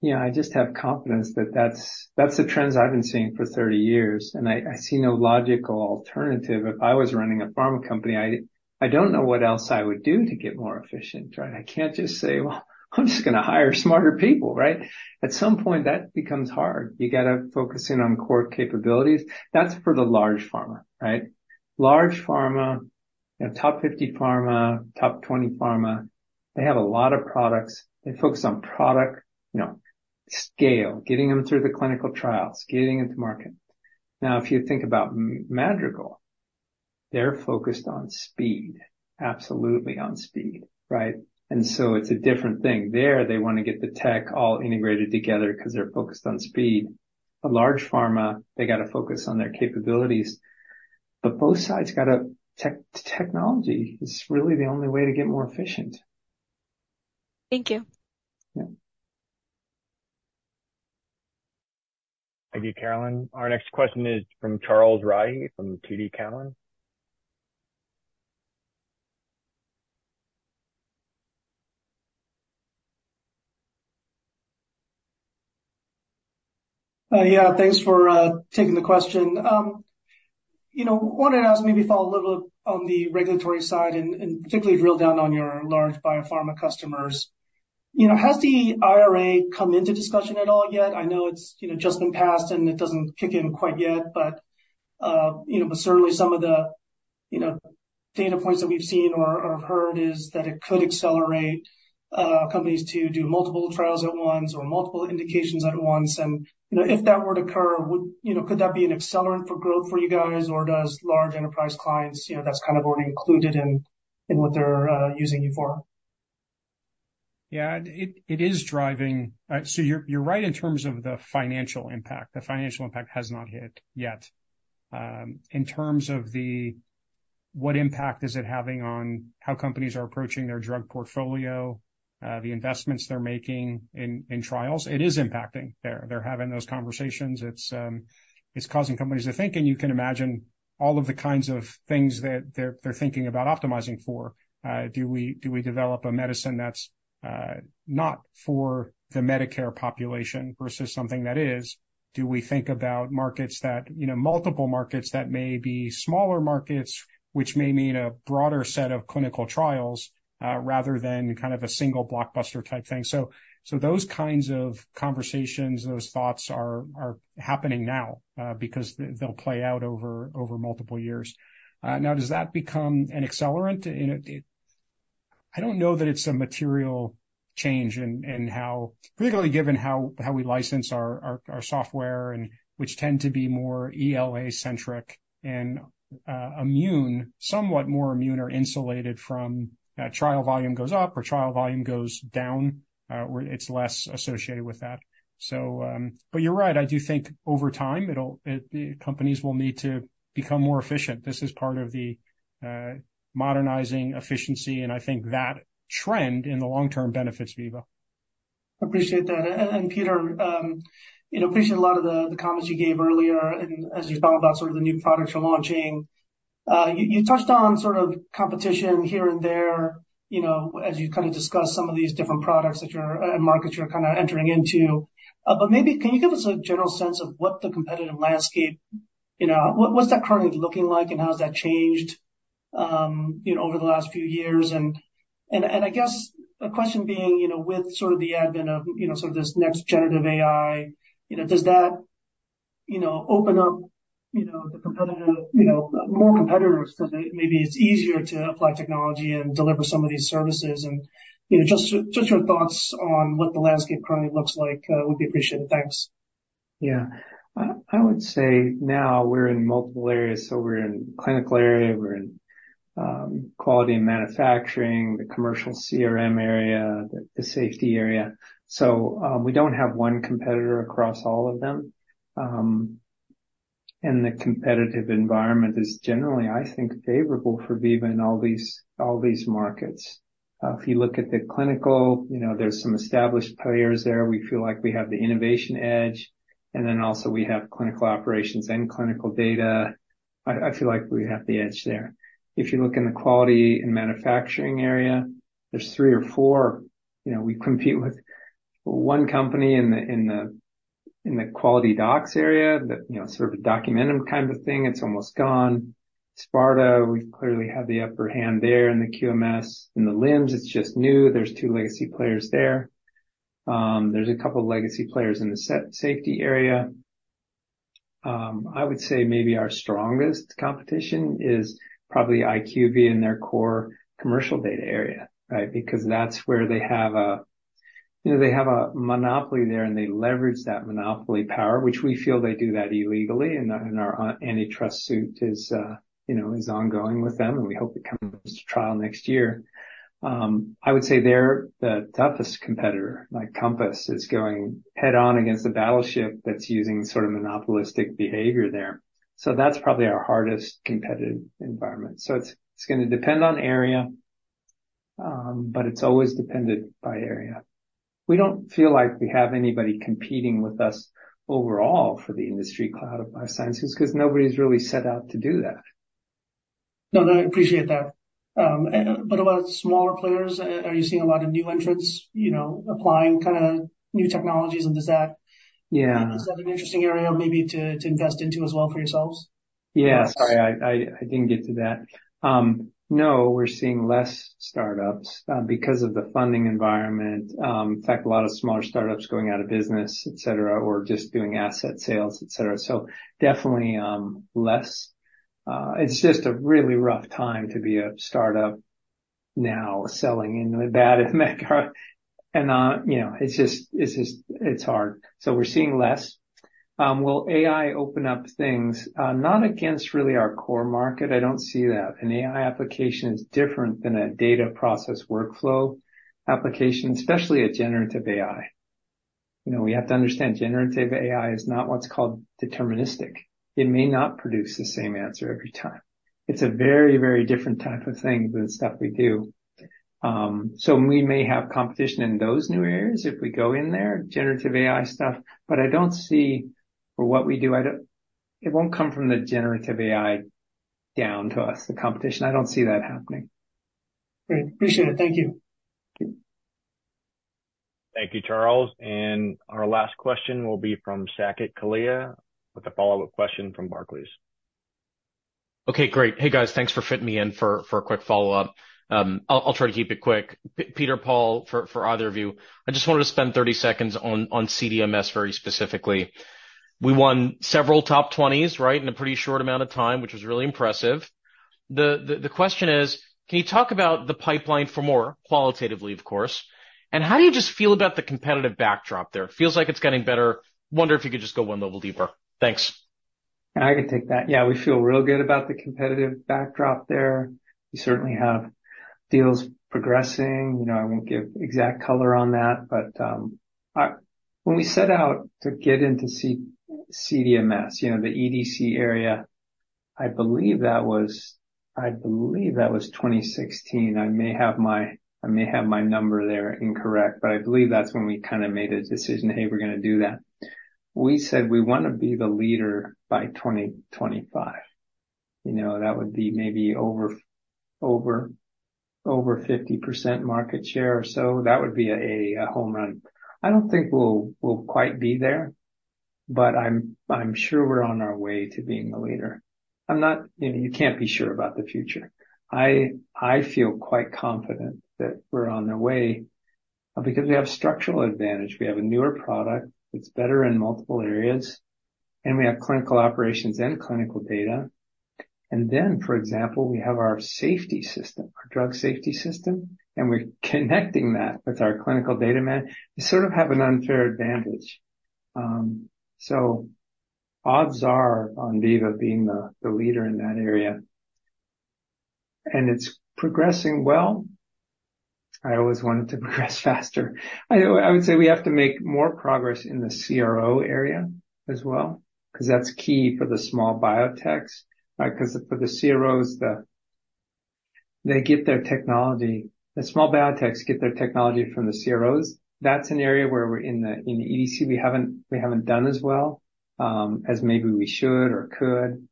yeah, I just have confidence that that's the trends I've been seeing for 30 years, and I see no logical alternative. If I was running a pharma company, I don't know what else I would do to get more efficient, right? I can't just say, "Well, I'm just gonna hire smarter people," right? At some point, that becomes hard. You gotta focus in on core capabilities. That's for the large pharma, right? Large pharma, you know, top 50 pharma, top 20 pharma, they have a lot of products. They focus on product, you know, scale, getting them through the clinical trials, getting into market. Now, if you think about Madrigal, they're focused on speed, absolutely on speed, right? And so it's a different thing. There, they wanna get the tech all integrated together 'cause they're focused on speed. A large pharma, they gotta focus on their capabilities, but both sides got a tech... Technology is really the only way to get more efficient. Thank you. Yeah. Thank you, Carolyn. Our next question is from Charles Rhyee from TD Cowen. Yeah, thanks for taking the question. You know, wanted to ask, maybe follow a little on the regulatory side and particularly drill down on your large biopharma customers. You know, has the IRA come into discussion at all yet? I know it's, you know, just been passed, and it doesn't kick in quite yet, but you know, but certainly some of the, you know, data points that we've seen or heard is that it could accelerate companies to do multiple trials at once or multiple indications at once. And, you know, if that were to occur, would you know, could that be an accelerant for growth for you guys, or does large enterprise clients, you know, that's kind of already included in what they're using you for? Yeah, it is driving. So you're right in terms of the financial impact. The financial impact has not hit yet. In terms of what impact it is having on how companies are approaching their drug portfolio, the investments they're making in trials, it is impacting. They're having those conversations. It's causing companies to think, and you can imagine all of the kinds of things that they're thinking about optimizing for. Do we develop a medicine that's not for the Medicare population versus something that is? Do we think about markets that... You know, multiple markets that may be smaller markets, which may mean a broader set of clinical trials, rather than kind of a single blockbuster-type thing? So, so those kinds of conversations, those thoughts are happening now, because they, they'll play out over multiple years. Now, does that become an accelerant? You know, it—I don't know that it's a material change in how—particularly given how we license our software and which tend to be more ELA-centric and, immune, somewhat more immune or insulated from, trial volume goes up or trial volume goes down, where it's less associated with that. So, but you're right. I do think over time, it'll... It, companies will need to become more efficient. This is part of the modernizing efficiency, and I think that trend in the long term benefits Veeva. Appreciate that. And, Peter, you know, appreciate a lot of the comments you gave earlier, and as you thought about sort of the new products you're launching. You touched on sort of competition here and there, you know, as you kind of discuss some of these different products that you're, and markets you're kind of entering into. But maybe can you give us a general sense of what the competitive landscape, you know, what, what's that currently looking like, and how has that changed, you know, over the last few years? And I guess the question being, you know, with sort of the advent of, you know, sort of this next generative AI, you know, does that, you know, open up, you know, the competitive, you know, more competitors, because maybe it's easier to apply technology and deliver some of these services? You know, just your thoughts on what the landscape currently looks like would be appreciated. Thanks. Yeah. I would say now we're in multiple areas, so we're in clinical area, we're in quality and manufacturing, the commercial CRM area, the safety area. So, we don't have one competitor across all of them. And the competitive environment is generally, I think, favorable for Veeva in all these markets. If you look at the clinical, you know, there's some established players there. We feel like we have the innovation edge, and then also we have clinical operations and clinical data. I feel like we have the edge there. If you look in the quality and manufacturing area, there's three or four. You know, we compete with one company in the QualityDocs area, the, you know, sort of a Documentum kind of thing. It's almost gone. Sparta, we clearly have the upper hand there in the QMS. In the LIMS, it's just new. There's two legacy players there. There's a couple legacy players in the safety area. I would say maybe our strongest competition is probably IQVIA in their core commercial data area, right? Because that's where You know, they have a monopoly there, and they leverage that monopoly power, which we feel they do that illegally, and our antitrust suit is, you know, ongoing with them, and we hope it comes to trial next year. I would say they're the toughest competitor, like Compass is going head-on against the battleship that's using sort of monopolistic behavior there. So that's probably our hardest competitive environment. So it's gonna depend on area, but it's always dependent by area. We don't feel like we have anybody competing with us overall for the industry cloud of life sciences, because nobody's really set out to do that. No, no, I appreciate that. And what about smaller players? Are you seeing a lot of new entrants, you know, applying kinda new technologies, and does that- Yeah. Is that an interesting area maybe to, to invest into as well for yourselves? Yeah. Sorry, I didn't get to that. No, we're seeing less startups because of the funding environment. In fact, a lot of smaller startups going out of business, et cetera, or just doing asset sales, et cetera. So definitely less. It's just a really rough time to be a startup now, selling into that, you know, it's just hard. So we're seeing less. Will AI open up things? Not really against our core market. I don't see that. An AI application is different than a data process workflow application, especially a generative AI. You know, we have to understand generative AI is not what's called deterministic. It may not produce the same answer every time. It's a very, very different type of thing than the stuff we do. So we may have competition in those new areas if we go in there, generative AI stuff, but I don't see for what we do. It won't come from the generative AI down to us, the competition. I don't see that happening. Great. Appreciate it. Thank you. Thank you. Thank you, Charles. Our last question will be from Saket Kalia, with a follow-up question from Barclays. Okay, great. Hey, guys, thanks for fitting me in for a quick follow-up. I'll try to keep it quick. Peter, Paul, for either of you, I just wanted to spend 30 seconds on CDMS very specifically. We won several top 20s, right, in a pretty short amount of time, which was really impressive. The question is: can you talk about the pipeline for more, qualitatively of course, and how do you just feel about the competitive backdrop there? It feels like it's getting better. I wonder if you could just go one level deeper. Thanks. I can take that. Yeah, we feel real good about the competitive backdrop there. We certainly have deals progressing. You know, I won't give exact color on that, but when we set out to get into CDMS, you know, the EDC area, I believe that was, I believe that was 2016. I may have my, I may have my number there incorrect, but I believe that's when we kinda made a decision, "Hey, we're gonna do that." We said we wanna be the leader by 2025. You know, that would be maybe over, over, over 50% market share or so. That would be a, a home run. I don't think we'll, we'll quite be there, but I'm, I'm sure we're on our way to being the leader. I'm not you know, you can't be sure about the future. I feel quite confident that we're on the way, because we have structural advantage. We have a newer product that's better in multiple areas, and we have clinical operations and clinical data. And then, for example, we have our safety system, our drug safety system, and we're connecting that with our clinical data management. We sort of have an unfair advantage. So odds are on Veeva being the leader in that area, and it's progressing well. I always want it to progress faster. I would say we have to make more progress in the CRO area as well, because that's key for the small biotechs, because for the CROs, the—they get their technology. The small biotechs get their technology from the CROs. That's an area where we're in the EDC, we haven't done as well as maybe we should or could.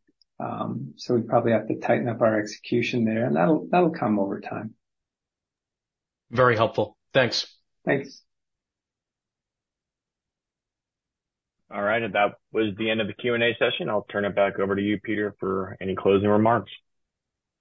So we probably have to tighten up our execution there, and that'll come over time. Very helpful. Thanks. Thanks. All right. That was the end of the Q&A session. I'll turn it back over to you, Peter, for any closing remarks.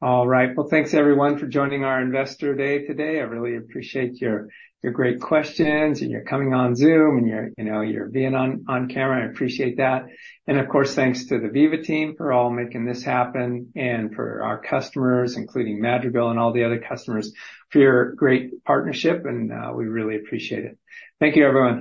All right. Well, thanks, everyone, for joining our Investor Day today. I really appreciate your, your great questions, and you're coming on Zoom, and you're, you know, you're being on, on camera. I appreciate that. And of course, thanks to the Veeva team for all making this happen, and for our customers, including Madrigal and all the other customers, for your great partnership, and we really appreciate it. Thank you, everyone.